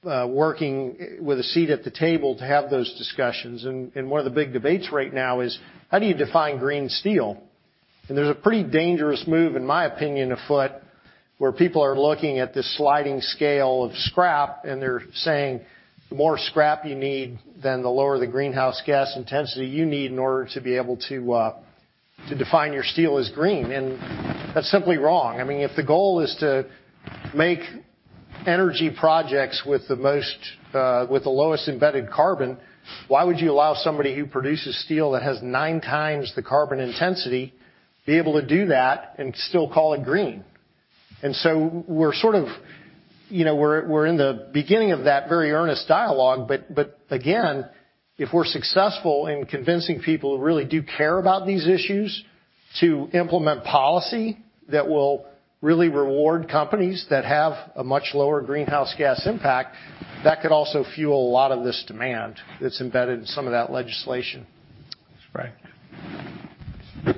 Working with a seat at the table to have those discussions. One of the big debates right now is how do you define green steel? There's a pretty dangerous move, in my opinion, afoot, where people are looking at this sliding scale of scrap, they're saying the more scrap you need, then the lower the greenhouse gas intensity you need in order to be able to define your steel as green. That's simply wrong. If the goal is to make energy projects with the lowest embedded carbon, why would you allow somebody who produces steel that has nine times the carbon intensity be able to do that and still call it green? We're in the beginning of that very earnest dialogue. If we're successful in convincing people who really do care about these issues to implement policy that will really reward companies that have a much lower greenhouse gas impact, that could also fuel a lot of this demand that's embedded in some of that legislation. That's right.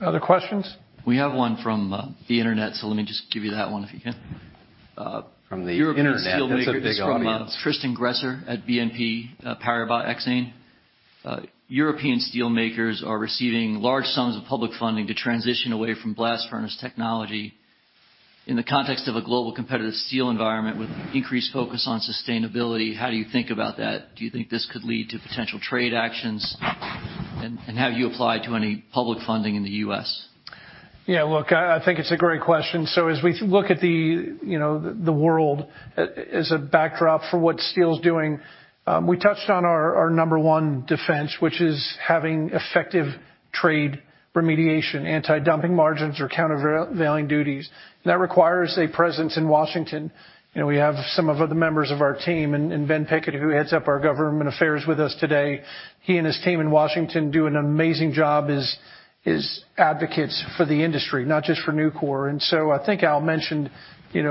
Other questions? We have one from the Internet, let me just give you that one if you can. From the Internet. That's a big audience. From Tristan Gresser at BNP Paribas Exane. European steelmakers are receiving large sums of public funding to transition away from blast furnace technology. In the context of a global competitive steel environment with increased focus on sustainability, how do you think about that? Do you think this could lead to potential trade actions? Have you applied to any public funding in the U.S.? Yeah, look, I think it's a great question. As we look at the world as a backdrop for what steel's doing, we touched on our number one defense, which is having effective trade remediation, anti-dumping margins or countervailing duties. That requires a presence in Washington. We have some of the members of our team and Ben Pickett, who heads up our government affairs, with us today. He and his team in Washington do an amazing job as advocates for the industry, not just for Nucor. I think Al mentioned, in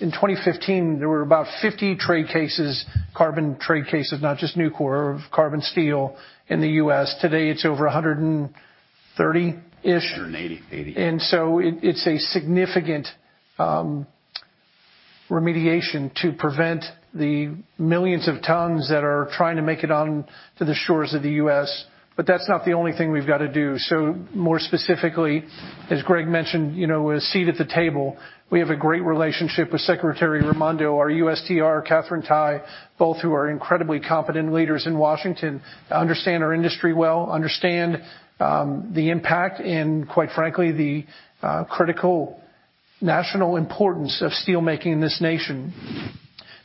2015, there were about 50 trade cases, carbon trade cases, not just Nucor, of carbon steel in the U.S. Today, it's over 130-ish. 180. It's a significant remediation to prevent the millions of tons that are trying to make it on to the shores of the U.S. That's not the only thing we've got to do. More specifically, as Greg mentioned, a seat at the table. We have a great relationship with Gina Raimondo, our USTR, Katherine Tai, both who are incredibly competent leaders in Washington that understand our industry well, understand the impact and, quite frankly, the critical national importance of steelmaking in this nation.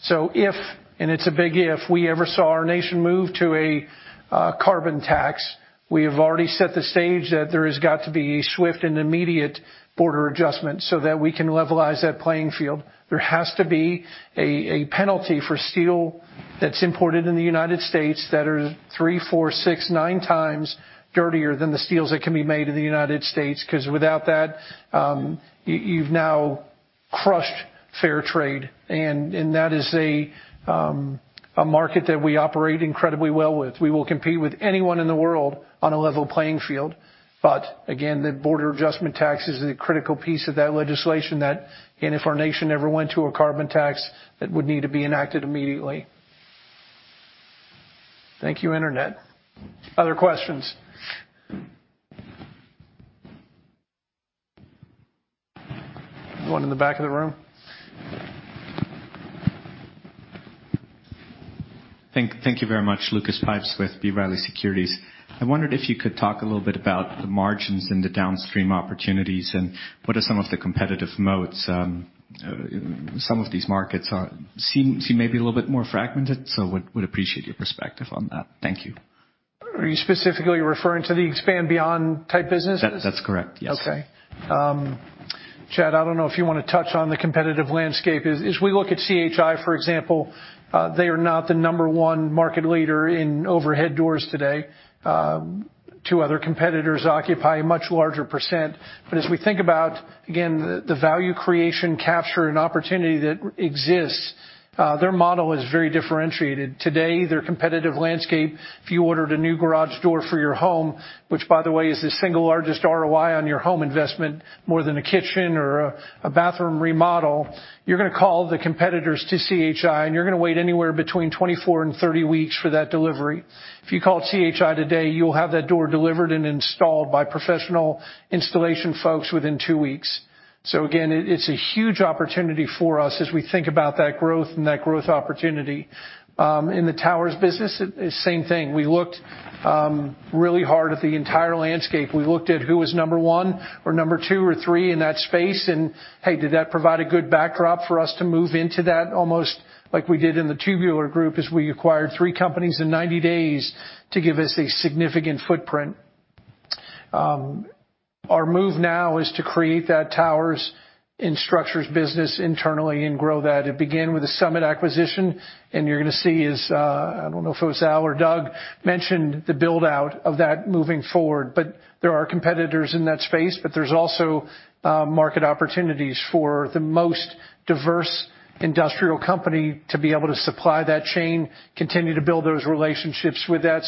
If, and it's a big if, we ever saw our nation move to a carbon tax, we have already set the stage that there has got to be swift and immediate border adjustment so that we can levelize that playing field. There has to be a penalty for steel that's imported in the United States that are three, four, six, nine times One in the back of the room. Thank you very much. Lucas Pipes with B. Riley Securities. I wondered if you could talk a little bit about the margins and the downstream opportunities and what are some of the competitive moats. Some of these markets seem maybe a little bit more fragmented, so would appreciate your perspective on that. Thank you. Are you specifically referring to the Expand Beyond type businesses? That's correct, yes. Okay. Chad, I don't know if you want to touch on the competitive landscape. As we look at CHI, for example, they are not the number one market leader in overhead doors today. Two other competitors occupy a much larger %. As we think about, again, the value creation capture and opportunity that exists, their model is very differentiated. Today, their competitive landscape, if you ordered a new garage door for your home, which, by the way, is the single largest ROI on your home investment, more than a kitchen or a bathroom remodel, you're going to call the competitors to CHI, and you're going to wait anywhere between 24 and 30 weeks for that delivery. If you call CHI today, you'll have that door delivered and installed by professional installation folks within two weeks. Again, it's a huge opportunity for us as we think about that growth and that growth opportunity. In the towers business, same thing. We looked really hard at the entire landscape. We looked at who was number 1 or number 2 or 3 in that space, and hey, did that provide a good backdrop for us to move into that almost like we did in the Tubular Group, as we acquired 3 companies in 90 days to give us a significant footprint. Our move now is to create that towers and structures business internally and grow that. It began with the Summit acquisition, and you're going to see as, I don't know if it was Al or Doug, mentioned the build-out of that moving forward. There are competitors in that space, but there's also market opportunities for the most diverse industrial company to be able to supply that chain, continue to build those relationships with that.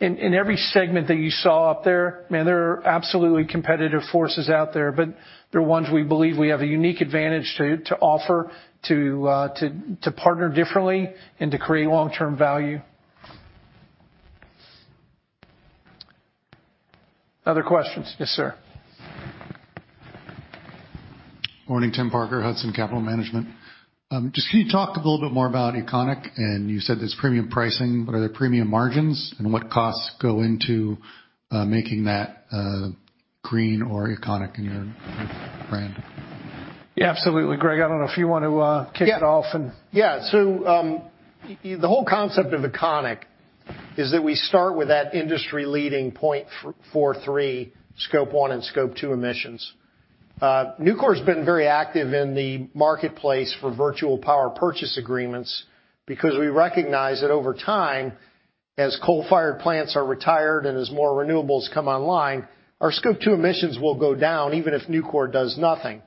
In every segment that you saw up there, man, there are absolutely competitive forces out there. They're ones we believe we have a unique advantage to offer to partner differently and to create long-term value. Other questions? Yes, sir. Morning. Timothy Parker, Hudson Capital Management. Just can you talk a little bit more about Econiq? You said there's premium pricing, but are there premium margins? What costs go into making that green or Econiq in your brand? Yeah, absolutely. Greg, I don't know if you want to- Yeah kick it off and- The whole concept of Econiq is that we start with that industry-leading 0.43 Scope 1 and Scope 2 emissions. Nucor's been very active in the marketplace for virtual power purchase agreements because we recognize that over time, as coal-fired plants are retired and as more renewables come online, our Scope 2 emissions will go down even if Nucor does nothing.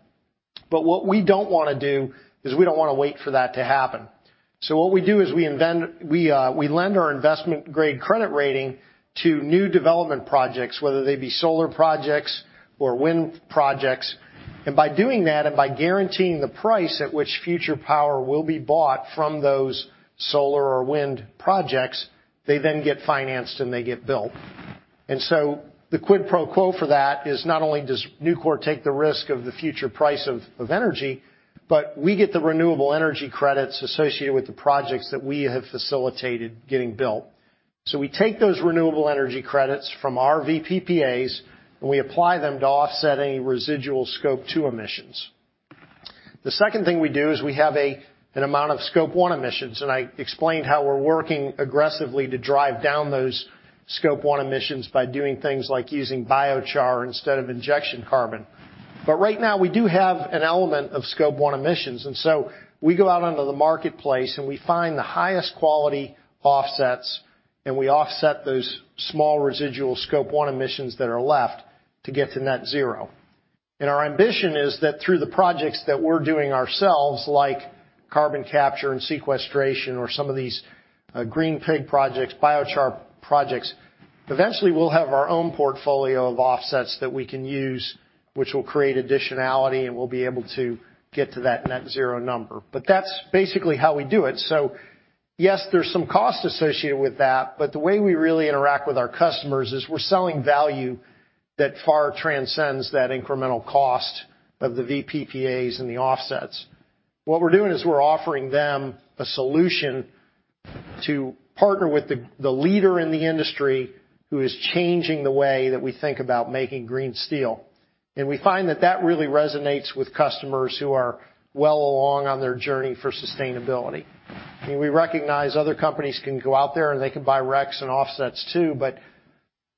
What we don't wanna do is we don't wanna wait for that to happen. What we do is we lend our investment-grade credit rating to new development projects, whether they be solar projects or wind projects. By doing that and by guaranteeing the price at which future power will be bought from those solar or wind projects, they get financed, and they get built. The quid pro quo for that is not only does Nucor take the risk of the future price of energy, but we get the renewable energy credits associated with the projects that we have facilitated getting built. We take those renewable energy credits from our VPPAs, and we apply them to offset any residual Scope 2 emissions. The second thing we do is we have an amount of Scope 1 emissions, and I explained how we're working aggressively to drive down those Scope 1 emissions by doing things like using biochar instead of injection carbon. Right now, we do have an element of Scope 1 emissions, we go out onto the marketplace and we find the highest quality offsets, and we offset those small residual Scope 1 emissions that are left to get to net zero. Our ambition is that through the projects that we're doing ourselves, like carbon capture and sequestration or some of these green pig projects, biochar projects, eventually we'll have our own portfolio of offsets that we can use, which will create additionality, and we'll be able to get to that net zero number. That's basically how we do it. Yes, there's some cost associated with that, but the way we really interact with our customers is we're selling value that far transcends that incremental cost of the VPPAs and the offsets. What we're doing is we're offering them a solution to partner with the leader in the industry who is changing the way that we think about making green steel. We find that that really resonates with customers who are well along on their journey for sustainability. I mean, we recognize other companies can go out there, and they can buy RECs and offsets too, but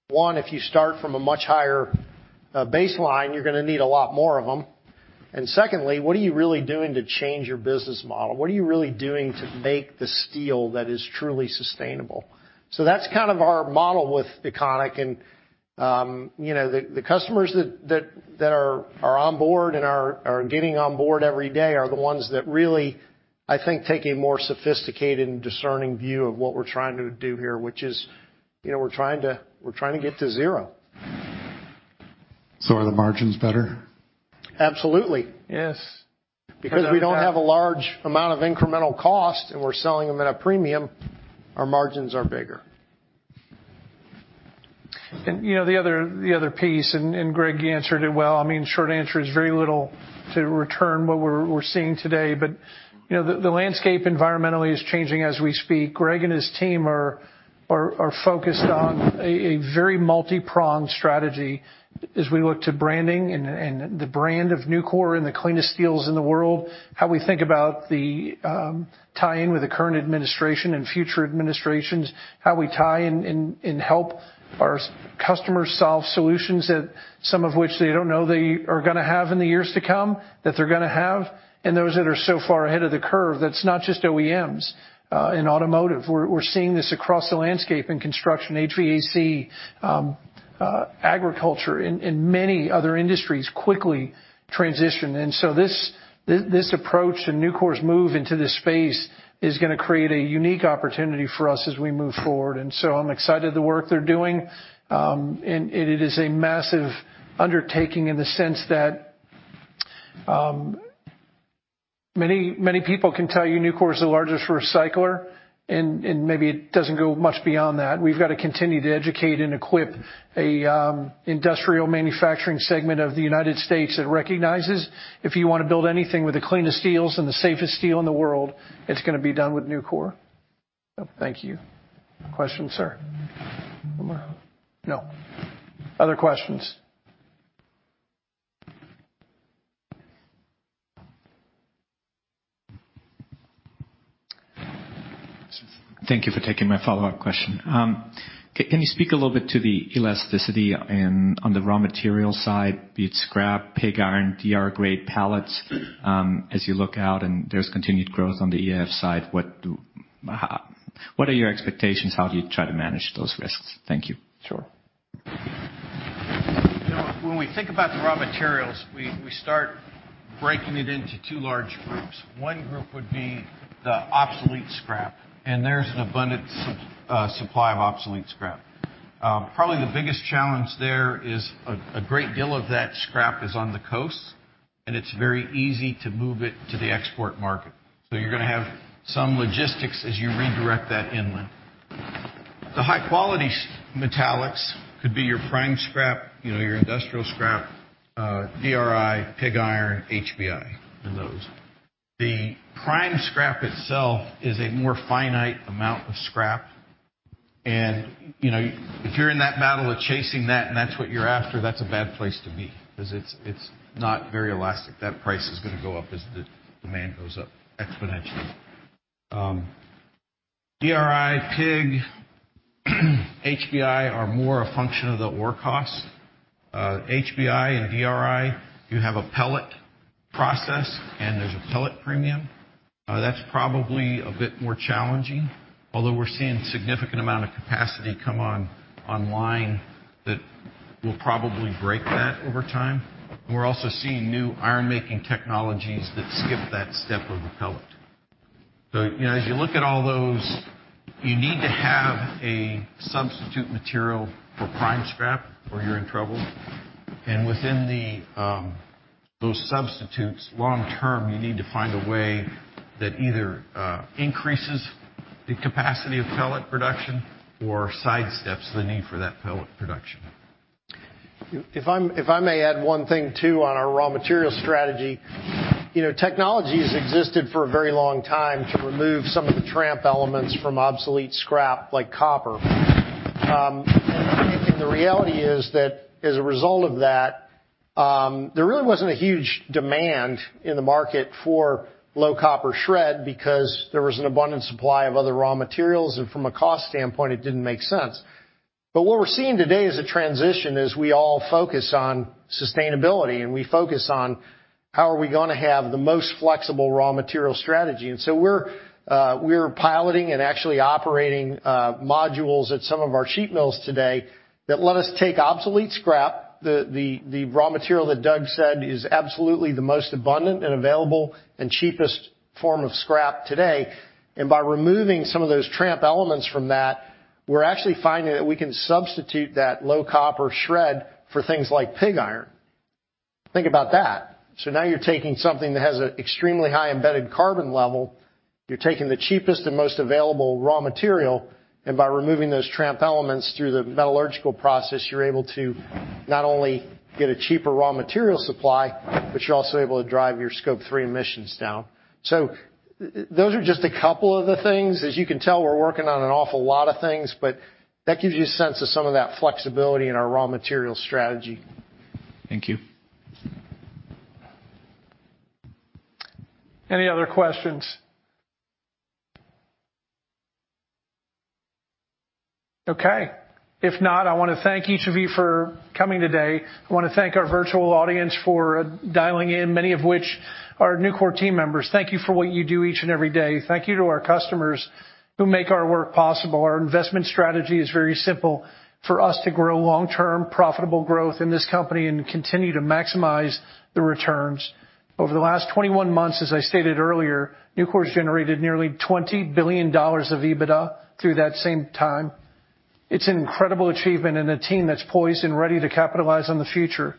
one, if you start from a much higher baseline, you're going to need a lot more of them. Secondly, what are you really doing to change your business model? What are you really doing to make the steel that is truly sustainable? That's kind of our model with Econiq. The customers that are on board and are getting on board every day are the ones that really, I think, take a more sophisticated and discerning view of what we're trying to do here, which is we're trying to get to zero. Are the margins better? Absolutely. Yes. Because we don't have a large amount of incremental cost, and we're selling them at a premium, our margins are bigger. The other piece, Greg answered it well, I mean, short answer is very little to return what we're seeing today. The landscape environmentally is changing as we speak. Greg and his team are focused on a very multipronged strategy as we look to branding and the brand of Nucor and the cleanest steels in the world, how we think about the tie-in with the current administration and future administrations, how we tie in and help our customers solve solutions that some of which they don't know they are gonna have in the years to come, that they're gonna have, and those that are so far ahead of the curve that it's not just OEMs in automotive. We're seeing this across the landscape in construction, HVAC, agriculture, and many other industries quickly transition. This approach and Nucor's move into this space is gonna create a unique opportunity for us as we move forward. I'm excited the work they're doing. It is a massive undertaking in the sense that many people can tell you Nucor is the largest recycler, and maybe it doesn't go much beyond that. We've got to continue to educate and equip a industrial manufacturing segment of the United States that recognizes if you want to build anything with the cleanest steels and the safest steel in the world, it's gonna be done with Nucor. Thank you. Question, sir? One more? No. Other questions? Thank you for taking my follow-up question. Can you speak a little to the elasticity on the raw material side, be it scrap, pig iron, DR grade pellets? As you look out and there's continued growth on the EAF side, what are your expectations? How do you try to manage those risks? Thank you. Sure. When we think about the raw materials, we start breaking it into two large groups. There's an abundant supply of obsolete scrap. Probably the biggest challenge there is a great deal of that scrap is on the coast It's very easy to move it to the export market. You're going to have some logistics as you redirect that inland. The high-quality metallics could be your prime scrap, your industrial scrap, DRI, pig iron, HBI, and those. The prime scrap itself is a more finite amount of scrap, and if you're in that battle of chasing that, and that's what you're after, that's a bad place to be because it's not very elastic. That price is going to go up as the demand goes up exponentially. DRI, pig, HBI are more a function of the ore cost. HBI and DRI, you have a pellet process and there's a pellet premium. That's probably a bit more challenging. Although we're seeing a significant amount of capacity come online that will probably break that over time. We're also seeing new iron-making technologies that skip that step of the pellet. As you look at all those, you need to have a substitute material for prime scrap or you're in trouble, and within those substitutes, long term, you need to find a way that either increases the capacity of pellet production or sidesteps the need for that pellet production. If I may add one thing too, on our raw material strategy. Technology has existed for a very long time to remove some of the tramp elements from obsolete scrap like copper. I think the reality is that as a result of that, there really wasn't a huge demand in the market for low copper shred because there was an abundant supply of other raw materials, and from a cost standpoint, it didn't make sense. What we're seeing today is a transition as we all focus on sustainability, and we focus on how are we going to have the most flexible raw material strategy. We're piloting and actually operating modules at some of our sheet mills today that let us take obsolete scrap, the raw material that Doug said is absolutely the most abundant and available and cheapest form of scrap today, and by removing some of those tramp elements from that, we're actually finding that we can substitute that low copper shred for things like pig iron. Think about that. Now you're taking something that has an extremely high embedded carbon level. You're taking the cheapest and most available raw material, and by removing those tramp elements through the metallurgical process, you're able to not only get a cheaper raw material supply, but you're also able to drive your Scope 3 emissions down. Those are just a couple of the things. As you can tell, we're working on an awful lot of things. That gives you a sense of some of that flexibility in our raw material strategy. Thank you. Any other questions? Okay. If not, I want to thank each of you for coming today. I want to thank our virtual audience for dialing in, many of which are Nucor team members. Thank you for what you do each and every day. Thank you to our customers who make our work possible. Our investment strategy is very simple: for us to grow long-term profitable growth in this company and continue to maximize the returns. Over the last 21 months, as I stated earlier, Nucor has generated nearly $20 billion of EBITDA through that same time. It's an incredible achievement and a team that's poised and ready to capitalize on the future.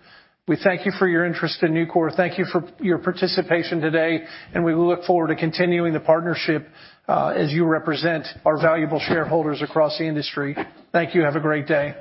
We thank you for your interest in Nucor. Thank you for your participation today. We look forward to continuing the partnership, as you represent our valuable shareholders across the industry. Thank you. Have a great day.